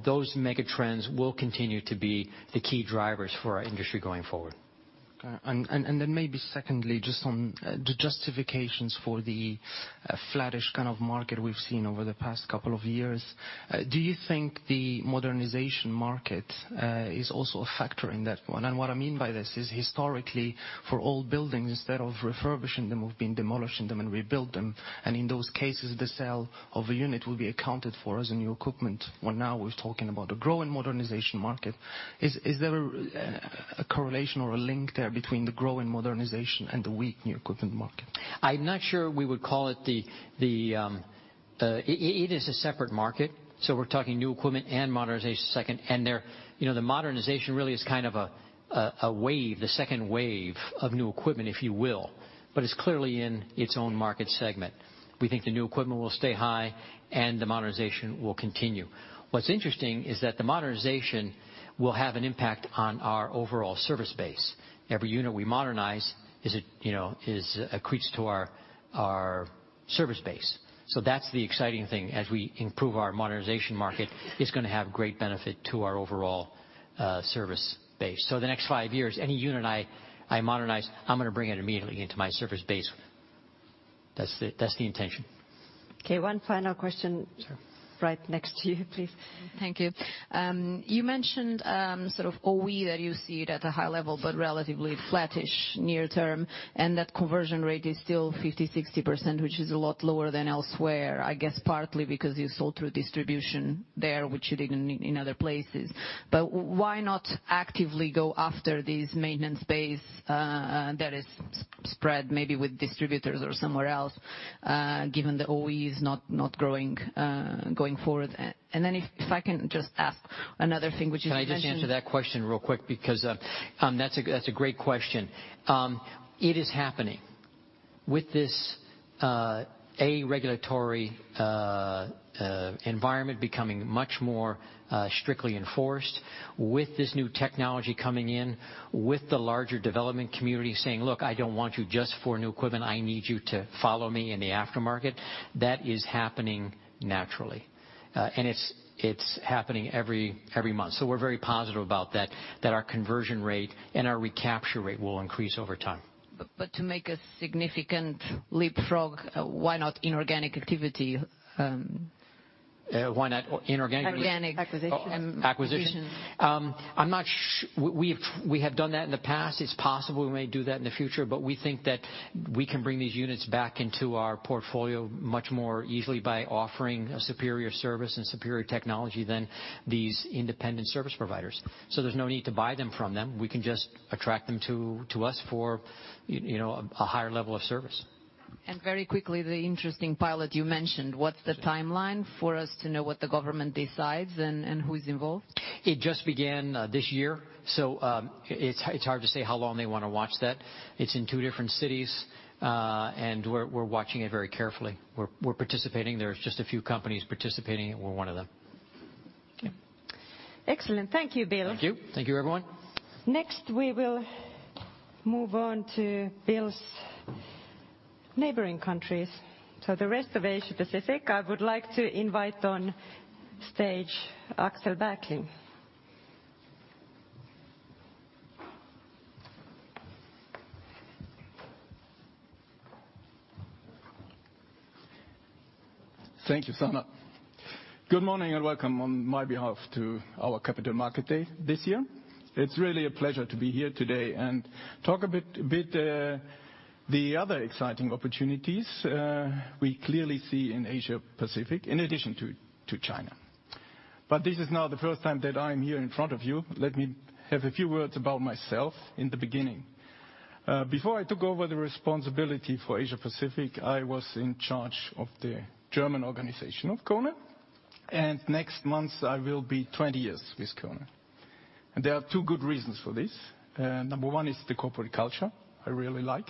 those mega trends will continue to be the key drivers for our industry going forward. Okay. Then maybe secondly, just on the justifications for the flattish kind of market we've seen over the past couple of years, do you think the modernization market is also a factor in that one? What I mean by this is historically, for old buildings, instead of refurbishing them, we've been demolishing them and rebuild them, and in those cases, the sale of a unit will be accounted for as a new equipment. Now we're talking about a growing modernization market. Is there a correlation or a link there between the growing modernization and the weak new equipment market? I'm not sure we would call it the. It is a separate market, so we're talking new equipment and modernization second. The modernization really is kind of a wave, the second wave of new equipment, if you will. It's clearly in its own market segment. We think the new equipment will stay high and the modernization will continue. What's interesting is that the modernization will have an impact on our overall service base. Every unit we modernize accrues to our service base. That's the exciting thing. As we improve our modernization market, it's going to have great benefit to our overall service base. The next five years, any unit I modernize, I'm going to bring it immediately into my service base. That's the intention. Okay, one final question. Sure. Right next to you, please. Thank you. You mentioned sort of OE that you see it at a high level, but relatively flattish near term, and that conversion rate is still 50%-60%, which is a lot lower than elsewhere, I guess partly because you sold through distribution there, which you didn't in other places. Why not actively go after this maintenance base that is spread maybe with distributors or somewhere else, given the OE is not growing, going forward? If I can just ask another thing, which is you mentioned. Can I just answer that question real quick, because that's a great question. It is happening. With this, a regulatory environment becoming much more strictly enforced, with this new technology coming in, with the larger development community saying, "Look, I don't want you just for new equipment, I need you to follow me in the aftermarket." That is happening naturally. It's happening every month. We're very positive about that our conversion rate and our recapture rate will increase over time. To make a significant leapfrog, why not inorganic activity? Why not inorganic? Inorganic- Acquisition acquisition. Acquisition. I'm not sure. We have done that in the past. It's possible we may do that in the future, we think that we can bring these units back into our portfolio much more easily by offering a superior service and superior technology than these independent service providers. There's no need to buy them from them. We can just attract them to us for a higher level of service. Very quickly, the interesting pilot you mentioned. What's the timeline for us to know what the government decides and who is involved? It just began this year, so it's hard to say how long they want to watch that. It's in two different cities, and we're watching it very carefully. We're participating. There's just a few companies participating, and we're one of them. Okay. Excellent. Thank you, Bill. Thank you. Thank you, everyone. Next, we will move on to Bill's neighboring countries. The rest of Asia Pacific, I would like to invite on stage Axel Berkling. Thank you, Sanna. Good morning, and welcome on my behalf to our Capital Market Day this year. It's really a pleasure to be here today and talk a bit the other exciting opportunities we clearly see in Asia Pacific, in addition to China. This is not the first time that I'm here in front of you. Let me have a few words about myself in the beginning. Before I took over the responsibility for Asia Pacific, I was in charge of the German organization of KONE, and next month I will be 20 years with KONE. There are two good reasons for this. Number one is the corporate culture I really like,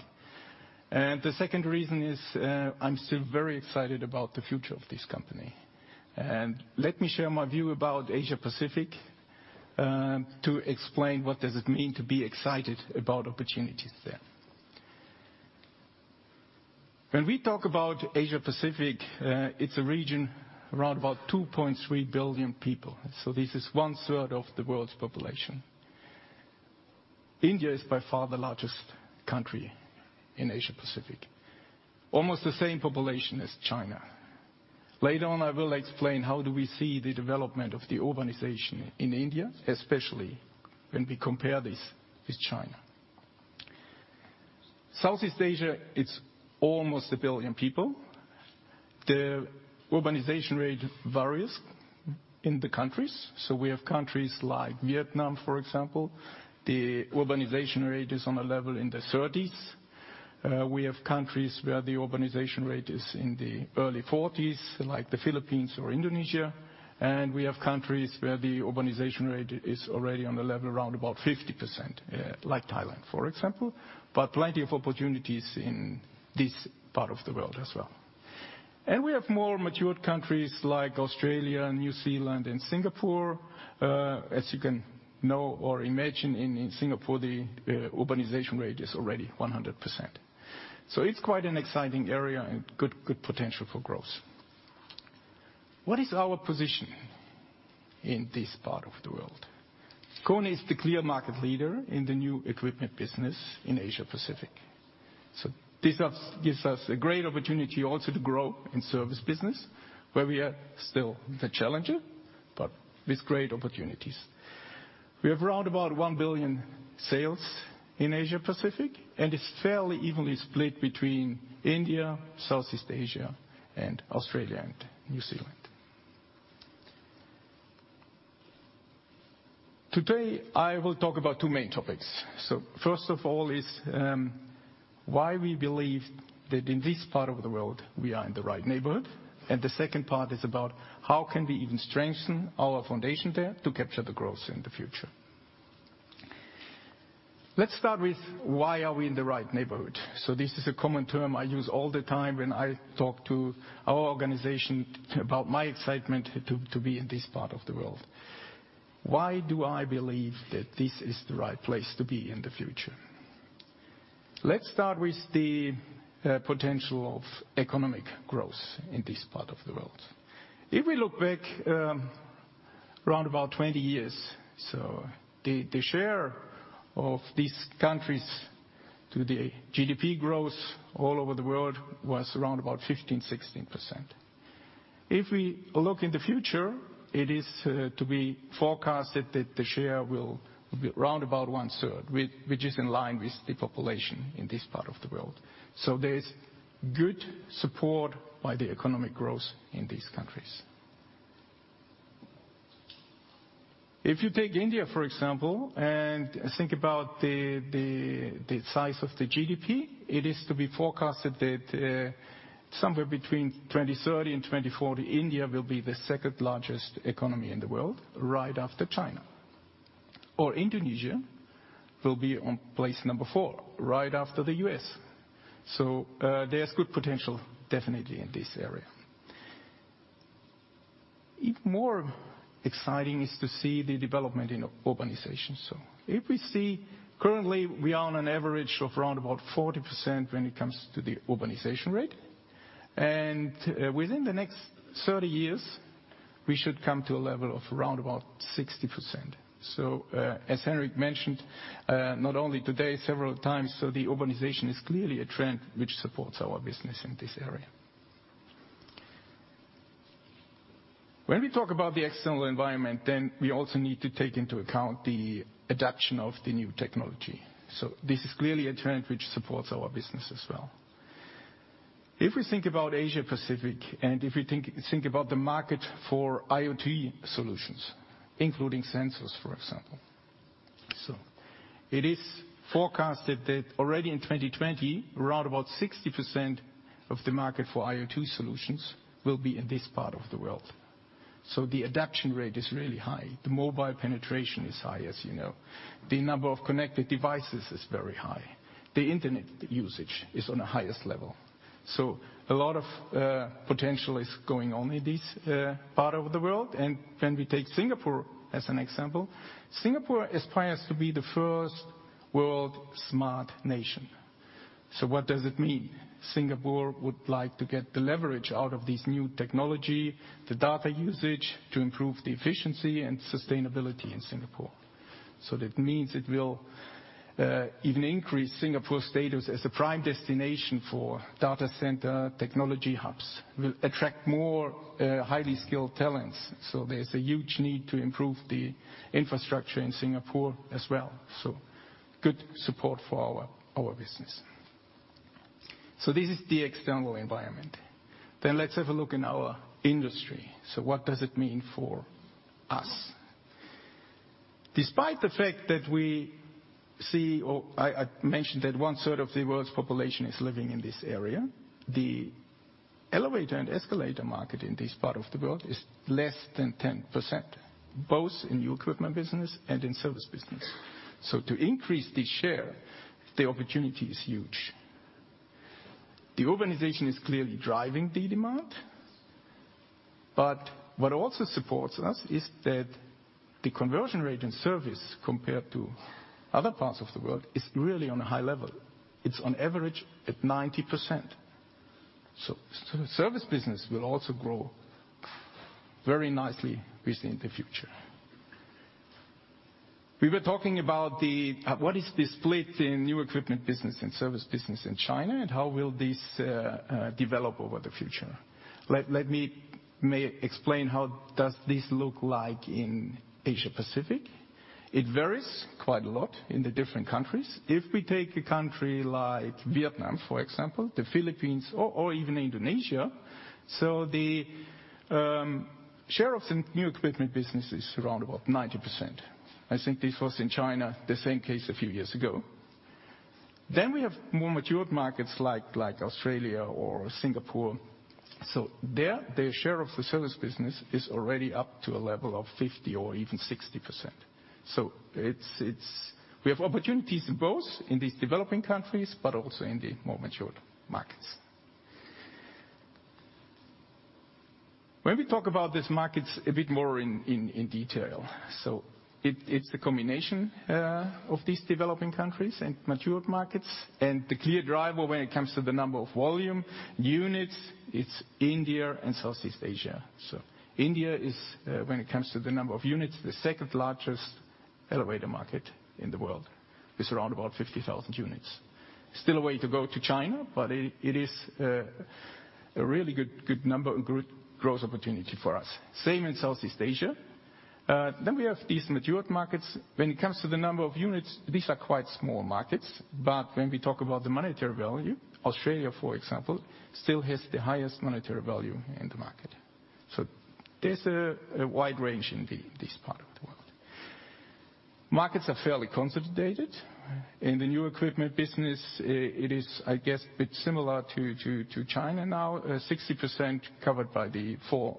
and the second reason is I'm still very excited about the future of this company. Let me share my view about Asia Pacific, to explain what does it mean to be excited about opportunities there. When we talk about Asia Pacific, it's a region around about 2.3 billion people. This is one third of the world's population. India is by far the largest country in Asia Pacific, almost the same population as China. Later on, I will explain how do we see the development of the urbanization in India, especially when we compare this with China. Southeast Asia, it's almost 1 billion people. The urbanization rate varies in the countries. We have countries like Vietnam, for example. The urbanization rate is on a level in the 30s. We have countries where the urbanization rate is in the early 40s, like the Philippines or Indonesia, and we have countries where the urbanization rate is already on the level around about 50%, like Thailand, for example. Plenty of opportunities in this part of the world as well. We have more matured countries like Australia, New Zealand, and Singapore. As you can know or imagine, in Singapore, the urbanization rate is already 100%. It's quite an exciting area and good potential for growth. What is our position in this part of the world? KONE is the clear market leader in the new equipment business in Asia Pacific. This gives us a great opportunity also to grow in service business, where we are still the challenger, but with great opportunities. We have around about 1 billion sales in Asia Pacific, and it's fairly evenly split between India, Southeast Asia, and Australia and New Zealand. Today, I will talk about two main topics. First of all is why we believe that in this part of the world, we are in the right neighborhood, the second part is about how can we even strengthen our foundation there to capture the growth in the future. Let's start with why are we in the right neighborhood? This is a common term I use all the time when I talk to our organization about my excitement to be in this part of the world. Why do I believe that this is the right place to be in the future? Let's start with the potential of economic growth in this part of the world. If we look back around about 20 years, the share of these countries to the GDP growth all over the world was around about 15%, 16%. If we look in the future, it is to be forecasted that the share will be around about one-third, which is in line with the population in this part of the world. There is good support by the economic growth in these countries. If you take India, for example, and think about the size of the GDP, it is to be forecasted that somewhere between 2030 and 2040, India will be the second largest economy in the world, right after China. Indonesia will be on place number four, right after the U.S. There's good potential definitely in this area. Even more exciting is to see the development in urbanization. If we see currently we are on an average of around about 40% when it comes to the urbanization rate, and within the next 30 years, we should come to a level of around about 60%. As Henrik mentioned, not only today several times, the urbanization is clearly a trend which supports our business in this area. When we talk about the external environment, we also need to take into account the adaption of the new technology. This is clearly a trend which supports our business as well. If we think about Asia Pacific and if we think about the market for IoT solutions, including sensors, for example. It is forecasted that already in 2020, around about 60% of the market for IoT solutions will be in this part of the world. The adaption rate is really high. The mobile penetration is high, as you know. The number of connected devices is very high. The internet usage is on the highest level. A lot of potential is going on in this part of the world. When we take Singapore as an example, Singapore aspires to be the first world smart nation. What does it mean? Singapore would like to get the leverage out of this new technology, the data usage, to improve the efficiency and sustainability in Singapore. That means it will even increase Singapore's status as a prime destination for data center technology hubs. Will attract more highly skilled talents. There's a huge need to improve the infrastructure in Singapore as well. Good support for our business. This is the external environment. Let's have a look in our industry. What does it mean for us? Despite the fact that we see, or I mentioned that one-third of the world's population is living in this area, the elevator and escalator market in this part of the world is less than 10%, both in new equipment business and in service business. To increase the share, the opportunity is huge. The urbanization is clearly driving the demand, but what also supports us is that the conversion rate in service compared to other parts of the world is really on a high level. It is on average at 90%. Service business will also grow very nicely within the future. We were talking about what is the split in new equipment business and service business in China, and how will this develop over the future? Let me explain how does this look like in Asia-Pacific. It varies quite a lot in the different countries. If we take a country like Vietnam, for example, the Philippines or even Indonesia. The share of the new equipment business is around about 90%. I think this was in China, the same case a few years ago. We have more matured markets like Australia or Singapore. There, their share of the service business is already up to a level of 50% or even 60%. We have opportunities both in these developing countries, but also in the more matured markets. When we talk about these markets a bit more in detail, it's a combination of these developing countries and mature markets, and the clear driver when it comes to the number of volume units, it's India and Southeast Asia. India is, when it comes to the number of units, the second largest elevator market in the world with around about 50,000 units. Still a way to go to China, but it is a really good number and good growth opportunity for us. Same in Southeast Asia. We have these mature markets. When it comes to the number of units, these are quite small markets. When we talk about the monetary value, Australia, for example, still has the highest monetary value in the market. There's a wide range in this part of the world. Markets are fairly concentrated. In the new equipment business, it is, I guess, a bit similar to China now, 60% covered by the four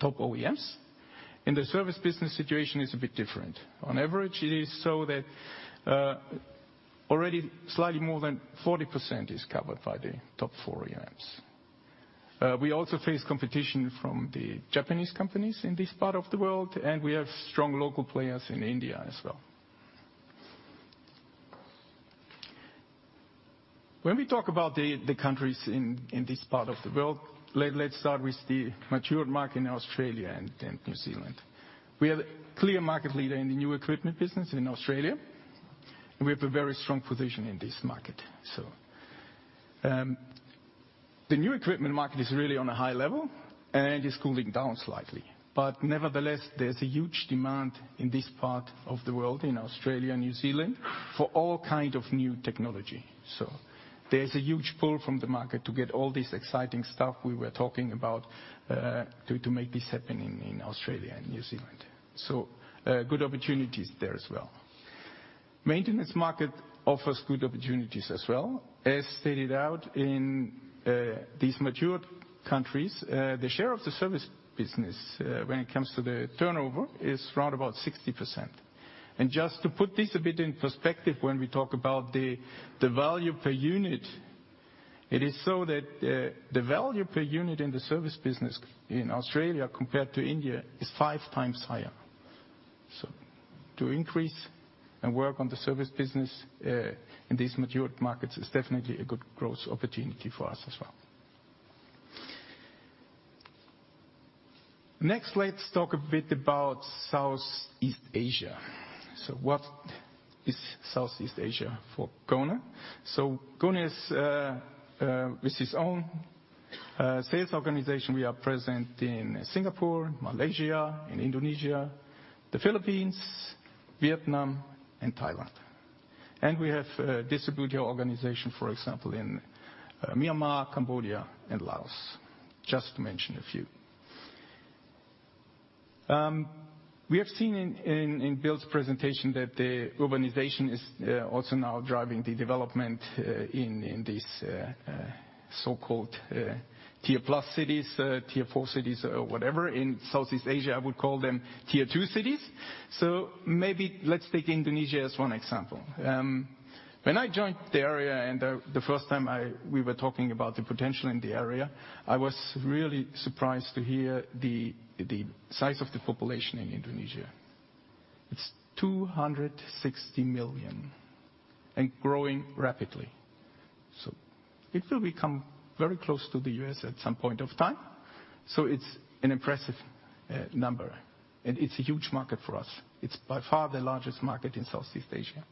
top OEMs. In the service business situation, it's a bit different. On average, it is so that already slightly more than 40% is covered by the top four OEMs. We also face competition from the Japanese companies in this part of the world, and we have strong local players in India as well. When we talk about the countries in this part of the world, let's start with the mature market in Australia and New Zealand. We are the clear market leader in the new equipment business in Australia, and we have a very strong position in this market. The new equipment market is really on a high level and is cooling down slightly. Nevertheless, there's a huge demand in this part of the world, in Australia and New Zealand, for all kind of new technology. There's a huge pull from the market to get all this exciting stuff we were talking about, to make this happen in Australia and New Zealand. Good opportunities there as well. Maintenance market offers good opportunities as well. As stated out in these mature countries, the share of the service business, when it comes to the turnover, is around about 60%. Just to put this a bit in perspective, when we talk about the value per unit, it is so that the value per unit in the service business in Australia compared to India is five times higher. To increase and work on the service business, in these mature markets is definitely a good growth opportunity for us as well. Next, let's talk a bit about Southeast Asia. What is Southeast Asia for KONE? KONE is with its own sales organization. We are present in Singapore, Malaysia, in Indonesia, the Philippines, Vietnam, and Thailand. We have a distributor organization, for example, in Myanmar, Cambodia, and Laos, just to mention a few. We have seen in Bill's presentation that the urbanization is also now driving the development in these so-called tier plus cities, tier 4 cities or whatever. In Southeast Asia, I would call them tier 2 cities. Maybe let's take Indonesia as one example. When I joined the area and the first time we were talking about the potential in the area, I was really surprised to hear the size of the population in Indonesia. It's 260 million and growing rapidly. It will become very close to the U.S. at some point of time. It's an impressive number and it's a huge market for us. It's by far the largest market in Southeast Asia.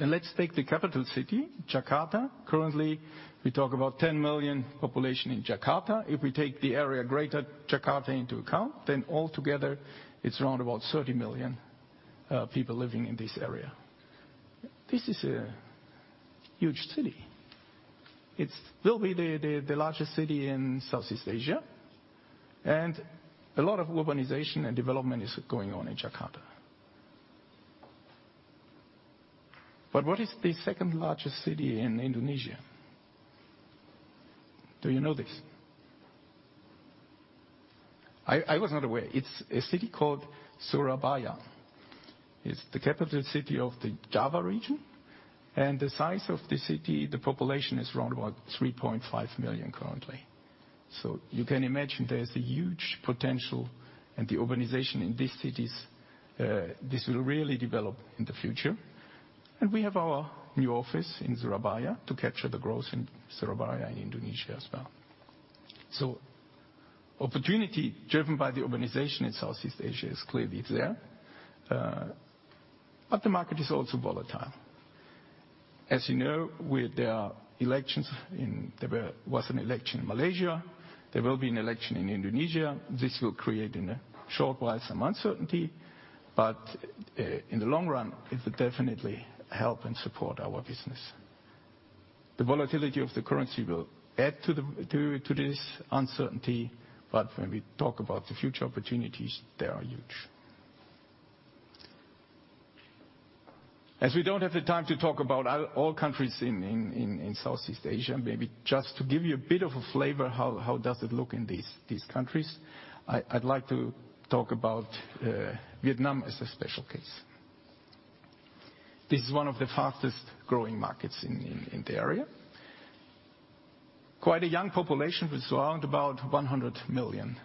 Let's take the capital city, Jakarta. Currently, we talk about 10 million population in Jakarta. If we take the area greater Jakarta into account, altogether it's around about 30 million people living in this area. This is a huge city. It will be the largest city in Southeast Asia, a lot of urbanization and development is going on in Jakarta. What is the second-largest city in Indonesia? Do you know this? I was not aware. It's a city called Surabaya. It's the capital city of the Java region. The size of the city, the population is around about 3.5 million currently. You can imagine there's a huge potential and the urbanization in these cities, this will really develop in the future. We have our new office in Surabaya to capture the growth in Surabaya and Indonesia as well. Opportunity driven by the urbanization in Southeast Asia is clearly there. The market is also volatile. As you know, there was an election in Malaysia, there will be an election in Indonesia. This will create in the short while some uncertainty, in the long run, it will definitely help and support our business. The volatility of the currency will add to this uncertainty, when we talk about the future opportunities, they are huge. As we don't have the time to talk about all countries in Southeast Asia, just to give you a bit of a flavor, how does it look in these countries, I'd like to talk about Vietnam as a special case. This is one of the fastest-growing markets in the area. Quite a young population with around about 100 million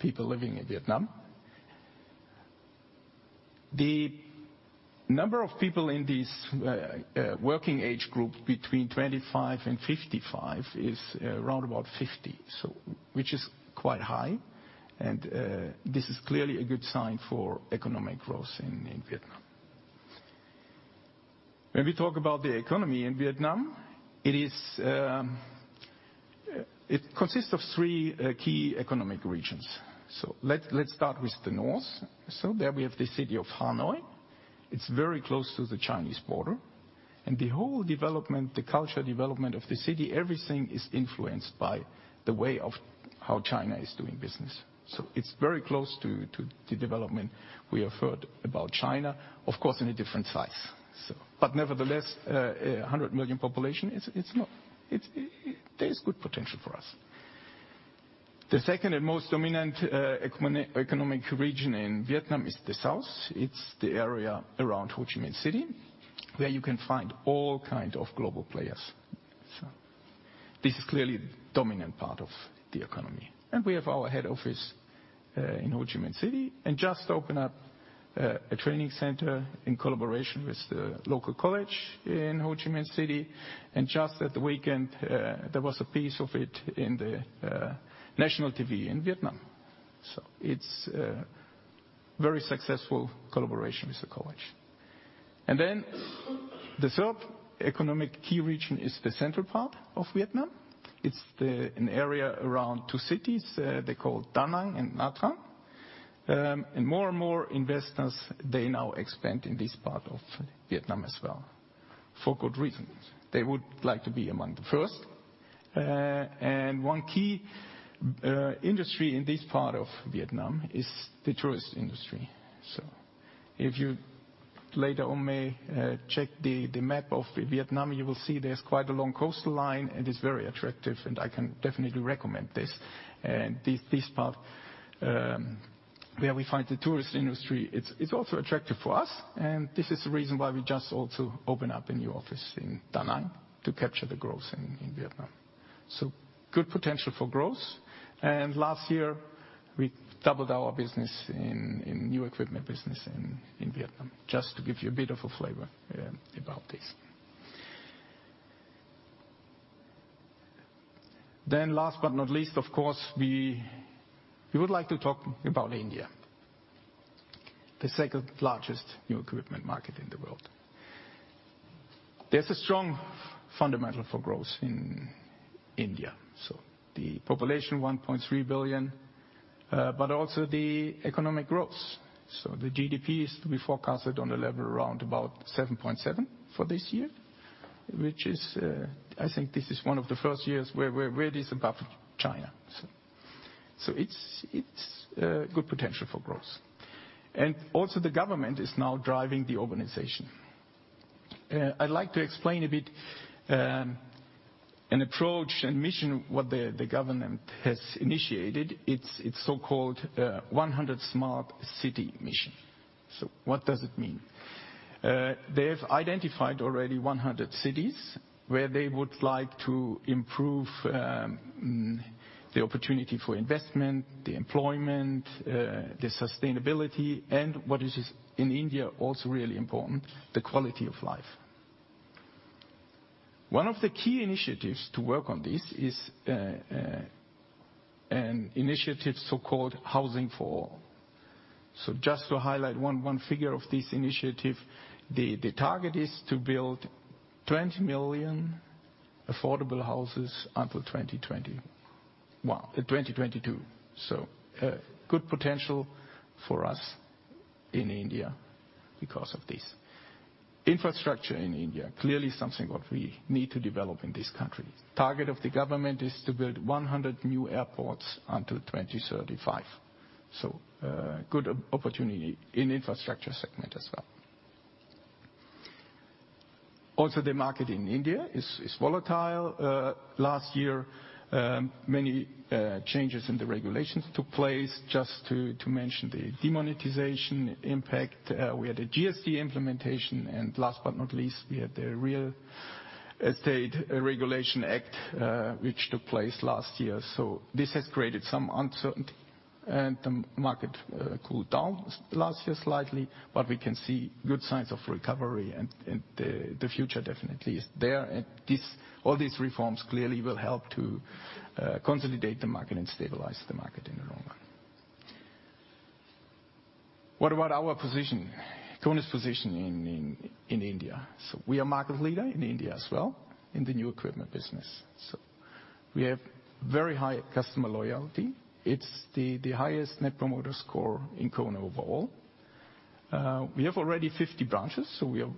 people living in Vietnam. The number of people in this working age group between 25 and 55 is around about 50, which is quite high, and this is clearly a good sign for economic growth in Vietnam. When we talk about the economy in Vietnam, it consists of three key economic regions. Let's start with the north. There we have the city of Hanoi. It's very close to the Chinese border, and the whole development, the culture development of the city, everything is influenced by the way of how China is doing business. It's very close to the development we have heard about China, of course, in a different size. Nevertheless, 100 million population, there is good potential for us. The second and most dominant economic region in Vietnam is the south. It's the area around Ho Chi Minh City, where you can find all kind of global players. This is clearly the dominant part of the economy. We have our head office in Ho Chi Minh City and just open up a training center in collaboration with the local college in Ho Chi Minh City, and just at the weekend, there was a piece of it in the national TV in Vietnam. It's a very successful collaboration with the college. The third economic key region is the central part of Vietnam. It's an area around two cities, they are called Da Nang and Nha Trang. More and more investors, they now expand in this part of Vietnam as well. For good reasons. They would like to be among the first. One key industry in this part of Vietnam is the tourist industry. If you later on may check the map of Vietnam, you will see there's quite a long coastal line, and it's very attractive, and I can definitely recommend this. This part, where we find the tourist industry, it's also attractive for us, and this is the reason why we just also open up a new office in Da Nang to capture the growth in Vietnam. Good potential for growth. Last year, we doubled our business in new equipment business in Vietnam, just to give you a bit of a flavor about this. Last but not least, of course, we would like to talk about India, the second-largest new equipment market in the world. There's a strong fundamental for growth in India. The population, 1.3 billion, but also the economic growth. The GDP is to be forecasted on the level around about 7.7 for this year, which is, I think this is one of the first years where it is above China. It's good potential for growth. Also, the government is now driving the organization. I'd like to explain a bit an approach and mission, what the government has initiated. It's so-called 100 Smart Cities Mission. What does it mean? They've identified already 100 cities where they would like to improve the opportunity for investment, the employment, the sustainability, and what is in India also really important, the quality of life. One of the key initiatives to work on this is an initiative so-called Housing for All. Just to highlight one figure of this initiative, the target is to build 20 million affordable houses until 2022. Good potential for us in India because of this. Infrastructure in India, clearly something what we need to develop in this country. Target of the government is to build 100 new airports until 2035. Good opportunity in infrastructure segment as well. The market in India is volatile. Last year, many changes in the regulations took place, just to mention the demonetization impact. We had a GST implementation, and last but not least, we had the Real Estate Regulation Act, which took place last year. This has created some uncertainty, and the market cooled down last year slightly, but we can see good signs of recovery, and the future definitely is there. All these reforms clearly will help to consolidate the market and stabilize the market in the long run. What about our position, KONE's position in India? We are market leader in India as well in the new equipment business. We have very high customer loyalty. It's the highest Net Promoter Score in KONE overall. We have already 50 branches, so we have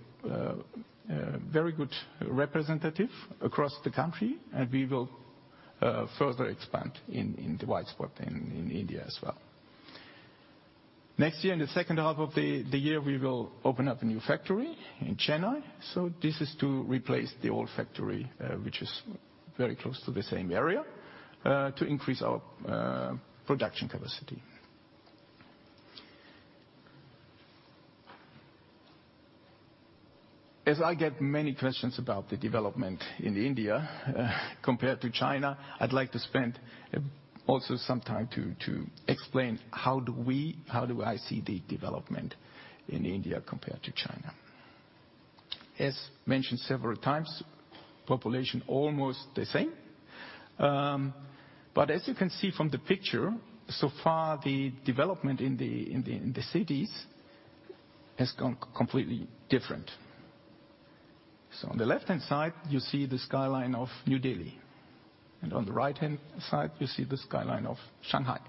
a very good representative across the country, and we will further expand in the white spot in India as well. Next year, in the second half of the year, we will open up a new factory in Chennai. This is to replace the old factory, which is very close to the same area, to increase our production capacity. As I get many questions about the development in India compared to China, I'd like to spend also some time to explain how do I see the development in India compared to China. As mentioned several times, population almost the same. As you can see from the picture, so far the development in the cities has gone completely different. On the left-hand side you see the skyline of New Delhi, and on the right-hand side you see the skyline of Shanghai.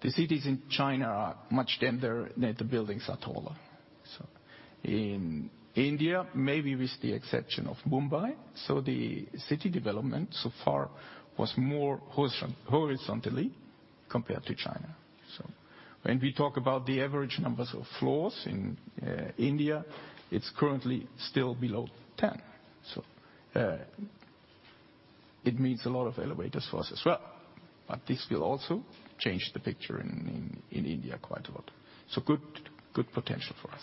The cities in China are much denser and the buildings are taller. In India, maybe with the exception of Mumbai, the city development so far was more horizontally compared to China. When we talk about the average numbers of floors in India, it's currently still below 10. It means a lot of elevators for us as well. This will also change the picture in India quite a lot. Good potential for us.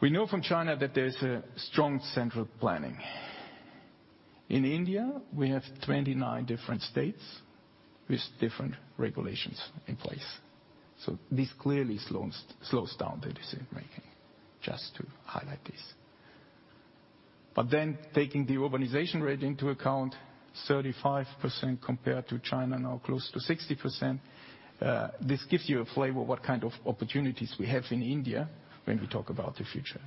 We know from China that there's a strong central planning. In India, we have 29 different states with different regulations in place. This clearly slows down the decision-making, just to highlight this. Taking the urbanization rate into account, 35% compared to China, now close to 60%, this gives you a flavor of what kind of opportunities we have in India when we talk about the future.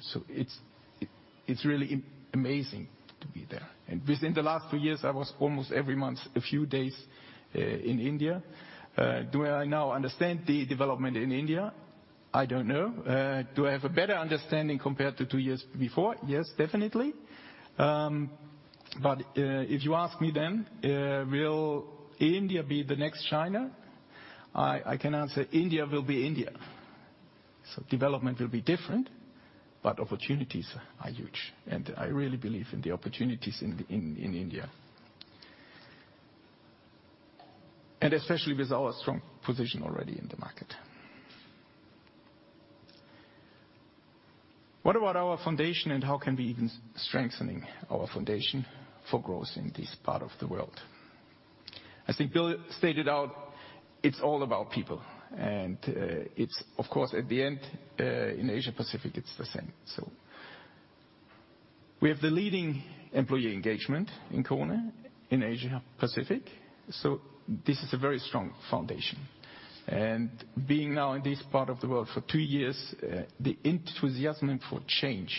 It's really amazing to be there. Within the last two years, I was almost every month a few days in India. Do I now understand the development in India? I don't know. Do I have a better understanding compared to two years before? Yes, definitely. If you ask me then, will India be the next China? I can answer, India will be India. Development will be different, but opportunities are huge, and I really believe in the opportunities in India. Especially with our strong position already in the market. What about our foundation and how can we even strengthening our foundation for growth in this part of the world? As I think Bill stated out, it's all about people, and it's of course at the end, in Asia-Pacific, it's the same. We have the leading employee engagement in KONE in Asia-Pacific. This is a very strong foundation. Being now in this part of the world for two years, the enthusiasm for change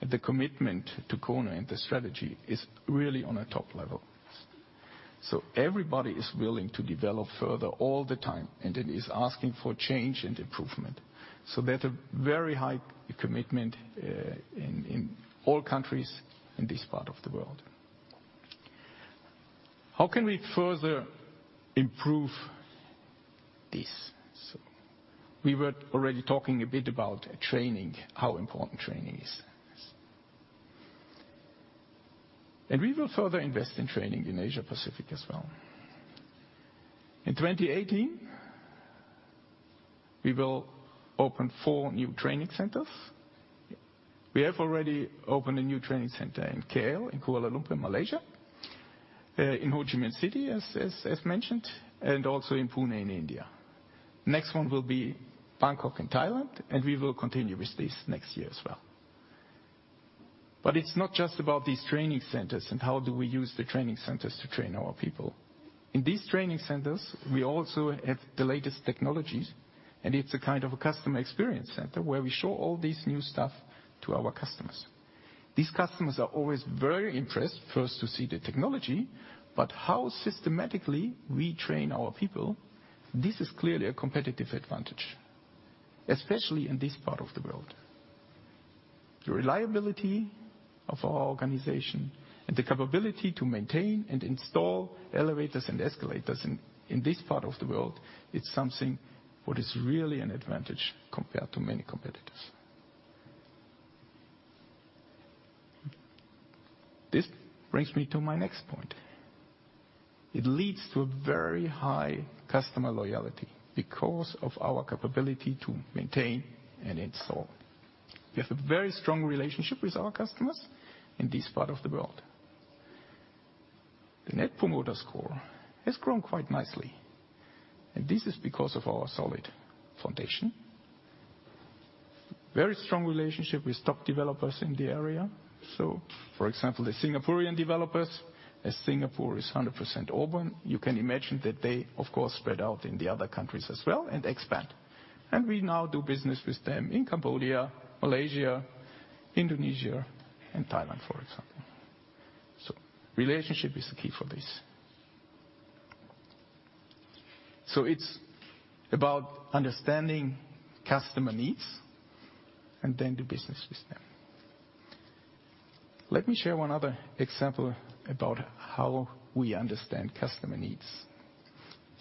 and the commitment to KONE and the strategy is really on a top level. Everybody is willing to develop further all the time, and then is asking for change and improvement. They have a very high commitment in all countries in this part of the world. How can we further improve this? We were already talking a bit about training, how important training is. We will further invest in training in Asia-Pacific as well. In 2018, we will open four new training centers. We have already opened a new training center in KL, in Kuala Lumpur, Malaysia, in Ho Chi Minh City, as mentioned, and also in Pune, in India. Next one will be Bangkok, in Thailand. We will continue with this next year as well. It's not just about these training centers and how do we use the training centers to train our people. In these training centers, we also have the latest technologies, and it's a kind of a customer experience center where we show all this new stuff to our customers. These customers are always very impressed, first to see the technology, how systematically we train our people, this is clearly a competitive advantage, especially in this part of the world. The reliability of our organization and the capability to maintain and install elevators and escalators in this part of the world, it's something what is really an advantage compared to many competitors. This brings me to my next point. It leads to a very high customer loyalty because of our capability to maintain and install. We have a very strong relationship with our customers in this part of the world. The Net Promoter Score has grown quite nicely, and this is because of our solid foundation. Very strong relationship with top developers in the area. For example, the Singaporean developers, as Singapore is 100% urban, you can imagine that they of course spread out in the other countries as well and expand. We now do business with them in Cambodia, Malaysia, Indonesia, and Thailand, for example. Relationship is the key for this. It's about understanding customer needs and then do business with them. Let me share one other example about how we understand customer needs.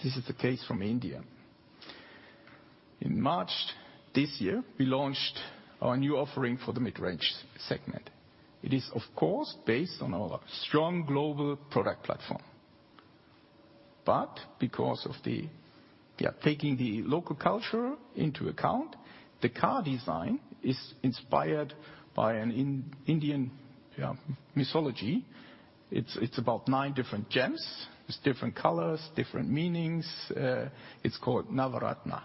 This is the case from India. In March this year, we launched our new offering for the mid-range segment. It is of course based on our strong global product platform. Because of taking the local culture into account, the car design is inspired by an Indian mythology. It's about nine different gems. There's different colors, different meanings. It's called Navaratna.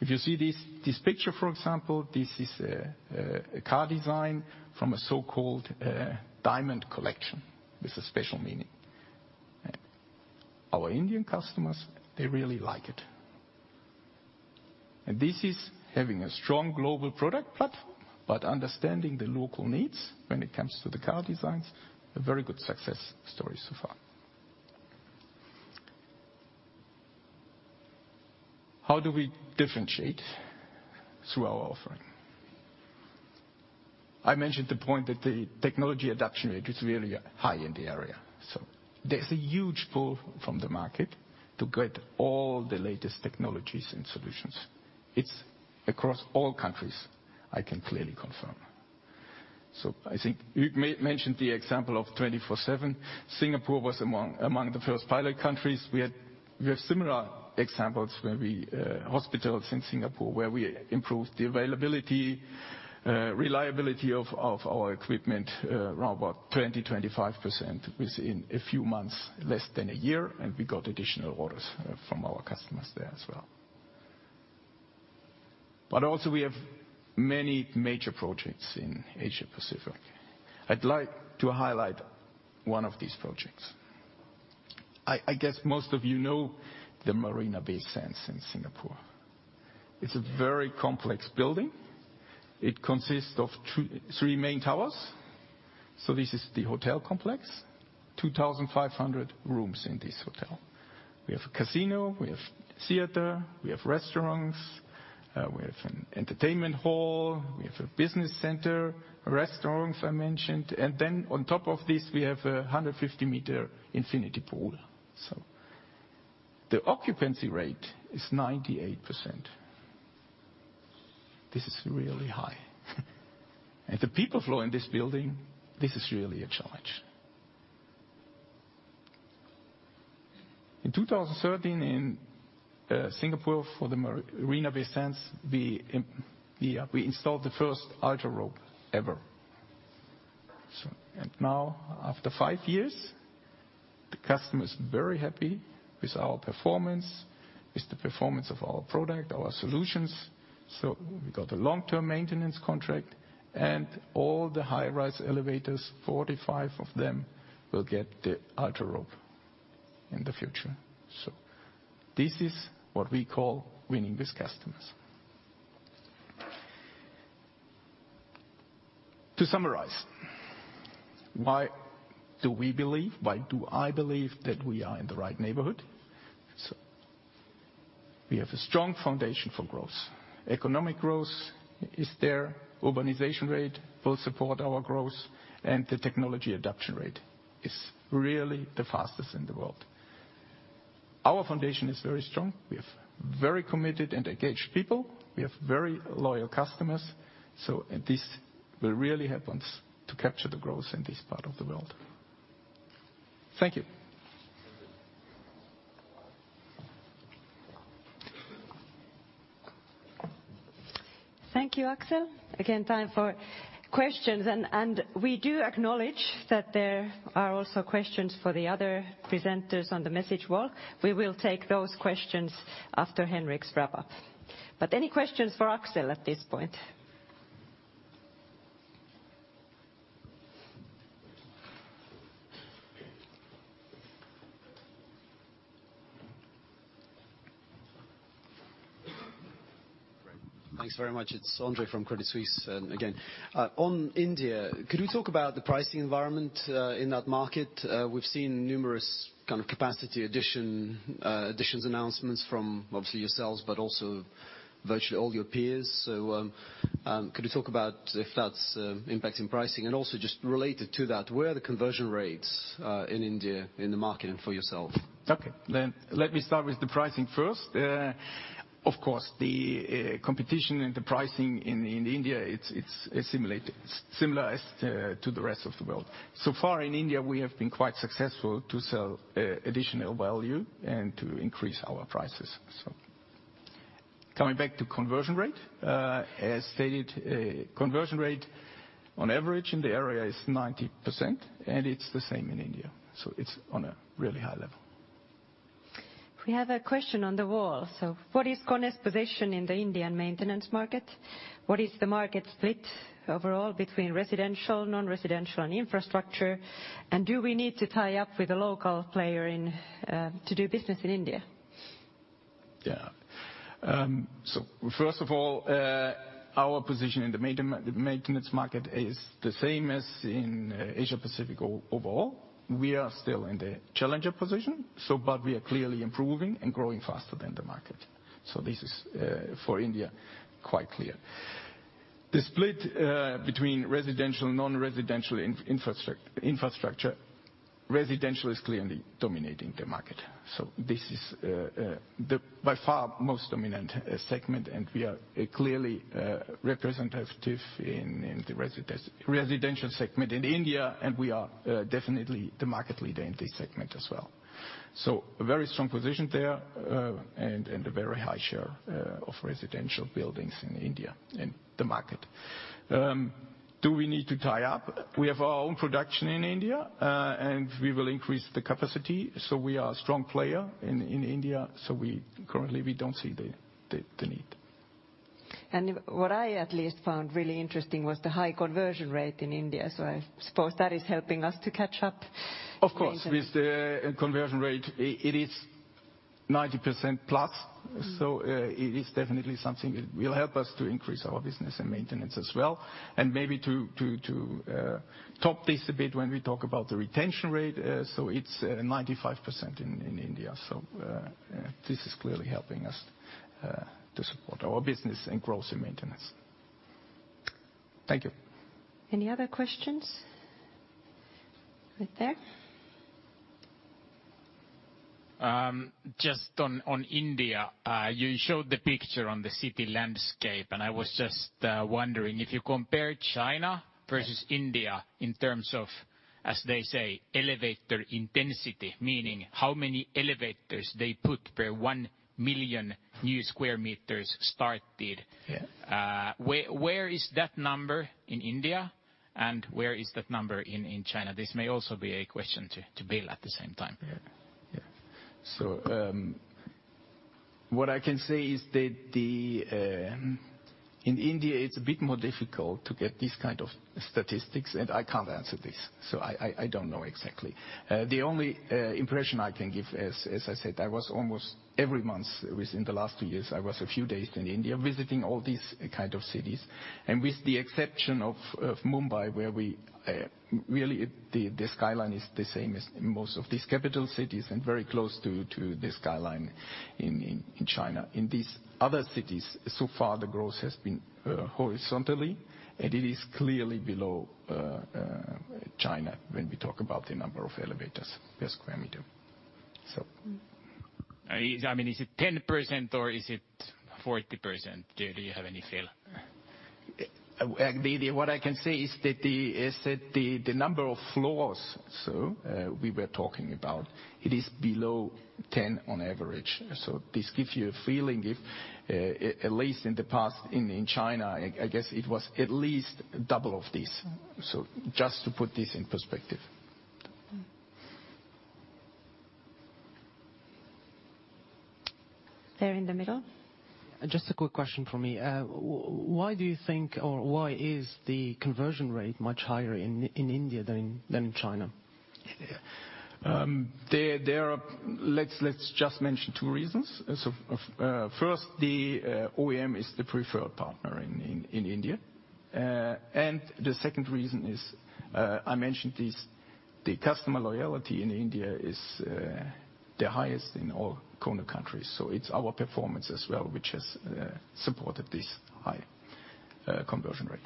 If you see this picture, for example, this is a car design from a so-called diamond collection with a special meaning. Our Indian customers, they really like it. This is having a strong global product platform, understanding the local needs when it comes to the car designs, a very good success story so far. How do we differentiate through our offering? I mentioned the point that the technology adoption rate is really high in the area. There's a huge pull from the market to get all the latest technologies and solutions. It's across all countries, I can clearly confirm. I think you mentioned the example of 24/7. Singapore was among the first pilot countries. We have similar examples, hospitals in Singapore, where we improved the availability, reliability of our equipment around 20%-25% within a few months, less than a year, and we got additional orders from our customers there as well. Also we have many major projects in Asia Pacific. I'd like to highlight one of these projects. I guess most of you know the Marina Bay Sands in Singapore. It's a very complex building. It consists of three main towers. This is the hotel complex, 2,500 rooms in this hotel. We have a casino, we have theater, we have restaurants, we have an entertainment hall, we have a business center, restaurants I mentioned, on top of this, we have a 150-meter infinity pool. The occupancy rate is 98%. This is really high. The people flow in this building, this is really a challenge. In 2013, in Singapore for the Marina Bay Sands, we installed the first UltraRope ever. Now after five years, the customer is very happy with our performance, with the performance of our product, our solutions. We got a long-term maintenance contract and all the high-rise elevators, 45 of them, will get the UltraRope in the future. This is what we call Winning with Customers. To summarize, why do we believe, why do I believe that we are in the right neighborhood? We have a strong foundation for growth. Economic growth is there. Urbanization rate will support our growth, the technology adoption rate is really the fastest in the world. Our foundation is very strong. We have very committed and engaged people. We have very loyal customers. This will really help us to capture the growth in this part of the world. Thank you. Thank you, Axel. Again, time for questions, and we do acknowledge that there are also questions for the other presenters on the message wall. We will take those questions after Henrik's wrap-up. Any questions for Axel at this point? Thanks very much. It's Andre from Credit Suisse. Again, on India, could you talk about the pricing environment in that market? We've seen numerous kind of capacity additions announcements from obviously yourselves, but also virtually all your peers. Could you talk about if that's impacting pricing and also just related to that, where are the conversion rates in India in the market and for yourself? Okay. Let me start with the pricing first. Of course, the competition and the pricing in India, it's similar as to the rest of the world. So far in India, we have been quite successful to sell additional value and to increase our prices. Coming back to conversion rate, as stated, conversion rate on average in the area is 90% and it's the same in India. It's on a really high level. We have a question on the wall. What is KONE's position in the Indian maintenance market? What is the market split overall between residential, non-residential, and infrastructure, and do we need to tie up with a local player to do business in India? Yeah. First of all, our position in the maintenance market is the same as in Asia-Pacific overall. We are still in the challenger position, but we are clearly improving and growing faster than the market. This is for India quite clear. The split between residential, non-residential infrastructure, residential is clearly dominating there. This is by far the most dominant segment, and we are clearly representative in the residential segment in India, and we are definitely the market leader in this segment as well. A very strong position there, and a very high share of residential buildings in India, in the market. Do we need to tie up? We have our own production in India, and we will increase the capacity. We are a strong player in India. Currently we don't see the need. What I, at least, found really interesting was the high conversion rate in India. I suppose that is helping us to catch up. Of course, with the conversion rate, it is 90% plus. It is definitely something that will help us to increase our business and maintenance as well, and maybe to top this a bit when we talk about the retention rate. It is 95% in India. This is clearly helping us to support our business and growth in maintenance. Thank you. Any other questions? Right there. Just on India, you showed the picture on the city landscape, and I was just wondering if you compare China versus India in terms of, as they say, elevator intensity, meaning how many elevators they put per 1 million new square meters started. Yes. Where is that number in India, and where is that number in China? This may also be a question to Bill at the same time. Yeah. What I can say is that in India, it's a bit more difficult to get these kind of statistics, and I can't answer this. I don't know exactly. The only impression I can give is, as I said, I was almost every month within the last two years, I was a few days in India visiting all these kind of cities. With the exception of Mumbai, where really the skyline is the same as most of these capital cities and very close to the skyline in China. In these other cities, so far, the growth has been horizontally, and it is clearly below China when we talk about the number of elevators per square meter. Is it 10% or is it 40%? Do you have any feel? What I can say is that the number of floors we were talking about, it is below 10 on average. This gives you a feeling, if at least in the past in China, I guess it was at least double of this. Just to put this in perspective. There in the middle. Just a quick question from me. Why do you think, or why is the conversion rate much higher in India than in China? Let's just mention two reasons. First, the OEM is the preferred partner in India. The second reason is, I mentioned this, the customer loyalty in India is the highest in all KONE countries. It's our performance as well, which has supported this high conversion rate.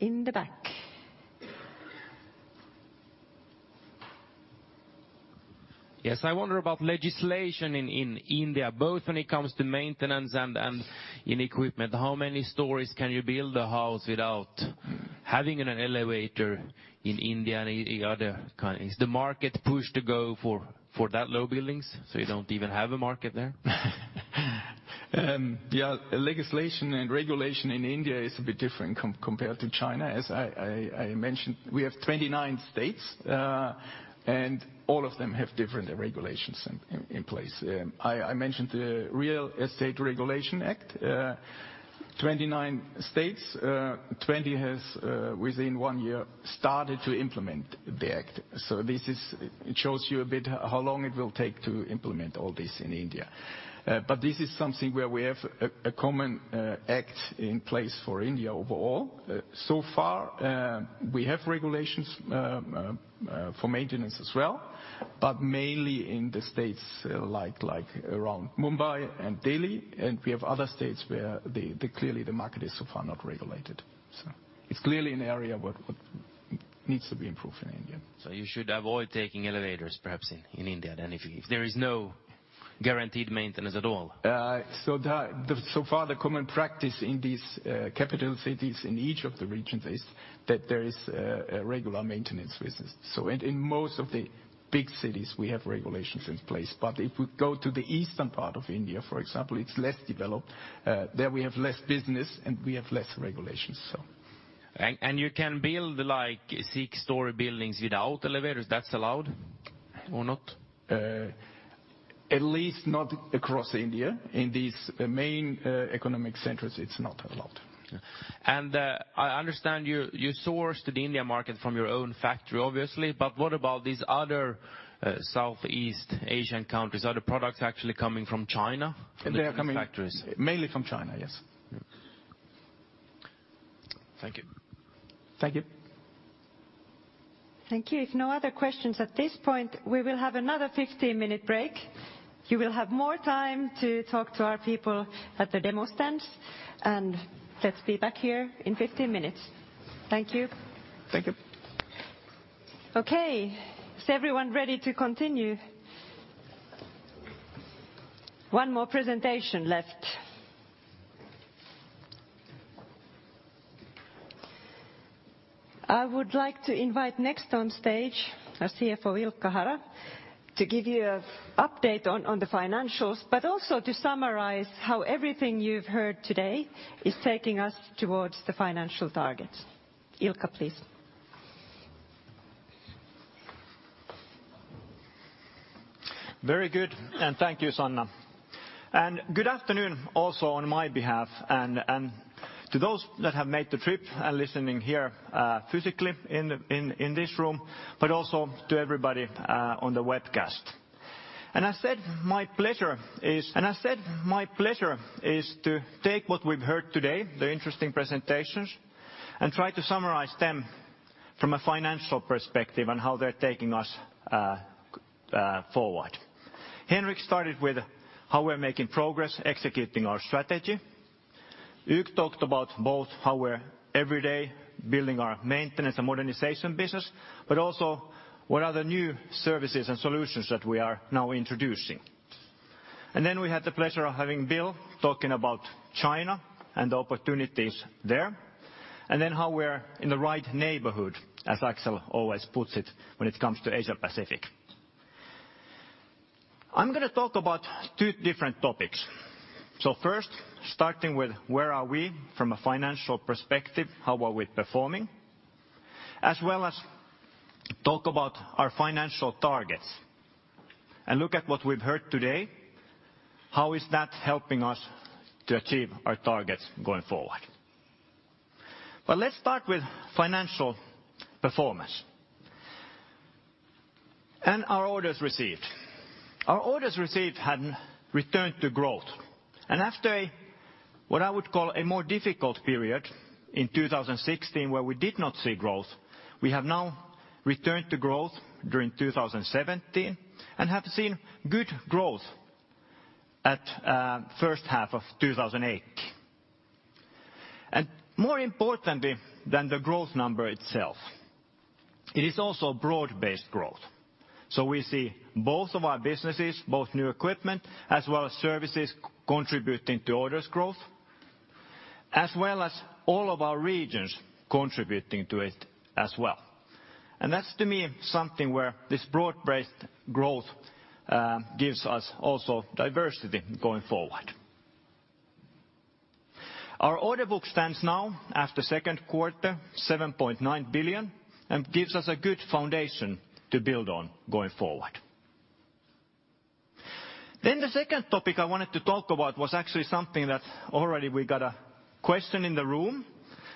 In the back. Yes, I wonder about legislation in India, both when it comes to maintenance and in equipment. How many stories can you build a house without having an elevator in India and other countries? Is the market pushed to go for that low buildings, so you don't even have a market there? Yeah, legislation and regulation in India is a bit different compared to China. As I mentioned, we have 29 states, and all of them have different regulations in place. I mentioned the Real Estate Regulation Act. 29 states, 20 has, within one year, started to implement the act. This shows you a bit how long it will take to implement all this in India. This is something where we have a common act in place for India overall. So far, we have regulations for maintenance as well, but mainly in the states around Mumbai and Delhi, and we have other states where clearly the market is so far not regulated. It's clearly an area what needs to be improved in India. You should avoid taking elevators, perhaps in India, then, if there is no guaranteed maintenance at all. Far, the common practice in these capital cities in each of the regions is that there is a regular maintenance business. In most of the big cities, we have regulations in place. If we go to the eastern part of India, for example, it's less developed. There we have less business, and we have less regulations. You can build six-story buildings without elevators. That's allowed or not? At least not across India. In these main economic centers, it's not allowed. I understand you sourced the India market from your own factory, obviously, but what about these other Southeast Asian countries? Are the products actually coming from China, from the KONE factories? They are coming mainly from China, yes. Thank you. Thank you. Thank you. If no other questions at this point, we will have another 15-minute break. You will have more time to talk to our people at the demo stands, and let's be back here in 15 minutes. Thank you. Thank you. Okay, is everyone ready to continue? One more presentation left. I would like to invite next on stage our CFO, Ilkka Hara, to give you an update on the financials, but also to summarize how everything you've heard today is taking us towards the financial targets. Ilkka, please. Very good, thank you, Sanna. Good afternoon also on my behalf, and to those that have made the trip and listening here physically in this room, but also to everybody on the webcast. As said, my pleasure is to take what we've heard today, the interesting presentations, and try to summarize them from a financial perspective on how they're taking us forward. Henrik started with how we're making progress executing our strategy. Hugues talked about both how we're every day building our maintenance and modernization business, but also what are the new services and solutions that we are now introducing. Then we had the pleasure of having Bill talking about China and the opportunities there, and how we're in the right neighborhood, as Axel always puts it, when it comes to Asia Pacific. I'm going to talk about two different topics. First, starting with where are we from a financial perspective, how are we performing, as well as talk about our financial targets and look at what we've heard today, how is that helping us to achieve our targets going forward. Let's start with financial performance and our orders received. Our orders received had returned to growth. After what I would call a more difficult period in 2016, where we did not see growth, we have now returned to growth during 2017 and have seen good growth at first half of 2018. More importantly than the growth number itself, it is also broad-based growth. We see both of our businesses, both new equipment as well as services contributing to orders growth, as well as all of our regions contributing to it as well. That's, to me, something where this broad-based growth gives us also diversity going forward. Our order book stands now after second quarter, 7.9 billion, and gives us a good foundation to build on going forward. The second topic I wanted to talk about was actually something that already we got a question in the room,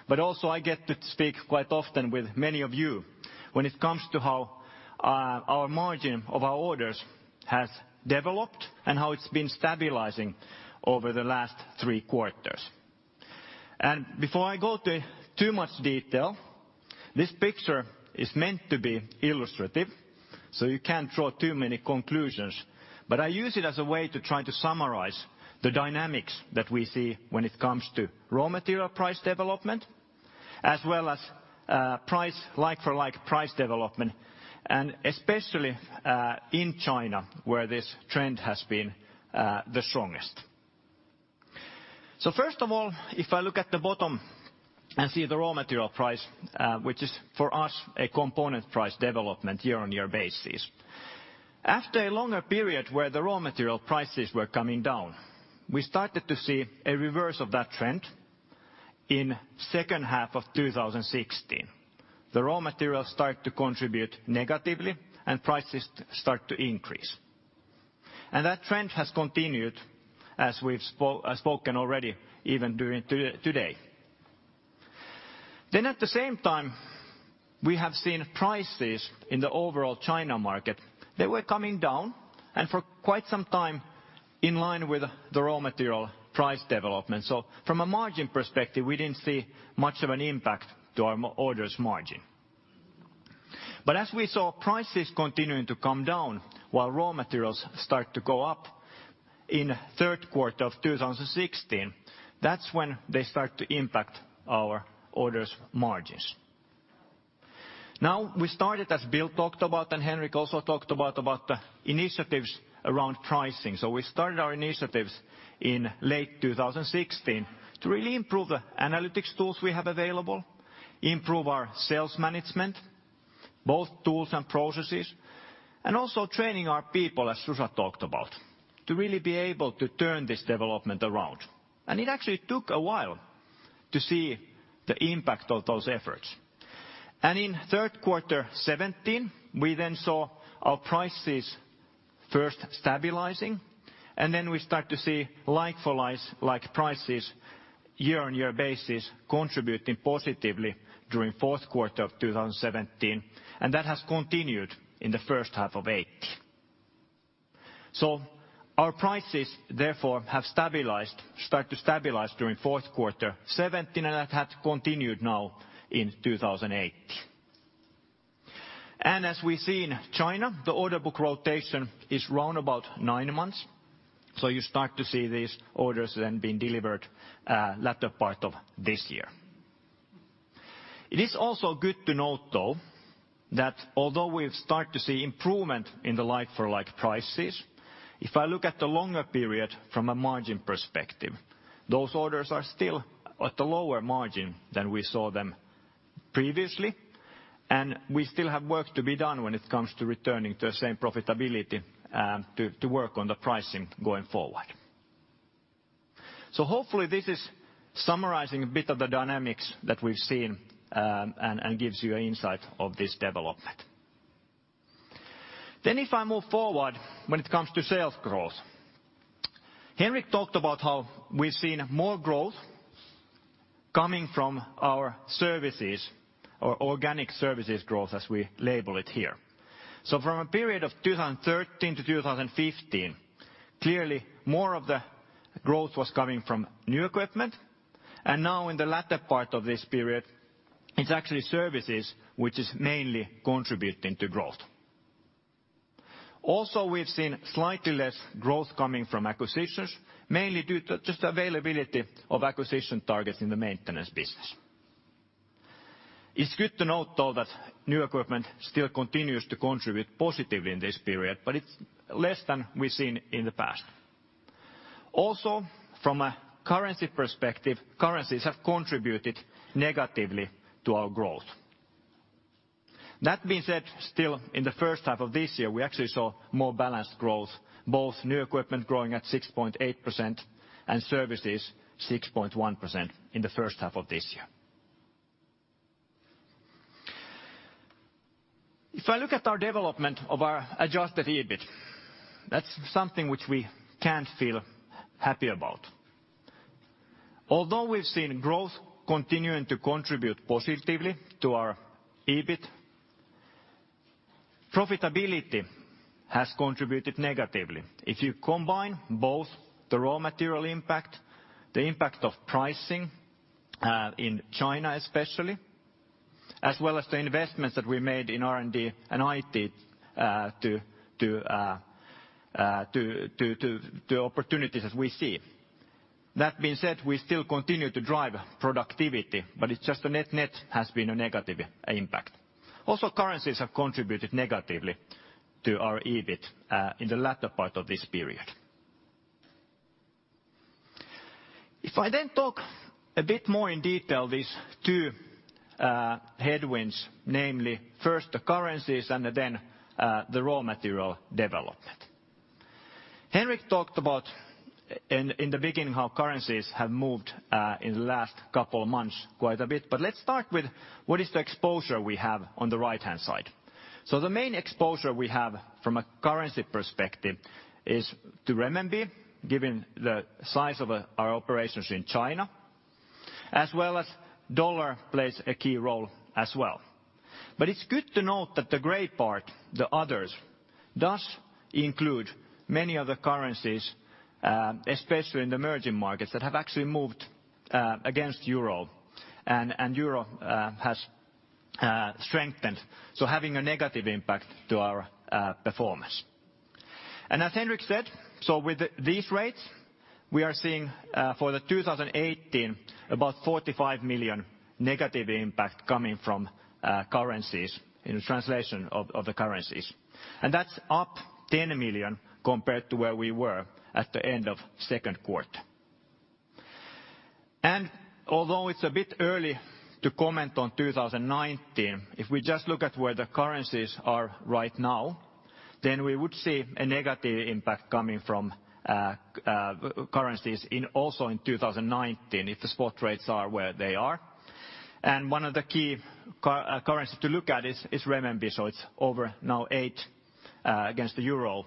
but also I get to speak quite often with many of you when it comes to how our margin of our orders has developed and how it's been stabilizing over the last three quarters. Before I go to too much detail, this picture is meant to be illustrative, so you can't draw too many conclusions, but I use it as a way to try to summarize the dynamics that we see when it comes to raw material price development, as well as like-for-like price development, especially in China, where this trend has been the strongest. First of all, if I look at the bottom and see the raw material price, which is for us a component price development year-on-year basis. After a longer period where the raw material prices were coming down, we started to see a reverse of that trend in second half of 2016. The raw material start to contribute negatively and prices start to increase. That trend has continued as we've spoken already even during today. At the same time, we have seen prices in the overall China market. They were coming down and for quite some time in line with the raw material price development. From a margin perspective, we didn't see much of an impact to our orders margin. As we saw prices continuing to come down while raw materials start to go up in third quarter of 2016, that's when they start to impact our orders margins. We started, as Bill talked about and Henrik also talked about, the initiatives around pricing. We started our initiatives in late 2016 to really improve the analytics tools we have available, improve our sales management, both tools and processes, and also training our people, as Susa talked about, to really be able to turn this development around. It actually took a while to see the impact of those efforts. In third quarter 2017, we then saw our prices first stabilizing, and then we start to see like-for-like prices year-on-year basis contributing positively during fourth quarter of 2017. That has continued in the first half of 2018. Our prices, therefore, have started to stabilize during fourth quarter 2017, and that had continued now in 2018. As we see in China, the order book rotation is around about nine months. You start to see these orders then being delivered latter part of this year. It is also good to note, though, that although we have start to see improvement in the like-for-like prices, if I look at the longer period from a margin perspective, those orders are still at a lower margin than we saw them previously, and we still have work to be done when it comes to returning to the same profitability to work on the pricing going forward. Hopefully, this is summarizing a bit of the dynamics that we've seen and gives you an insight of this development. If I move forward, when it comes to sales growth, Henrik talked about how we've seen more growth coming from our services or organic services growth, as we label it here. From a period of 2013 to 2015, clearly more of the growth was coming from new equipment. Now in the latter part of this period, it's actually services, which is mainly contributing to growth. We've seen slightly less growth coming from acquisitions, mainly due to just availability of acquisition targets in the maintenance business. It's good to note, though, that new equipment still continues to contribute positively in this period, but it's less than we've seen in the past. From a currency perspective, currencies have contributed negatively to our growth. That being said, still, in the first half of this year, we actually saw more balanced growth, both new equipment growing at 6.8% and services 6.1% in the first half of this year. If I look at our development of our adjusted EBIT, that's something which we can't feel happy about. Although we've seen growth continuing to contribute positively to our EBIT, profitability has contributed negatively. If you combine both the raw material impact, the impact of pricing in China especially, as well as the investments that we made in R&D and IT to the opportunities as we see. That being said, we still continue to drive productivity, but it's just the net-net has been a negative impact. Currencies have contributed negatively to our EBIT in the latter part of this period. I talk a bit more in detail, these two headwinds, namely first the currencies and then the raw material development. Henrik talked about in the beginning how currencies have moved in the last couple of months quite a bit. Let's start with what is the exposure we have on the right-hand side. The main exposure we have from a currency perspective is to renminbi, given the size of our operations in China, as well as dollar plays a key role as well. It's good to note that the gray part, the others, does include many other currencies, especially in the emerging markets that have actually moved against EUR, and EUR has strengthened, so having a negative impact to our performance. As Henrik said, with these rates, we are seeing for the 2018 about 45 million negative impact coming from currencies in translation of the currencies. That's up 10 million compared to where we were at the end of second quarter. Although it's a bit early to comment on 2019, if we just look at where the currencies are right now, then we would see a negative impact coming from currencies also in 2019 if the spot rates are where they are. One of the key currency to look at is renminbi. It's over now 8 against the EUR,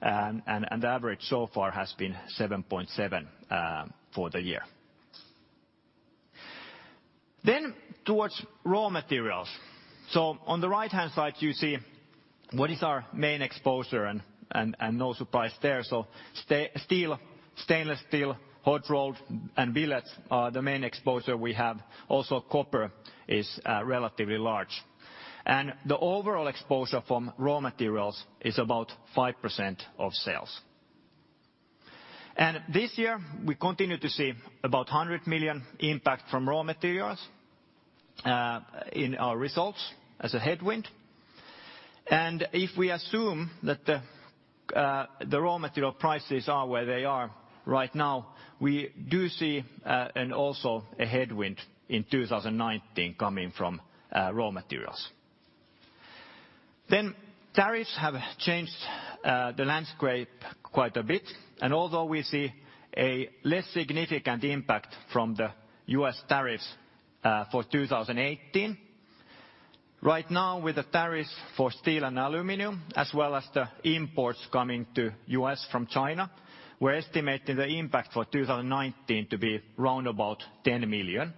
and the average so far has been 7.7 for the year. Towards raw materials. On the right-hand side, you see what is our main exposure, and no surprise there. Steel, stainless steel, hot-rolled, and billets are the main exposure we have. Copper is relatively large. The overall exposure from raw materials is about 5% of sales. This year, we continue to see about 100 million impact from raw materials in our results as a headwind. If we assume that the raw material prices are where they are right now, we do see also a headwind in 2019 coming from raw materials. Tariffs have changed the landscape quite a bit. Although we see a less significant impact from the U.S. tariffs for 2018, right now with the tariffs for steel and aluminum, as well as the imports coming to U.S. from China, we're estimating the impact for 2019 to be around about 10 million.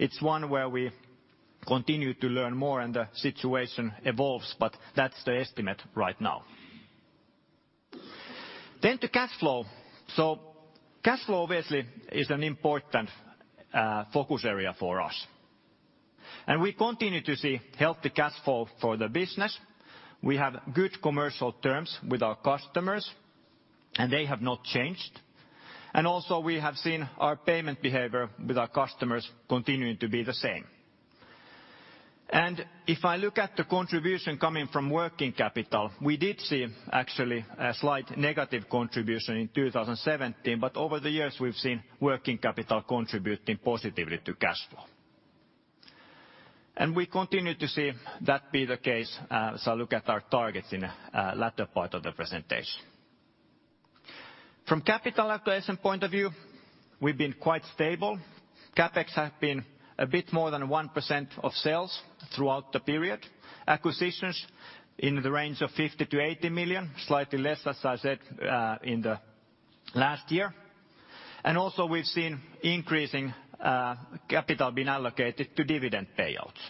It's one where we continue to learn more and the situation evolves, but that's the estimate right now. The cash flow. Cash flow obviously is an important focus area for us, and we continue to see healthy cash flow for the business. We have good commercial terms with our customers, and they have not changed. Also we have seen our payment behavior with our customers continuing to be the same. If I look at the contribution coming from working capital, we did see actually a slight negative contribution in 2017, but over the years, we've seen working capital contributing positively to cash flow. We continue to see that be the case as I look at our targets in the latter part of the presentation. From capital allocation point of view, we've been quite stable. CapEx has been a bit more than 1% of sales throughout the period. Acquisitions in the range of 50 million-80 million, slightly less, as I said, in the last year. Also we've seen increasing capital being allocated to dividend payouts.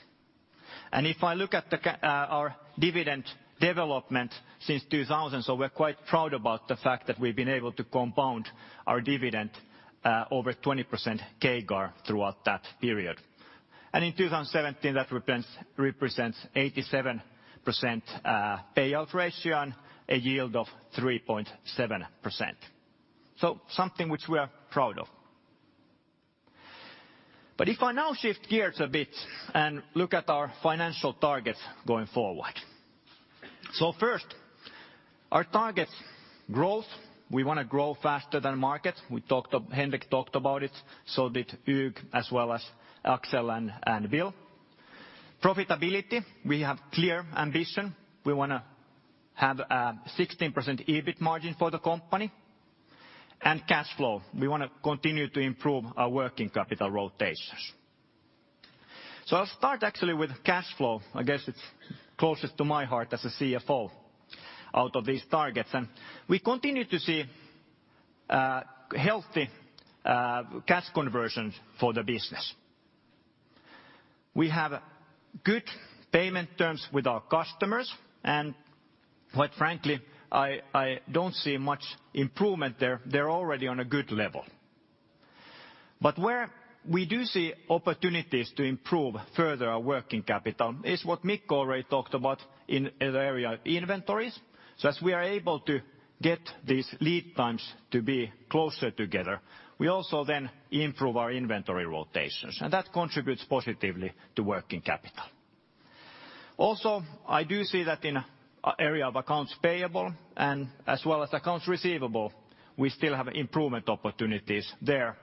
If I look at our dividend development since 2000, we're quite proud about the fact that we've been able to compound our dividend, over 20% CAGR throughout that period. In 2017, that represents 87% payout ratio and a yield of 3.7%. Something which we are proud of. If I now shift gears a bit and look at our financial targets going forward. First, our targets growth, we want to grow faster than market. Henrik talked about it, so did Hugues as well as Axel and Bill. Profitability, we have clear ambition. We want to have a 16% EBIT margin for the company. Cash flow, we want to continue to improve our working capital rotations. I'll start actually with cash flow. I guess it's closest to my heart as a CFO out of these targets. We continue to see healthy cash conversion for the business. We have good payment terms with our customers, and quite frankly, I don't see much improvement there. They're already on a good level. Where we do see opportunities to improve further our working capital is what Mikko already talked about in the area of inventories. As we are able to get these lead times to be closer together, we also then improve our inventory rotations, and that contributes positively to working capital. I do see that in area of accounts payable and as well as accounts receivable, we still have improvement opportunities there.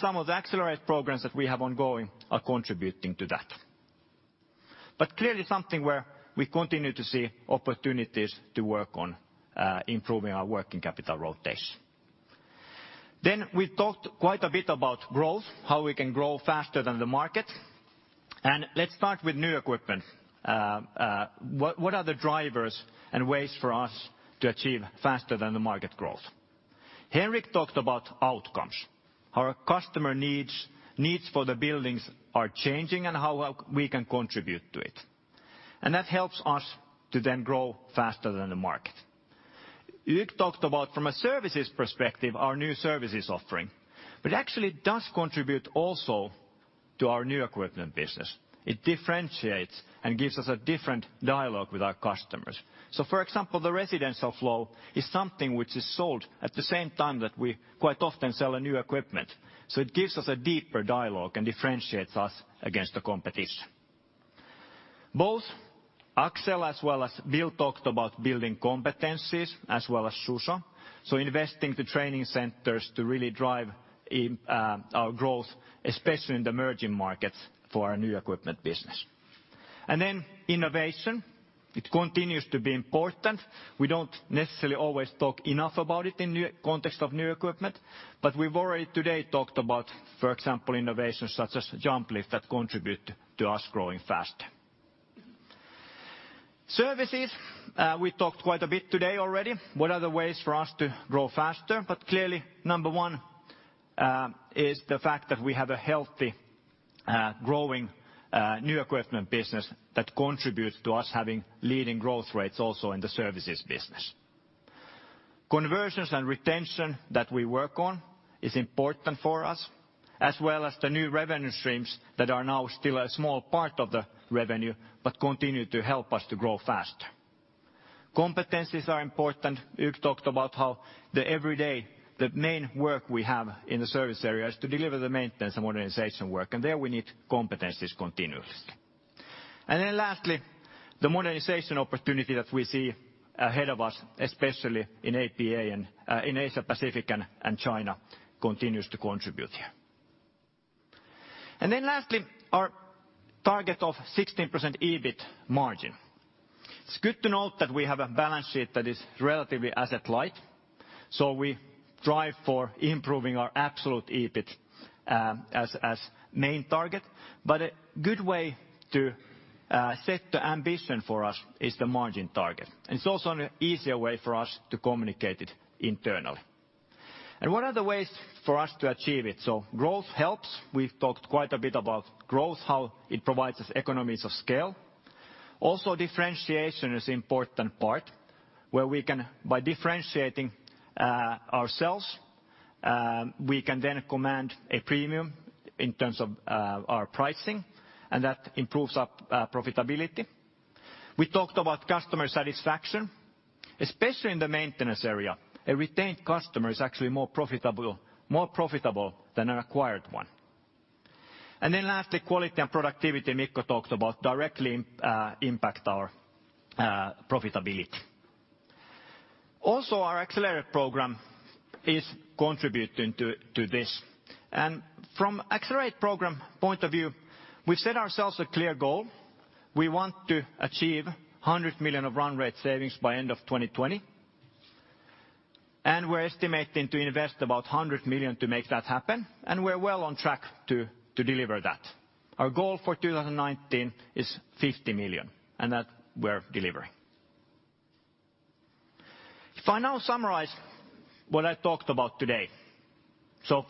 Some of the Accelerate programs that we have ongoing are contributing to that. Clearly something where we continue to see opportunities to work on improving our working capital rotations. We talked quite a bit about growth, how we can grow faster than the market. Let's start with new equipment. What are the drivers and ways for us to achieve faster than the market growth? Henrik talked about outcomes. Our customer needs for the buildings are changing and how we can contribute to it. That helps us to then grow faster than the market. Hugues talked about from a services perspective, our new services offering. That actually does contribute also to our new equipment business. It differentiates and gives us a different dialogue with our customers. For example, the Residential Flow is something which is sold at the same time that we quite often sell a new equipment. So it gives us a deeper dialogue and differentiates us against the competition. Both Axel as well as Bill talked about building competencies as well as Susa. Investing to training centers to really drive our growth, especially in the emerging markets for our new equipment business. Innovation, it continues to be important. We don't necessarily always talk enough about it in context of new equipment, but we've already today talked about, for example, innovations such as JumpLift that contribute to us growing faster. Services, we talked quite a bit today already. What are the ways for us to grow faster? Clearly, number one is the fact that we have a healthy, growing, new equipment business that contributes to us having leading growth rates also in the services business. Conversions and retention that we work on is important for us, as well as the new revenue streams that are now still a small part of the revenue, but continue to help us to grow faster. Competencies are important. Hugues talked about how the everyday, the main work we have in the service area is to deliver the maintenance and modernization work, and there we need competencies continuously. Lastly, the modernization opportunity that we see ahead of us, especially in APAC and in Asia Pacific and China, continues to contribute here. Lastly, our target of 16% EBIT margin. It's good to note that we have a balance sheet that is relatively asset light, so we drive for improving our absolute EBIT, as main target. But a good way to set the ambition for us is the margin target. It's also an easier way for us to communicate it internally. What are the ways for us to achieve it? Growth helps. We've talked quite a bit about growth, how it provides us economies of scale. Differentiation is important part where by differentiating ourselves, we can then command a premium in terms of our pricing, and that improves our profitability. We talked about customer satisfaction, especially in the maintenance area. A retained customer is actually more profitable than an acquired one. Lastly, quality and productivity Mikko talked about directly impact our profitability. Our Accelerate program is contributing to this. From Accelerate program point of view, we've set ourselves a clear goal. We want to achieve 100 million of run rate savings by end of 2020, and we're estimating to invest about 100 million to make that happen, and we're well on track to deliver that. Our goal for 2019 is 50 million, and that we're delivering. If I now summarize what I talked about today.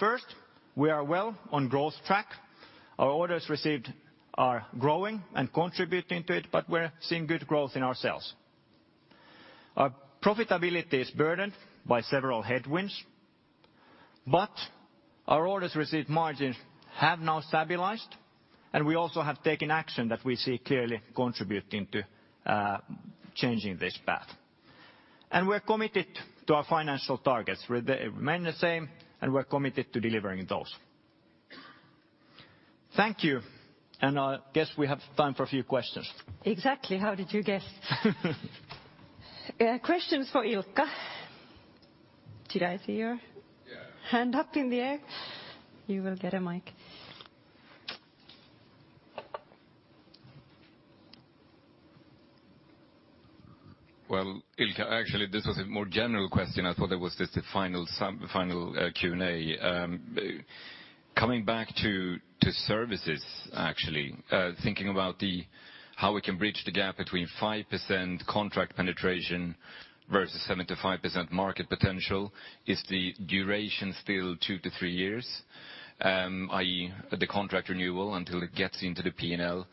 First, we are well on growth track. Our orders received are growing and contributing to it, but we're seeing good growth in our sales. Our profitability is burdened by several headwinds, but our orders received margins have now stabilized, we also have taken action that we see clearly contributing to changing this path. We're committed to our financial targets. They remain the same, we're committed to delivering those. Thank you. I guess we have time for a few questions. Exactly. How did you guess? Questions for Ilkka. Did I see your Yeah. hand up in the air? You will get a mic. Well, Ilkka, actually, this was a more general question. I thought it was just the final Q&A. Coming back to services, actually, thinking about how we can bridge the gap between 5% contract penetration versus 75% market potential, is the duration still two to three years, i.e. the contract renewal until it gets into the P&L?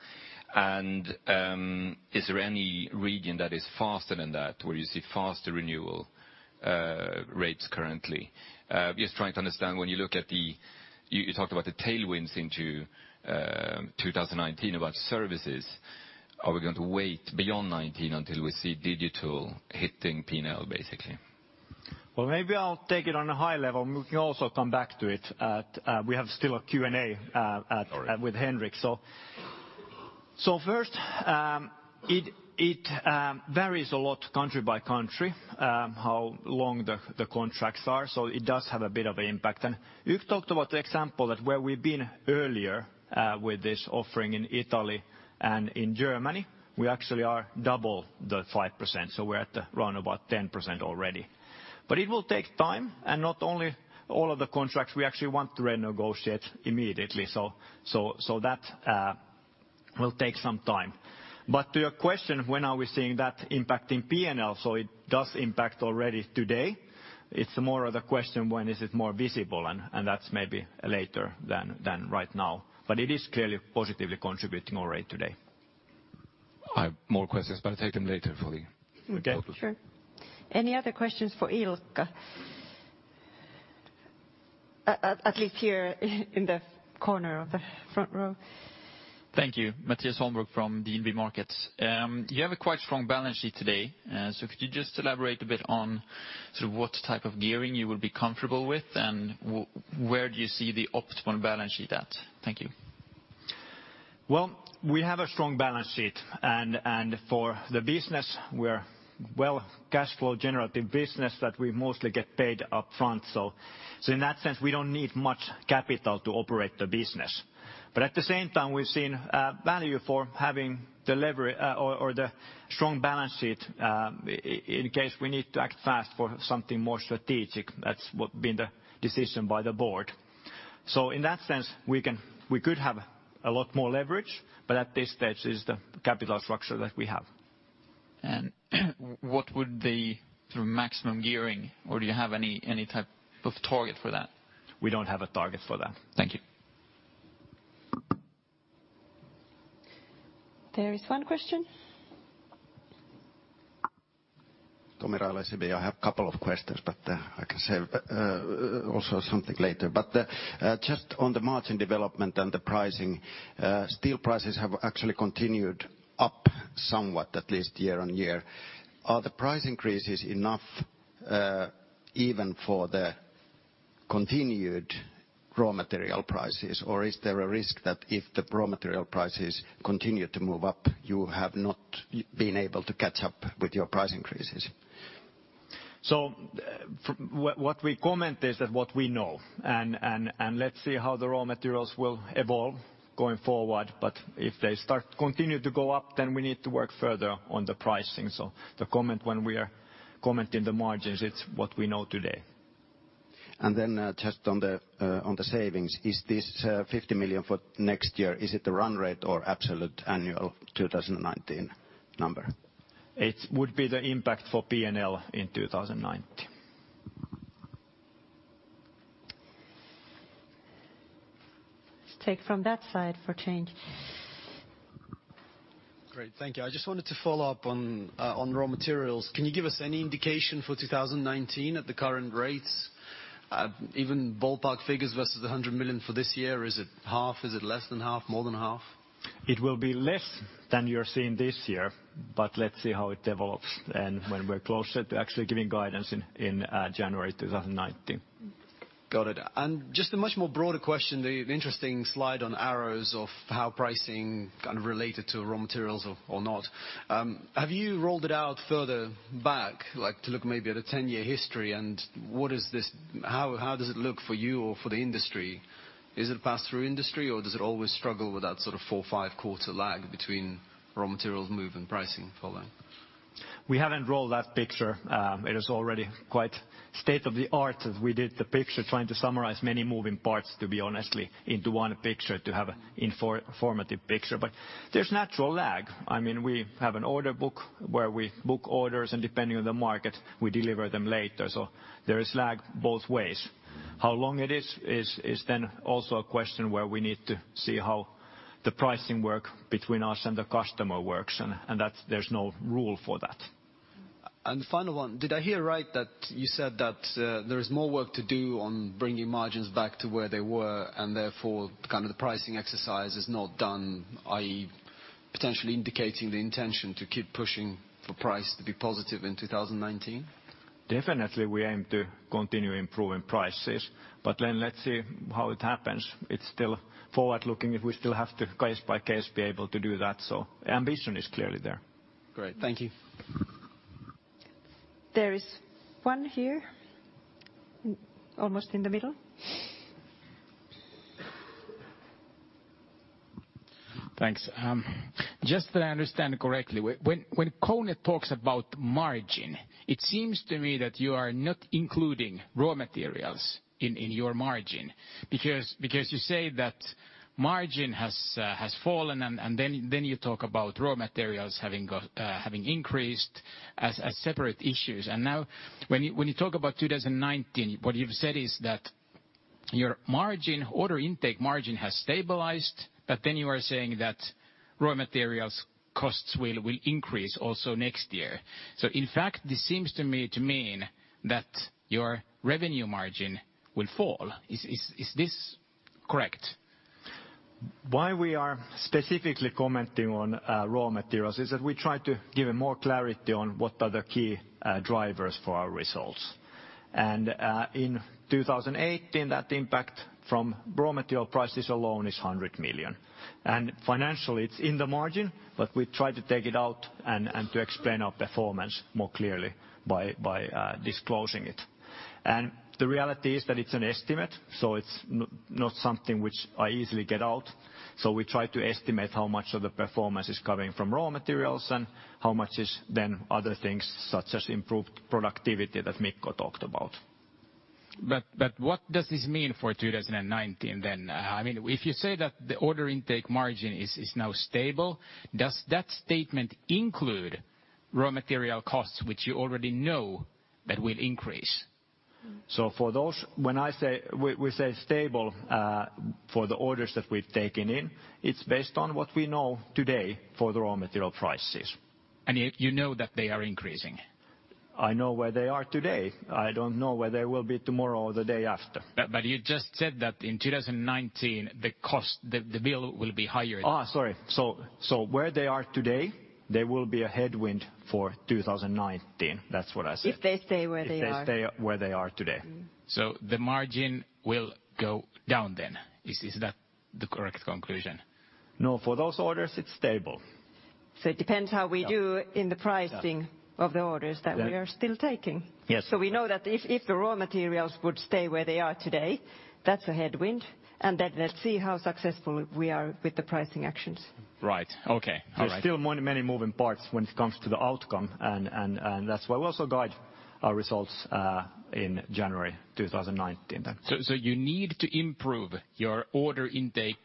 Is there any region that is faster than that, where you see faster renewal rates currently? Just trying to understand when you look at you talked about the tailwinds into 2019 about services. Are we going to wait beyond 2019 until we see digital hitting P&L, basically? Well, maybe I'll take it on a high level. We can also come back to it, we have still a Q&A. Sorry. with Henrik. First, it varies a lot country by country, how long the contracts are. It does have a bit of an impact. You've talked about the example that where we've been earlier with this offering in Italy and in Germany, we actually are double the 5%, so we're at around about 10% already. It will take time, not only all of the contracts we actually want to renegotiate immediately. That will take some time. To your question, when are we seeing that impact in P&L? It does impact already today. It's more of the question when is it more visible? That's maybe later than right now, but it is clearly positively contributing already today. I have more questions, I take them later for the- Okay. Sure. Any other questions for Ilkka? At least here in the corner of the front row. Thank you. Mattias Holmberg from DNB Markets. You have a quite strong balance sheet today. Could you just elaborate a bit on sort of what type of gearing you would be comfortable with, and where do you see the optimal balance sheet at? Thank you. Well, we have a strong balance sheet, and for the business, we're well cash flow generative business that we mostly get paid upfront. In that sense, we don't need much capital to operate the business. At the same time, we've seen value for having the strong balance sheet in case we need to act fast for something more strategic. That's what been the decision by the board. In that sense, we could have a lot more leverage, but at this stage is the capital structure that we have. What would the maximum gearing, or do you have any type of target for that? We don't have a target for that. Thank you. There is one question. Tomi Railo, SEB. I have a couple of questions, but I can save also something later. Just on the margin development and the pricing, steel prices have actually continued up somewhat, at least year-over-year. Are the price increases enough even for the continued raw material prices, or is there a risk that if the raw material prices continue to move up, you have not been able to catch up with your price increases? What we comment is that what we know and let's see how the raw materials will evolve going forward. If they continue to go up, then we need to work further on the pricing. The comment when we are commenting the margins, it's what we know today. Just on the savings, is this 50 million for next year, is it the run rate or absolute annual 2019 number? It would be the impact for P&L in 2019. Let's take from that side for a change. Great. Thank you. I just wanted to follow up on raw materials. Can you give us any indication for 2019 at the current rates, even ballpark figures versus the 100 million for this year? Is it half? Is it less than half? More than half? It will be less than you're seeing this year, but let's see how it develops and when we're closer to actually giving guidance in January 2019. Got it. Just a much more broader question, the interesting slide on arrows of how pricing kind of related to raw materials or not. Have you rolled it out further back, like to look maybe at a 10-year history and how does it look for you or for the industry? Is it a pass-through industry or does it always struggle with that sort of four, five quarter lag between raw materials move and pricing following? We haven't rolled that picture. It is already quite state-of-the-art as we did the picture, trying to summarize many moving parts, to be honestly, into one picture to have an informative picture. There's natural lag. We have an order book where we book orders, and depending on the market, we deliver them later. There is lag both ways. How long it is then also a question where we need to see how the pricing work between us and the customer works, and there's no rule for that. The final one, did I hear right that you said that there is more work to do on bringing margins back to where they were, and therefore the pricing exercise is not done, i.e., potentially indicating the intention to keep pushing for price to be positive in 2019? Definitely, we aim to continue improving prices. Let's see how it happens. It's still forward-looking if we still have to case by case be able to do that. Ambition is clearly there. Great. Thank you. There is one here almost in the middle. Thanks. Just that I understand correctly, when KONE talks about margin, it seems to me that you are not including raw materials in your margin, because you say that margin has fallen. You talk about raw materials having increased as separate issues. When you talk about 2019, what you've said is that your order intake margin has stabilized. You are saying that raw materials costs will increase also next year. This seems to me to mean that your revenue margin will fall. Is this correct? Why we are specifically commenting on raw materials is that we try to give more clarity on what are the key drivers for our results. In 2018, that impact from raw material prices alone is 100 million. Financially, it's in the margin, but we try to take it out and to explain our performance more clearly by disclosing it. The reality is that it's an estimate, so it's not something which I easily get out. We try to estimate how much of the performance is coming from raw materials and how much is then other things, such as improved productivity that Mikko talked about. What does this mean for 2019 then? If you say that the order intake margin is now stable, does that statement include raw material costs, which you already know that will increase? For those, when we say stable for the orders that we've taken in, it's based on what we know today for the raw material prices. You know that they are increasing. I know where they are today. I don't know where they will be tomorrow or the day after. You just said that in 2019, the bill will be higher. Sorry. Where they are today, they will be a headwind for 2019. That's what I said. If they stay where they are. If they stay where they are today. The margin will go down then. Is that the correct conclusion? No, for those orders, it's stable. It depends how we do. Yeah in the pricing Yeah of the orders that we are still taking. Yes. We know that if the raw materials would stay where they are today, that's a headwind, and then let's see how successful we are with the pricing actions. Right. Okay. All right. There's still many moving parts when it comes to the outcome, that's why we also guide our results in January 2019 then. You need to improve your order intake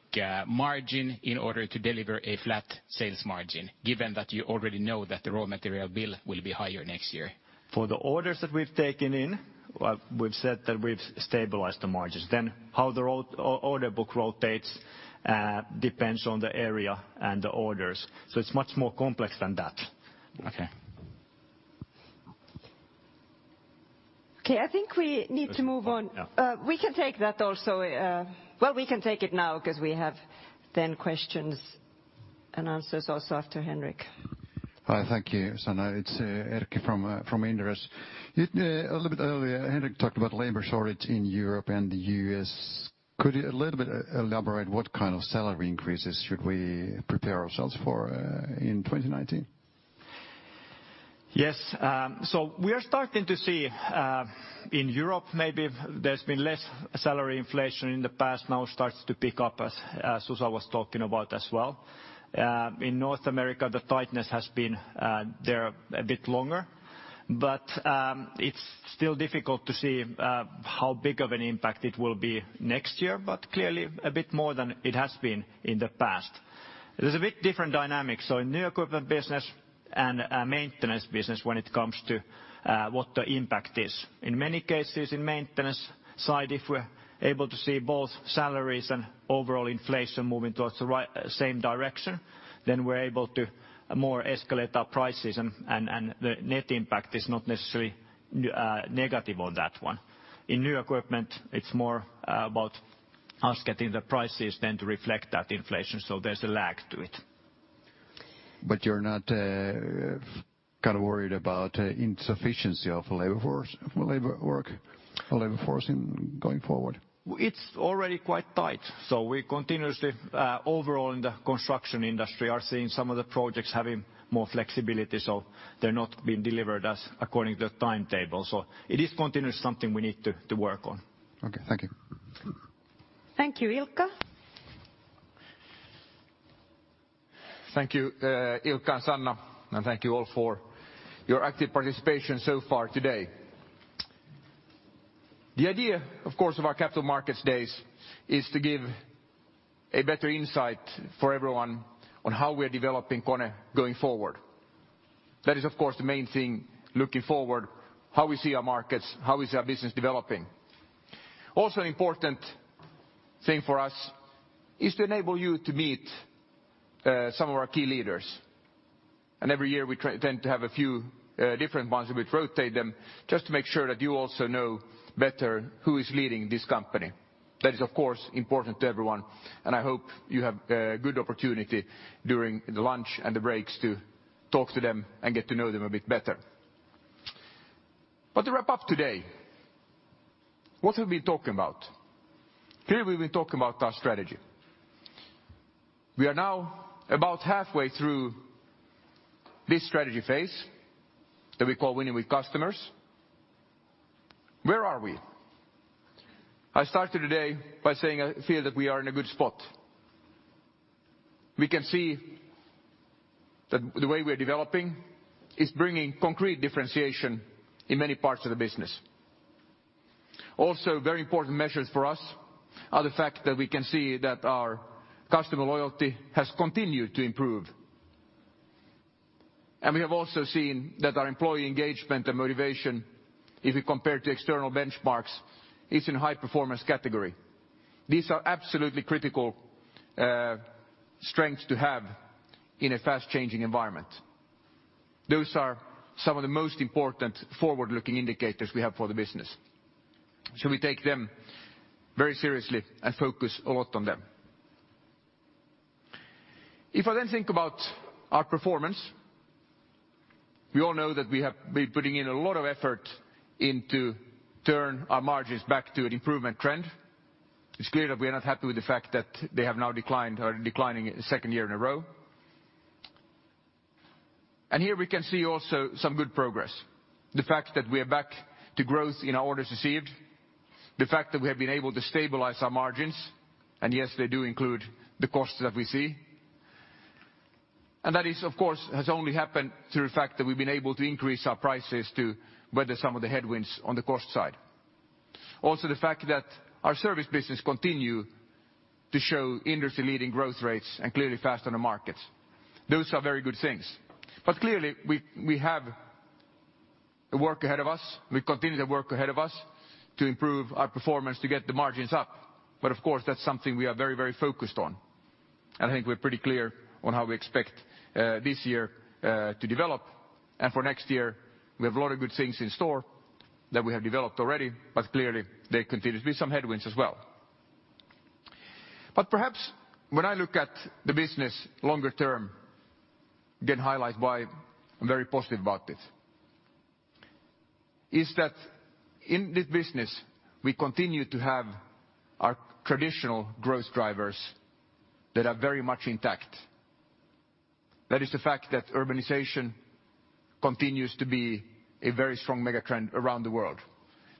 margin in order to deliver a flat sales margin, given that you already know that the raw material bill will be higher next year. For the orders that we've taken in, we've said that we've stabilized the margins. How the order book rotates depends on the area and the orders. It's much more complex than that. Okay. Okay, I think we need to move on. We can take that also. Well, we can take it now because we have questions and answers also after Henrik. Hi, thank you, Sanna. It's Erkki from Inderes. A little bit earlier, Henrik talked about labor shortage in Europe and the U.S. Could you a little bit elaborate what kind of salary increases should we prepare ourselves for in 2019? Yes. We are starting to see in Europe, maybe there's been less salary inflation in the past, now starts to pick up as Susa was talking about as well. In North America, the tightness has been there a bit longer. It's still difficult to see how big of an impact it will be next year, but clearly a bit more than it has been in the past. There's a bit different dynamic, in new equipment business and maintenance business when it comes to what the impact is. In many cases, in maintenance side, if we're able to see both salaries and overall inflation moving towards the same direction, then we're able to more escalate our prices and the net impact is not necessarily negative on that one. In new equipment, it's more about us getting the prices then to reflect that inflation, there's a lag to it. You're not worried about insufficiency of labor force going forward? It's already quite tight. We continuously, overall in the construction industry, are seeing some of the projects having more flexibility, so they're not being delivered as according to the timetable. It is continuously something we need to work on. Okay, thank you. Thank you, Ilkka. Thank you, Ilkka and Sanna, and thank you all for your active participation so far today. The idea, of course, of our capital markets days is to give a better insight for everyone on how we're developing KONE going forward. That is, of course, the main thing looking forward, how we see our markets, how we see our business developing. Also a important thing for us is to enable you to meet some of our key leaders. Every year we tend to have a few different ones, and we rotate them just to make sure that you also know better who is leading this company. That is, of course, important to everyone, and I hope you have a good opportunity during the lunch and the breaks to talk to them and get to know them a bit better. To wrap up today, what have we been talking about? We've been talking about our strategy. We are now about halfway through this strategy phase that we call Winning with Customers. Where are we? I started today by saying I feel that we are in a good spot. We can see that the way we are developing is bringing concrete differentiation in many parts of the business. Also very important measures for us are the fact that we can see that our customer loyalty has continued to improve. We have also seen that our employee engagement and motivation, if we compare to external benchmarks, is in high performance category. These are absolutely critical strengths to have in a fast changing environment. Those are some of the most important forward-looking indicators we have for the business. We take them very seriously and focus a lot on them. If I then think about our performance, we all know that we have been putting in a lot of effort into turn our margins back to an improvement trend. It's clear that we are not happy with the fact that they have now declined or are declining a second year in a row. Here we can see also some good progress. The fact that we are back to growth in our orders received, the fact that we have been able to stabilize our margins, yes, they do include the costs that we see. That of course, has only happened through the fact that we've been able to increase our prices to weather some of the headwinds on the cost side. Also, the fact that our service business continue to show industry-leading growth rates and clearly fast on the markets. Those are very good things. Clearly we have work ahead of us. We continue to work ahead of us to improve our performance to get the margins up. Of course, that's something we are very focused on. I think we're pretty clear on how we expect this year to develop. For next year, we have a lot of good things in store that we have developed already, clearly there continues to be some headwinds as well. Perhaps when I look at the business longer term, again highlight why I'm very positive about this, is that in this business, we continue to have our traditional growth drivers that are very much intact. That is the fact that urbanization continues to be a very strong mega trend around the world.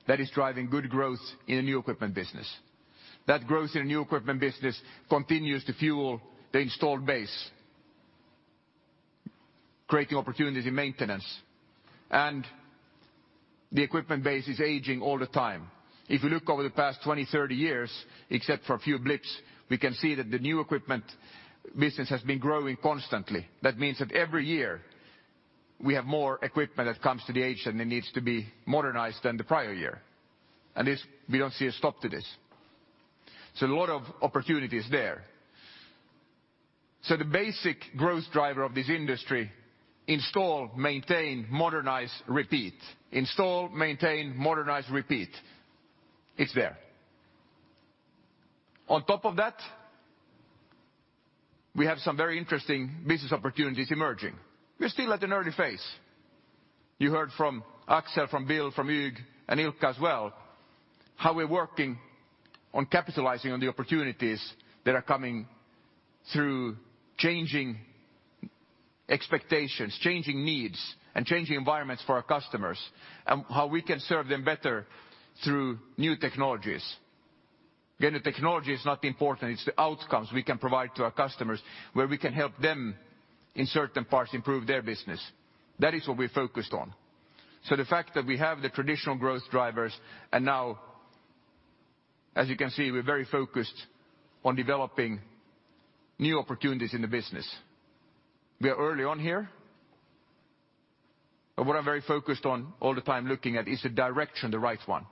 That is driving good growth in the new equipment business. That growth in the new equipment business continues to fuel the installed base, creating opportunity in maintenance, the equipment base is aging all the time. If we look over the past 20, 30 years, except for a few blips, we can see that the new equipment business has been growing constantly. That means that every year we have more equipment that comes to the age and it needs to be modernized than the prior year. We don't see a stop to this. A lot of opportunities there. The basic growth driver of this industry, install, maintain, modernize, repeat. Install, maintain, modernize, repeat. It's there. On top of that, we have some very interesting business opportunities emerging. We're still at an early phase. You heard from Axel, from Bill, from Hugues, and Ilkka as well, how we're working on capitalizing on the opportunities that are coming through changing expectations, changing needs, and changing environments for our customers, and how we can serve them better through new technologies. Again, the technology is not important, it's the outcomes we can provide to our customers, where we can help them in certain parts improve their business. That is what we're focused on. The fact that we have the traditional growth drivers, and now as you can see, we're very focused on developing new opportunities in the business. We are early on here. What I'm very focused on all the time looking at, is the direction the right one.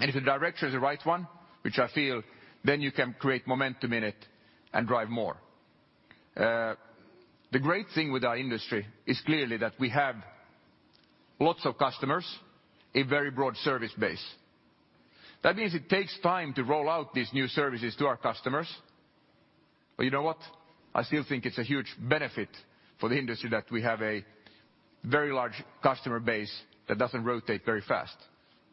If the direction is the right one, which I feel, then you can create momentum in it and drive more. The great thing with our industry is clearly that we have lots of customers, a very broad service base. That means it takes time to roll out these new services to our customers. You know what? I still think it's a huge benefit for the industry that we have a very large customer base that doesn't rotate very fast.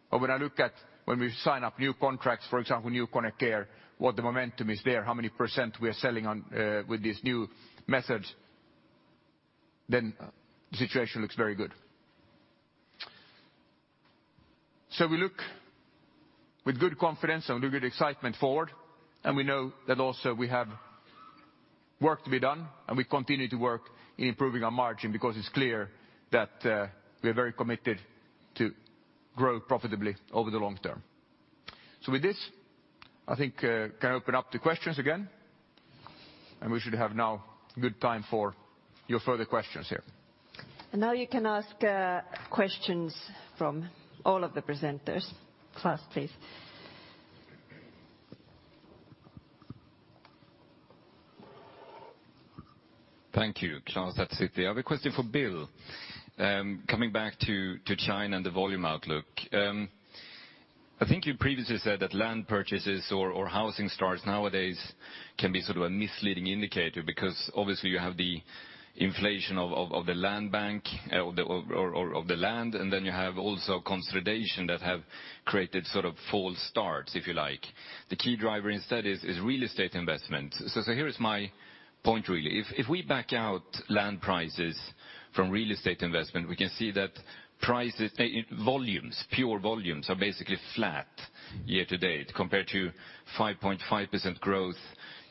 When I look at when we sign up new contracts, for example, new KONE Care, what the momentum is there, how many % we are selling on with these new methods, then the situation looks very good. We look with good confidence and with good excitement forward, and we know that also we have work to be done, and we continue to work in improving our margin because it's clear that we're very committed to grow profitably over the long term. With this, I think can open up to questions again, and we should have now good time for your further questions here. Now you can ask questions from all of the presenters. Klas, please. Thank you. Klas at Citi. I have a question for Bill. Coming back to China and the volume outlook. I think you previously said that land purchases or housing starts nowadays can be sort of a misleading indicator because obviously you have the inflation of the land bank or of the land, and then you have also consolidation that have created sort of false starts, if you like. The key driver instead is real estate investment. Here is my point really. If we back out land prices from real estate investment, we can see that volumes, pure volumes, are basically flat year to date compared to 5.5% growth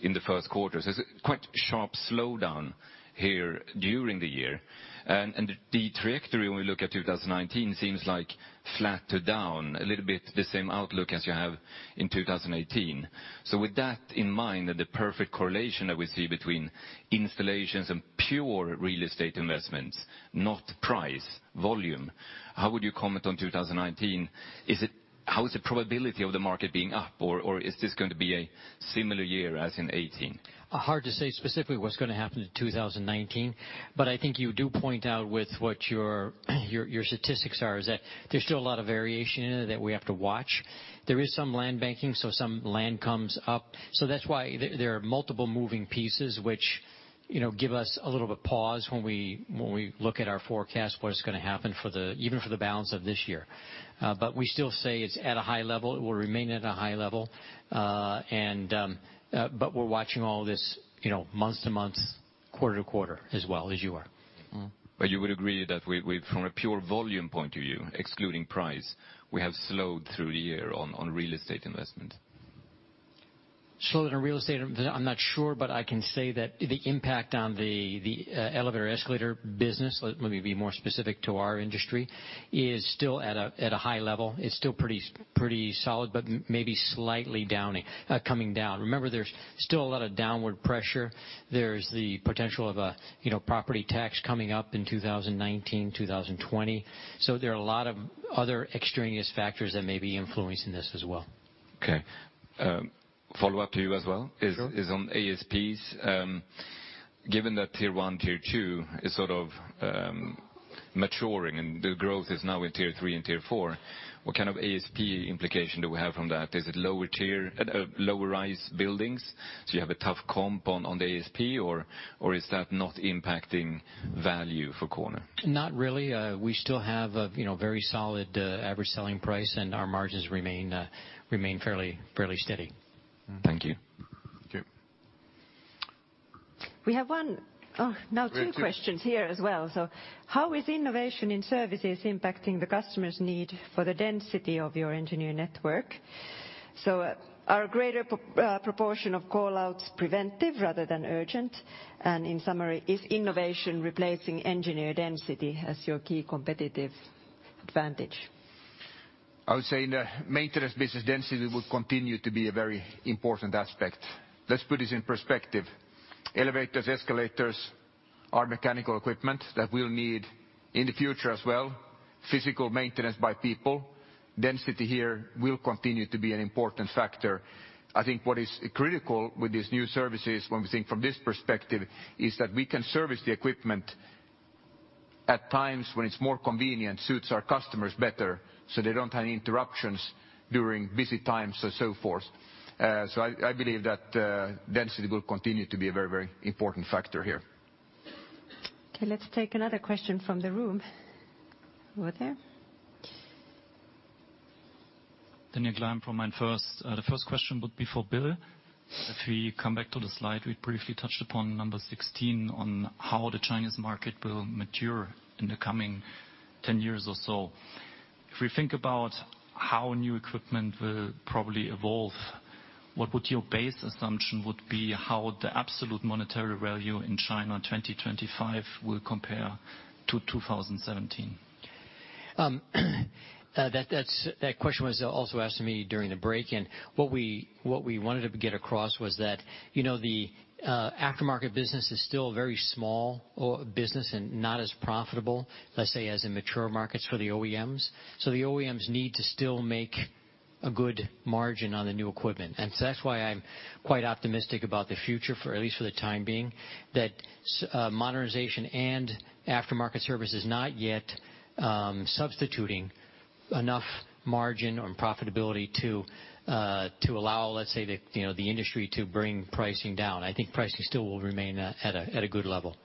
in the first quarter. It's a quite sharp slowdown here during the year. The trajectory when we look at 2019 seems like flat to down a little bit the same outlook as you have in 2018. With that in mind, the perfect correlation that we see between installations and pure real estate investments, not price, volume, how would you comment on 2019? How is the probability of the market being up, or is this going to be a similar year as in 2018? Hard to say specifically what's going to happen in 2019, I think you do point out with what your statistics are is that there's still a lot of variation in it that we have to watch. There is some land banking, some land comes up. That's why there are multiple moving pieces, which give us a little bit pause when we look at our forecast, what is going to happen even for the balance of this year. We still say it's at a high level. It will remain at a high level. We're watching all this month to month, quarter to quarter as well as you are. You would agree that from a pure volume point of view, excluding price, we have slowed through the year on real estate investment. Slowed on real estate, I'm not sure, but I can say that the impact on the elevator escalator business, let me be more specific to our industry, is still at a high level. It's still pretty solid, but maybe slightly coming down. Remember, there's still a lot of downward pressure. There's the potential of a property tax coming up in 2019, 2020. There are a lot of other extraneous factors that may be influencing this as well. Okay. Follow-up to you as well. Sure. is on ASPs. Given that tier 1, tier 2 is sort of maturing and the growth is now in tier 3 and tier 4, what kind of ASP implication do we have from that? Is it lower rise buildings, so you have a tough comp on the ASP, or is that not impacting value for KONE? Not really. We still have a very solid average selling price, and our margins remain fairly steady. Thank you. Okay. We have one, now two questions here as well. How is innovation in services impacting the customer's need for the density of your engineer network? Are greater proportion of call-outs preventive rather than urgent, and in summary, is innovation replacing engineer density as your key competitive advantage? I would say in the maintenance business, density will continue to be a very important aspect. Let's put this in perspective. Elevators, escalators are mechanical equipment that will need in the future as well physical maintenance by people. Density here will continue to be an important factor. I think what is critical with these new services when we think from this perspective, is that we can service the equipment at times when it's more convenient, suits our customers better, so they don't have any interruptions during busy times and so forth. I believe that density will continue to be a very important factor here. Okay, let's take another question from the room. Over there. Daniel Gleim from MainFirst. The first question would be for Bill. If we come back to the slide we briefly touched upon, number 16, on how the Chinese market will mature in the coming 10 years or so. If we think about how new equipment will probably evolve, what would your base assumption would be how the absolute monetary value in China in 2025 will compare to 2017? That question was also asked to me during the break. What we wanted to get across was that, the aftermarket business is still very small business and not as profitable, let's say, as in mature markets for the OEMs. The OEMs need to still make a good margin on the new equipment. That's why I'm quite optimistic about the future, for at least for the time being, that modernization and aftermarket service is not yet substituting enough margin or profitability to allow, let's say, the industry to bring pricing down. I think pricing still will remain at a good level.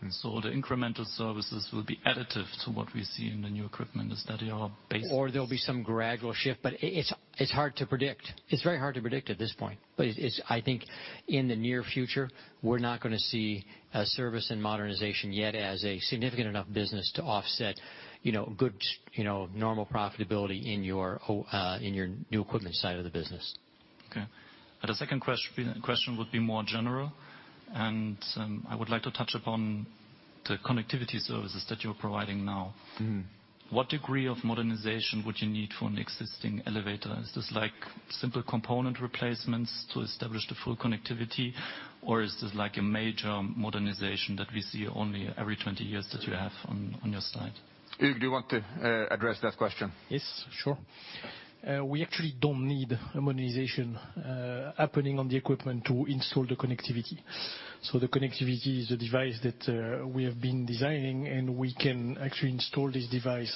The incremental services will be additive to what we see in the new equipment. Is that your base- There'll be some gradual shift, but it's hard to predict. It's very hard to predict at this point. It's, I think, in the near future, we're not going to see a service and modernization yet as a significant enough business to offset good normal profitability in your new equipment side of the business. Okay. The second question would be more general, I would like to touch upon the connectivity services that you're providing now. What degree of modernization would you need for an existing elevator? Is this like simple component replacements to establish the full connectivity? Or is this like a major modernization that we see only every 20 years that you have on your side? Hugues, do you want to address that question? Yes, sure. We actually don't need a modernization happening on the equipment to install the connectivity. The connectivity is a device that we have been designing, we can actually install this device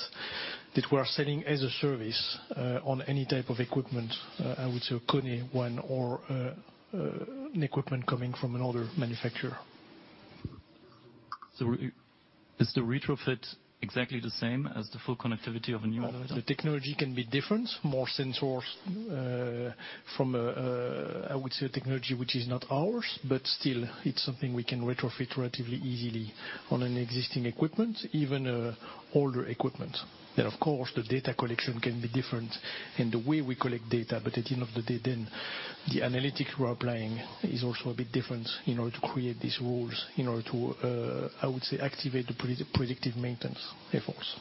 that we are selling as a service on any type of equipment, I would say a KONE one or an equipment coming from another manufacturer. Is the retrofit exactly the same as the full connectivity of a new elevator? The technology can be different, more sensors from, I would say, a technology which is not ours, but still it's something we can retrofit relatively easily on an existing equipment, even older equipment. Of course, the data collection can be different in the way we collect data, at the end of the day, the analytics we're applying is also a bit different in order to create these rules, in order to, I would say, activate the predictive maintenance efforts.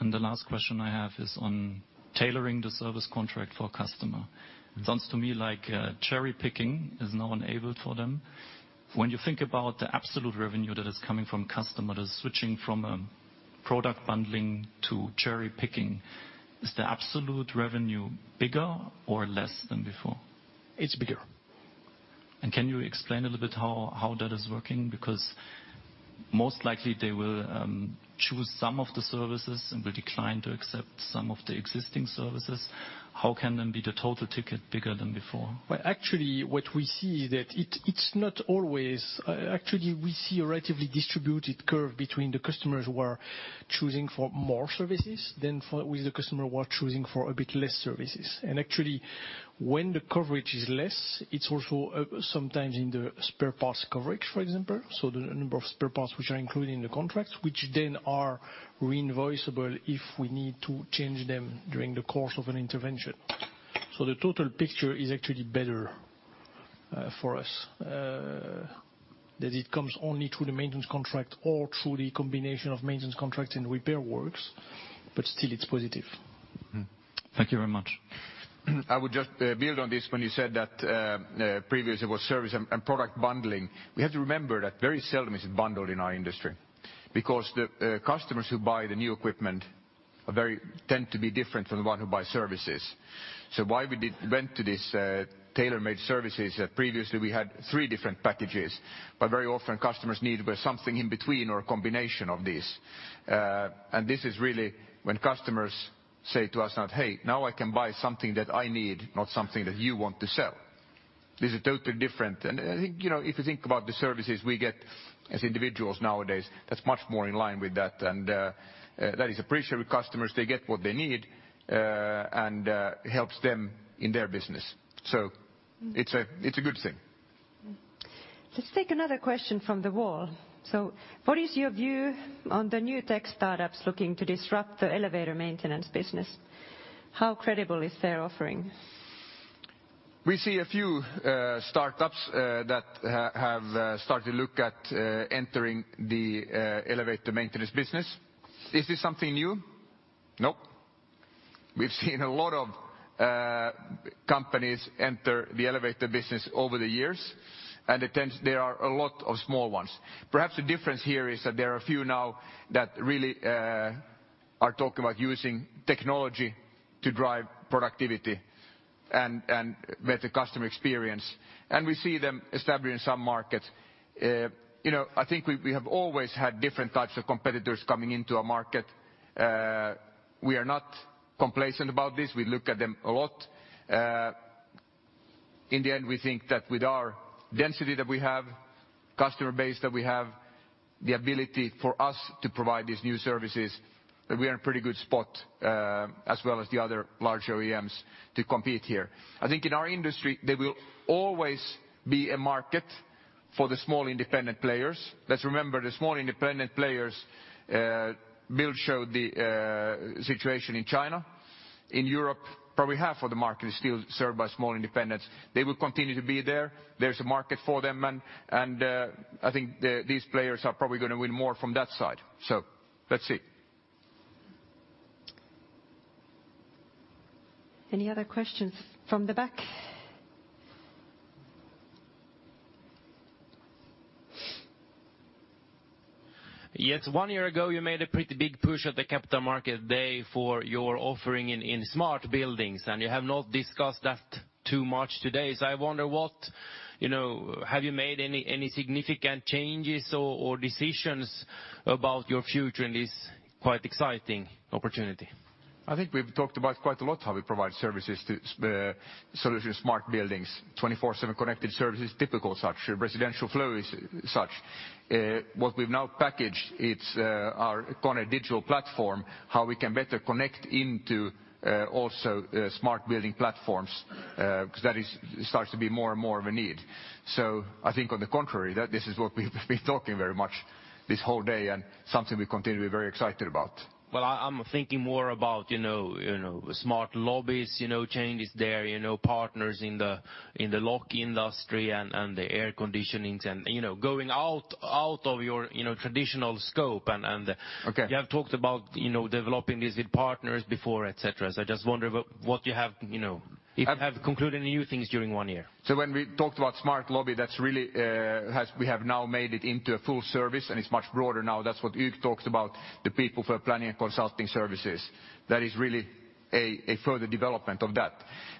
The last question I have is on tailoring the service contract for a customer. Sounds to me like cherry picking is now enabled for them. When you think about the absolute revenue that is coming from customers switching from a product bundling to cherry picking, is the absolute revenue bigger or less than before? It's bigger. Can you explain a little bit how that is working? Most likely they will choose some of the services and will decline to accept some of the existing services. How can be the total ticket bigger than before? Well, actually, what we see that it's not always. We see a relatively distributed curve between the customers who are choosing for more services than for with the customer who are choosing for a bit less services. Actually, when the coverage is less, it's also sometimes in the spare parts coverage, for example. The number of spare parts which are included in the contracts, which then are reinvoiceable if we need to change them during the course of an intervention. The total picture is actually better for us, that it comes only through the maintenance contract or through the combination of maintenance contract and repair works, but still it's positive. Thank you very much. I would just build on this when you said that previously it was service and product bundling. We have to remember that very seldom is it bundled in our industry, because the customers who buy the new equipment tend to be different from the one who buy services. Why we went to this tailor-made services, previously we had three different packages, but very often customers need something in between or a combination of these. This is really when customers say to us now, "Hey, now I can buy something that I need, not something that you want to sell." This is totally different. I think, if you think about the services we get as individuals nowadays, that's much more in line with that, and that is appreciated with customers. They get what they need, and helps them in their business. It's a good thing. Let's take another question from the wall. What is your view on the new tech startups looking to disrupt the elevator maintenance business? How credible is their offering? We see a few startups that have started look at entering the elevator maintenance business. Is this something new? Nope. We've seen a lot of companies enter the elevator business over the years, it tends there are a lot of small ones. Perhaps the difference here is that there are a few now that really are talking about using technology to drive productivity and better customer experience. We see them establishing some markets. I think we have always had different types of competitors coming into our market. We are not complacent about this. We look at them a lot. In the end, we think that with our density that we have, customer base that we have, the ability for us to provide these new services, that we are in a pretty good spot, as well as the other large OEMs to compete here. I think in our industry, there will always be a market for the small independent players. Let's remember, the small independent players, Bill showed the situation in China. In Europe, probably half of the market is still served by small independents. They will continue to be there. There's a market for them, and I think these players are probably going to win more from that side. Let's see. Any other questions? From the back. Yes. One year ago, you made a pretty big push at the Capital Market Day for your offering in smart buildings, you have not discussed that too much today. I wonder, have you made any significant changes or decisions about your future in this quite exciting opportunity? I think we've talked about quite a lot how we provide services to solution smart buildings. 24/7 Connected Services is typical such. Residential Flow is such. What we've now packaged, it's our KONE Digital Platform, how we can better connect into also smart building platforms, because that starts to be more and more of a need. I think on the contrary, that this is what we've been talking very much this whole day and something we continue to be very excited about. Well, I'm thinking more about smart lobbies, changes there, partners in the lock industry and the air conditionings, going out of your traditional scope. Okay. You have talked about developing this with partners before, et cetera. I just wonder if you have concluded new things during one year. When we talked about smart lobby, we have now made it into a full service, and it's much broader now. That's what Hugues talked about, the People Flow Planning and Consulting services. That is really a further development of that.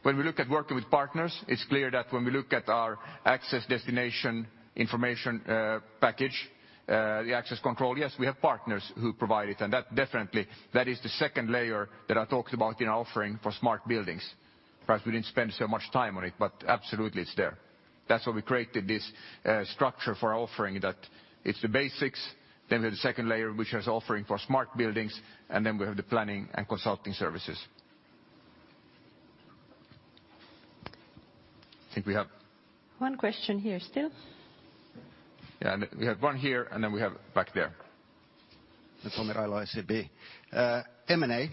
When we look at working with partners, it's clear that when we look at our access destination information package, the access control, yes, we have partners who provide it. That definitely, that is the second layer that I talked about in our offering for smart buildings. Perhaps we didn't spend so much time on it, but absolutely, it's there. That's why we created this structure for our offering, that it's the basics, then we have the second layer, which is offering for smart buildings, and then we have the planning and consulting services. I think we have One question here still. We have one here, and then we have back there. Tomi Railo, SEB. M&A,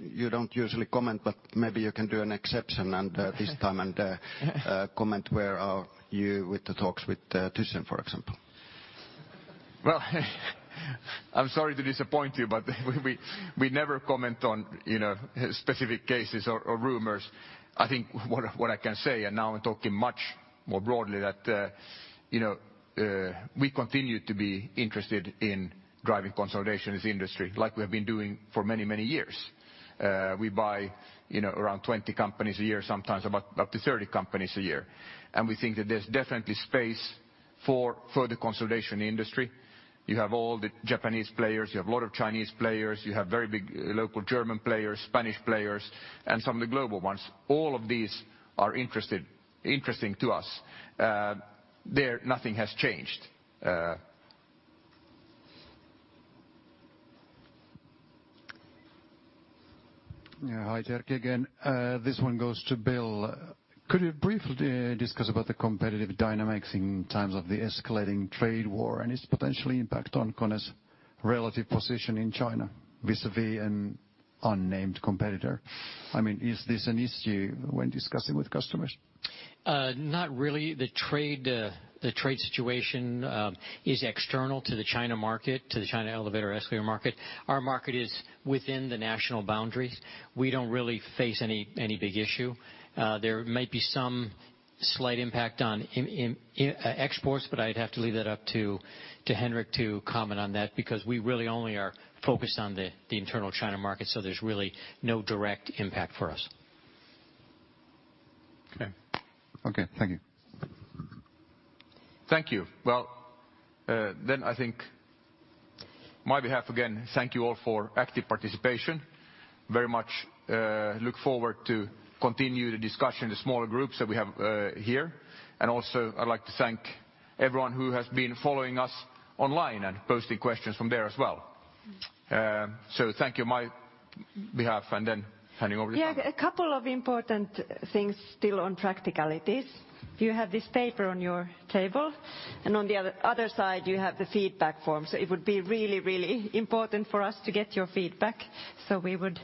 you don't usually comment, but maybe you can do an exception this time and comment where are you with the talks with ThyssenKrupp, for example? I'm sorry to disappoint you, we never comment on specific cases or rumors. I think what I can say, now I'm talking much more broadly, that we continue to be interested in driving consolidation as an industry like we have been doing for many, many years. We buy around 20 companies a year, sometimes up to 30 companies a year, and we think that there's definitely space for further consolidation in the industry. You have all the Japanese players, you have a lot of Chinese players, you have very big local German players, Spanish players, and some of the global ones. All of these are interesting to us. There, nothing has changed. Hi, it's Erkki again. This one goes to Bill. Could you briefly discuss about the competitive dynamics in times of the escalating trade war and its potential impact on KONE's relative position in China vis-à-vis an unnamed competitor? Is this an issue when discussing with customers? Not really. The trade situation is external to the China elevator, escalator market. Our market is within the national boundaries. We don't really face any big issue. There might be some slight impact on exports, but I'd have to leave that up to Henrik to comment on that, because we really only are focused on the internal China market, so there's really no direct impact for us. Okay. Thank you. Thank you. Then I think on my behalf again, thank you all for active participation. Very much look forward to continue the discussion in the smaller groups that we have here. Also, I'd like to thank everyone who has been following us online and posting questions from there as well. Thank you on my behalf, and then handing over to Sanna. A couple of important things still on practicalities. You have this paper on your table, and on the other side, you have the feedback form. It would be really, really important for us to get your feedback, so we would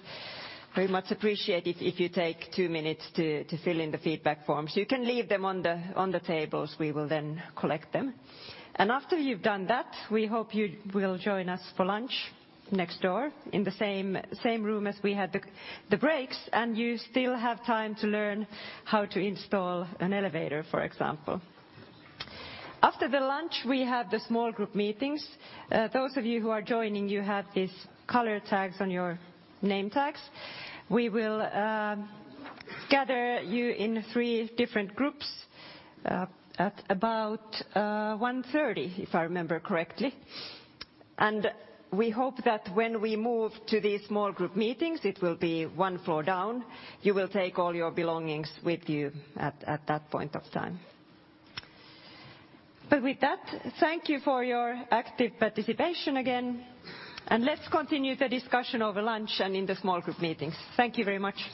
very much appreciate it if you take two minutes to fill in the feedback forms. You can leave them on the tables. We will then collect them. After you've done that, we hope you will join us for lunch next door in the same room as we had the breaks, and you still have time to learn how to install an elevator, for example. After the lunch, we have the small group meetings. Those of you who are joining, you have these color tags on your name tags. We will gather you in three different groups at about 1:30, if I remember correctly. We hope that when we move to these small group meetings, it will be one floor down. You will take all your belongings with you at that point of time. With that, thank you for your active participation again, and let's continue the discussion over lunch and in the small group meetings. Thank you very much